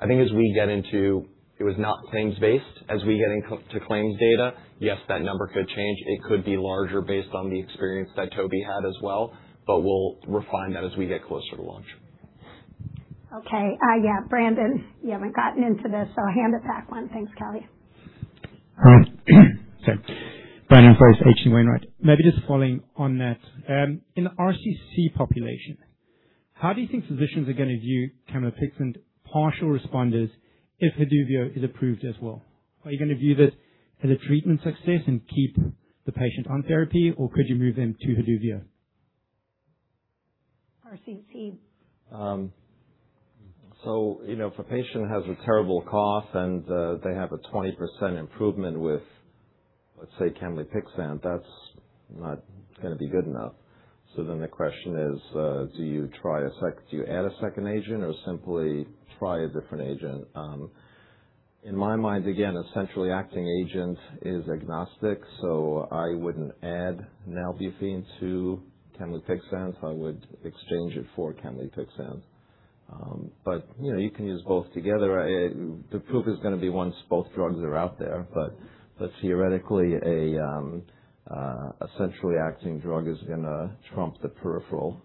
I think as we get into it. It was not claims-based. As we get into claims data, yes, that number could change. It could be larger based on the experience that Toby had as well, but we'll refine that as we get closer to launch Okay. Yeah, Brandon, you haven't gotten into this, so I'll hand it back on. Thanks, Kelly. Brandon Price, H.C. Wainwright. Maybe just following on that. In the RCC population, how do you think physicians are gonna view camlipixant partial responders if Haduvio is approved as well? Are you gonna view this as a treatment success and keep the patient on therapy, or could you move them to Haduvio? RCC. You know, if a patient has a terrible cough and they have a 20% improvement with, let's say, camlipixant, that's not gonna be good enough. The question is, do you add a second agent or simply try a different agent? In my mind, again, a centrally acting agent is agnostic, so I wouldn't add nalbuphine to camlipixant. I would exchange it for camlipixant. You know, you can use both together. The proof is gonna be once both drugs are out there. Theoretically, a centrally acting drug is gonna trump the peripheral.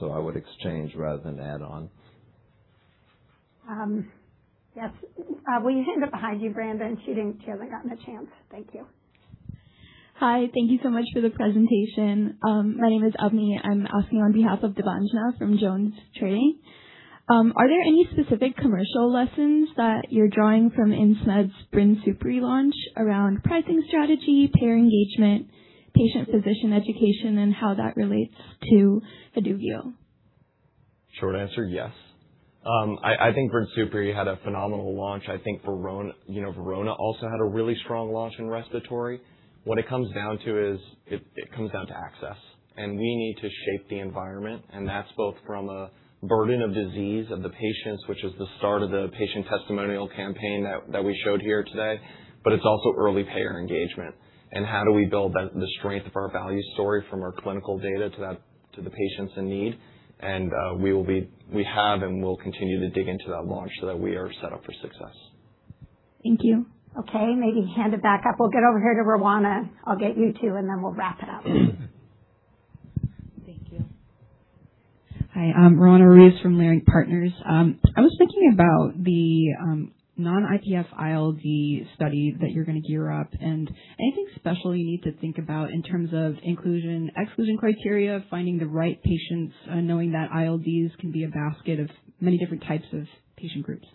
I would exchange rather than add on. Yes. We hand it behind you, Brandon. She didn't, she hasn't gotten a chance. Thank you. Hi. Thank you so much for the presentation. My name is Avni. I'm asking on behalf of Debanjana from Jones Trading. Are there any specific commercial lessons that you're drawing from Insmed's BRINSUPRI launch around pricing strategy, payer engagement, patient physician education, and how that relates to Haduvio? Short answer, yes. I think Brinsupri had a phenomenal launch. I think Verona, you know, Verona also had a really strong launch in respiratory. What it comes down to is it comes down to access, and we need to shape the environment, and that's both from a burden of disease of the patients, which is the start of the patient testimonial campaign that we showed here today, but it's also early payer engagement and how do we build the strength of our value story from our clinical data to that, to the patients in need. We have and will continue to dig into that launch so that we are set up for success. Thank you. Okay, maybe hand it back up. We'll get over here to Roanna. I'll get you two, and then we'll wrap it up. Thank you. Hi, I'm Roanna Ruiz from Leerink Partners. I was thinking about the non-IPF ILD study that you're gonna gear up and anything special you need to think about in terms of inclusion, exclusion criteria, finding the right patients, knowing that ILDs can be a basket of many different types of patient groups.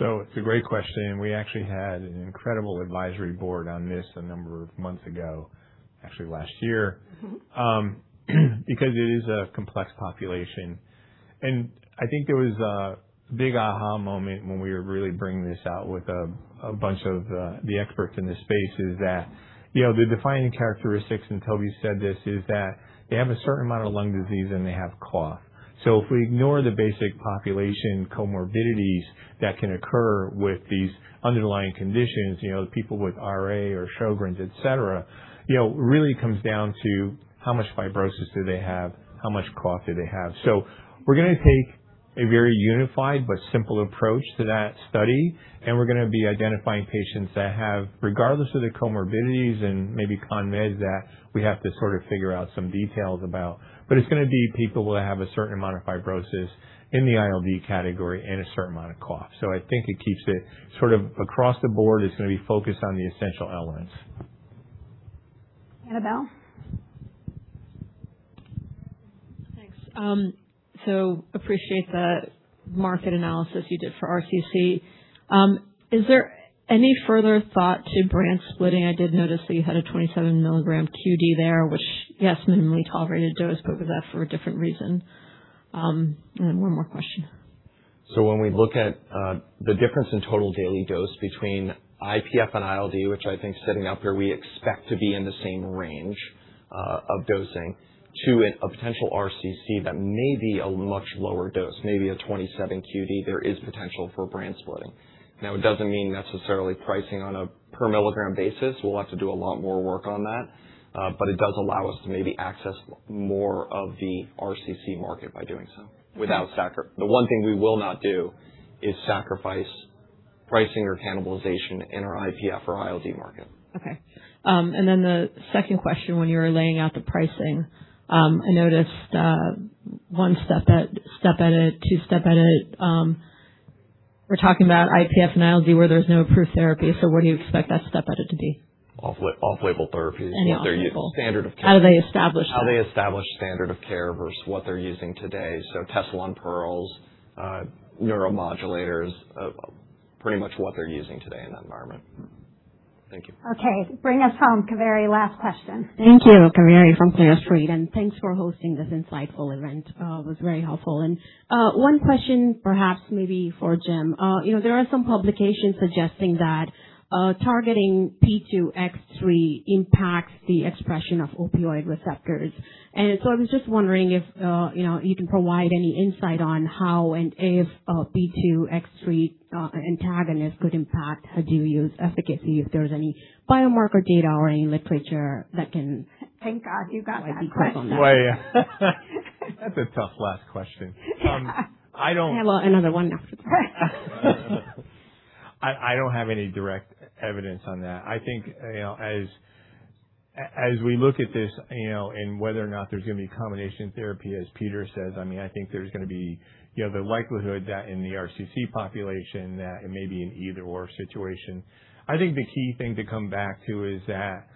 It's a great question, and we actually had an incredible advisory board on this a number of months ago, actually last year. Because it is a complex population. I think there was a big aha moment when we were really bringing this out with a bunch of the experts in this space, is that, you know, the defining characteristics, and Toby said this, is that they have a certain amount of lung disease, and they have cough. If we ignore the basic population comorbidities that can occur with these underlying conditions, you know, people with RA or Sjögren's, et cetera, you know, it really comes down to how much fibrosis do they have? How much cough do they have? We're gonna take a very unified but simple approach to that study, and we're gonna be identifying patients that have, regardless of the comorbidities and maybe con meds that we have to sort of figure out some details about. It's gonna be people who have a certain amount of fibrosis in the ILD category and a certain amount of cough. I think it keeps it sort of across the board, it's gonna be focused on the essential elements. Annabel. Thanks. Appreciate the market analysis you did for RCC. Is there any further thought to brand splitting? I did notice that you had a 27 milligram QD there, which, yes, minimally tolerated dose, but was that for a different reason? One more question. when we look at the difference in total daily dose between IPF and ILD, which I think setting out there, we expect to be in the same range of dosing to a potential RCC that may be a much lower dose, maybe a 27 QD. There is potential for brand splitting. Now, it doesn't mean necessarily pricing on a per milligram basis. We'll have to do a lot more work on that, but it does allow us to maybe access more of the RCC market by doing so without. The one thing we will not do is sacrifice pricing or cannibalization in our IPF or ILD market. Okay. the second question, when you were laying out the pricing, I noticed one step edit, two step edit. we're talking about IPF and ILD where there's no approved therapy, so where do you expect that step edit to be? off-label therapy. Off-label. What they're standard of care. How do they establish that? How they establish standard of care versus what they're using today, so Tessalon Perles, neuromodulators, pretty much what they're using today in that environment. Thank you. Okay. Bring us home, Kaveri. Last question. Thank you. Kaveri from Clear Street, and thanks for hosting this insightful event. It was very helpful. One question perhaps maybe for Jim. You know, there are some publications suggesting that, targeting P2X3 impacts the expression of opioid receptors. I was just wondering if, you know, you can provide any insight on how and if a P2X3, antagonist could impact Haduvio's efficacy, if there's any biomarker data or any literature that can- Thank God you got that question. be clear on that. Well, yeah. That's a tough last question. I don't I have another one after that. I don't have any direct evidence on that. I think, you know, as we look at this, you know, and whether or not there's gonna be combination therapy, as Peter says, I mean, I think there's gonna be, you know, the likelihood that in the RCC population that it may be an either/or situation. I think the key thing to come back to is that,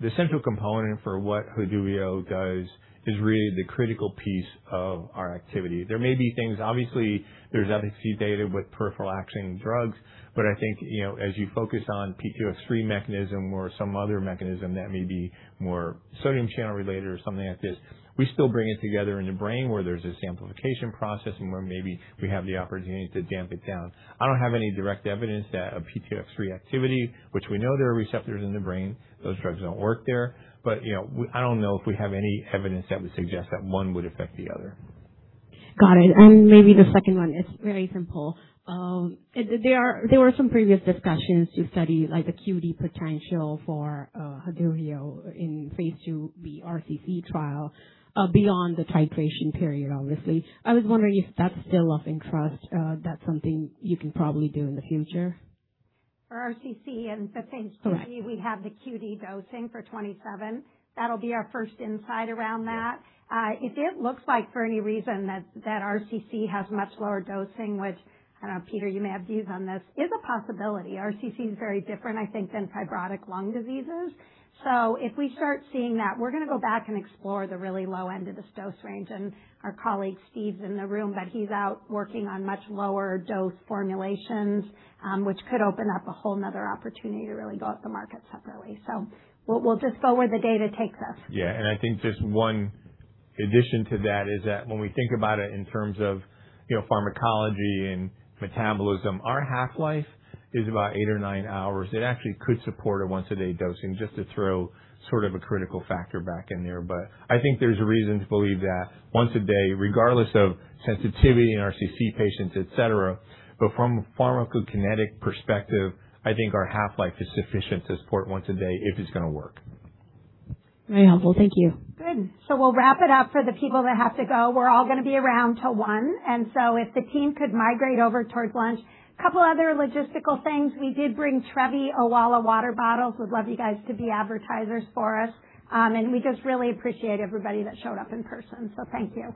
the central component for what Haduvio does is really the critical piece of our activity. There may be things. Obviously, there's efficacy data with peripheral acting drugs, but I think, you know, as you focus on P2X3 mechanism or some other mechanism that may be more sodium channel related or something like this, we still bring it together in the brain where there's this amplification processing where maybe we have the opportunity to damp it down. I don't have any direct evidence that a P2X3 activity, which we know there are receptors in the brain, those drugs don't work there. You know, I don't know if we have any evidence that would suggest that one would affect the other. Got it. Maybe the second one is very simple. There were some previous discussions to study, like the QD potential for Haduvio in phase II, the RCC trial, beyond the titration period, obviously. I was wondering if that's still of interest, that's something you can probably do in the future. For RCC and for phase II. We have the QD dosing for 27. That'll be our first insight around that. If it looks like for any reason that RCC has much lower dosing, which I don't know, Peter, you may have views on this, is a possibility. RCC is very different, I think, than fibrotic lung diseases. If we start seeing that, we're gonna go back and explore the really low end of this dose range. Our colleague Steve's in the room, but he's out working on much lower dose formulations, which could open up a whole another opportunity to really go at the market separately. We'll just go where the data takes us. Yeah. I think just one addition to that is that when we think about it in terms of, you know, pharmacology and metabolism, our half-life is about eight or nine hours. It actually could support a once a day dosing, just to throw sort of a critical factor back in there. I think there's a reason to believe that once a day, regardless of sensitivity in RCC patients, et cetera. From a pharmacokinetic perspective, I think our half-life is sufficient to support once a day if it's gonna work. Very helpful. Thank you. Good. We'll wrap it up for the people that have to go. We're all gonna be around till one. If the team could migrate over towards lunch. Couple other logistical things. We did bring Trevi Owala water bottles. We'd love you guys to be advertisers for us. We just really appreciate everybody that showed up in person. Thank you.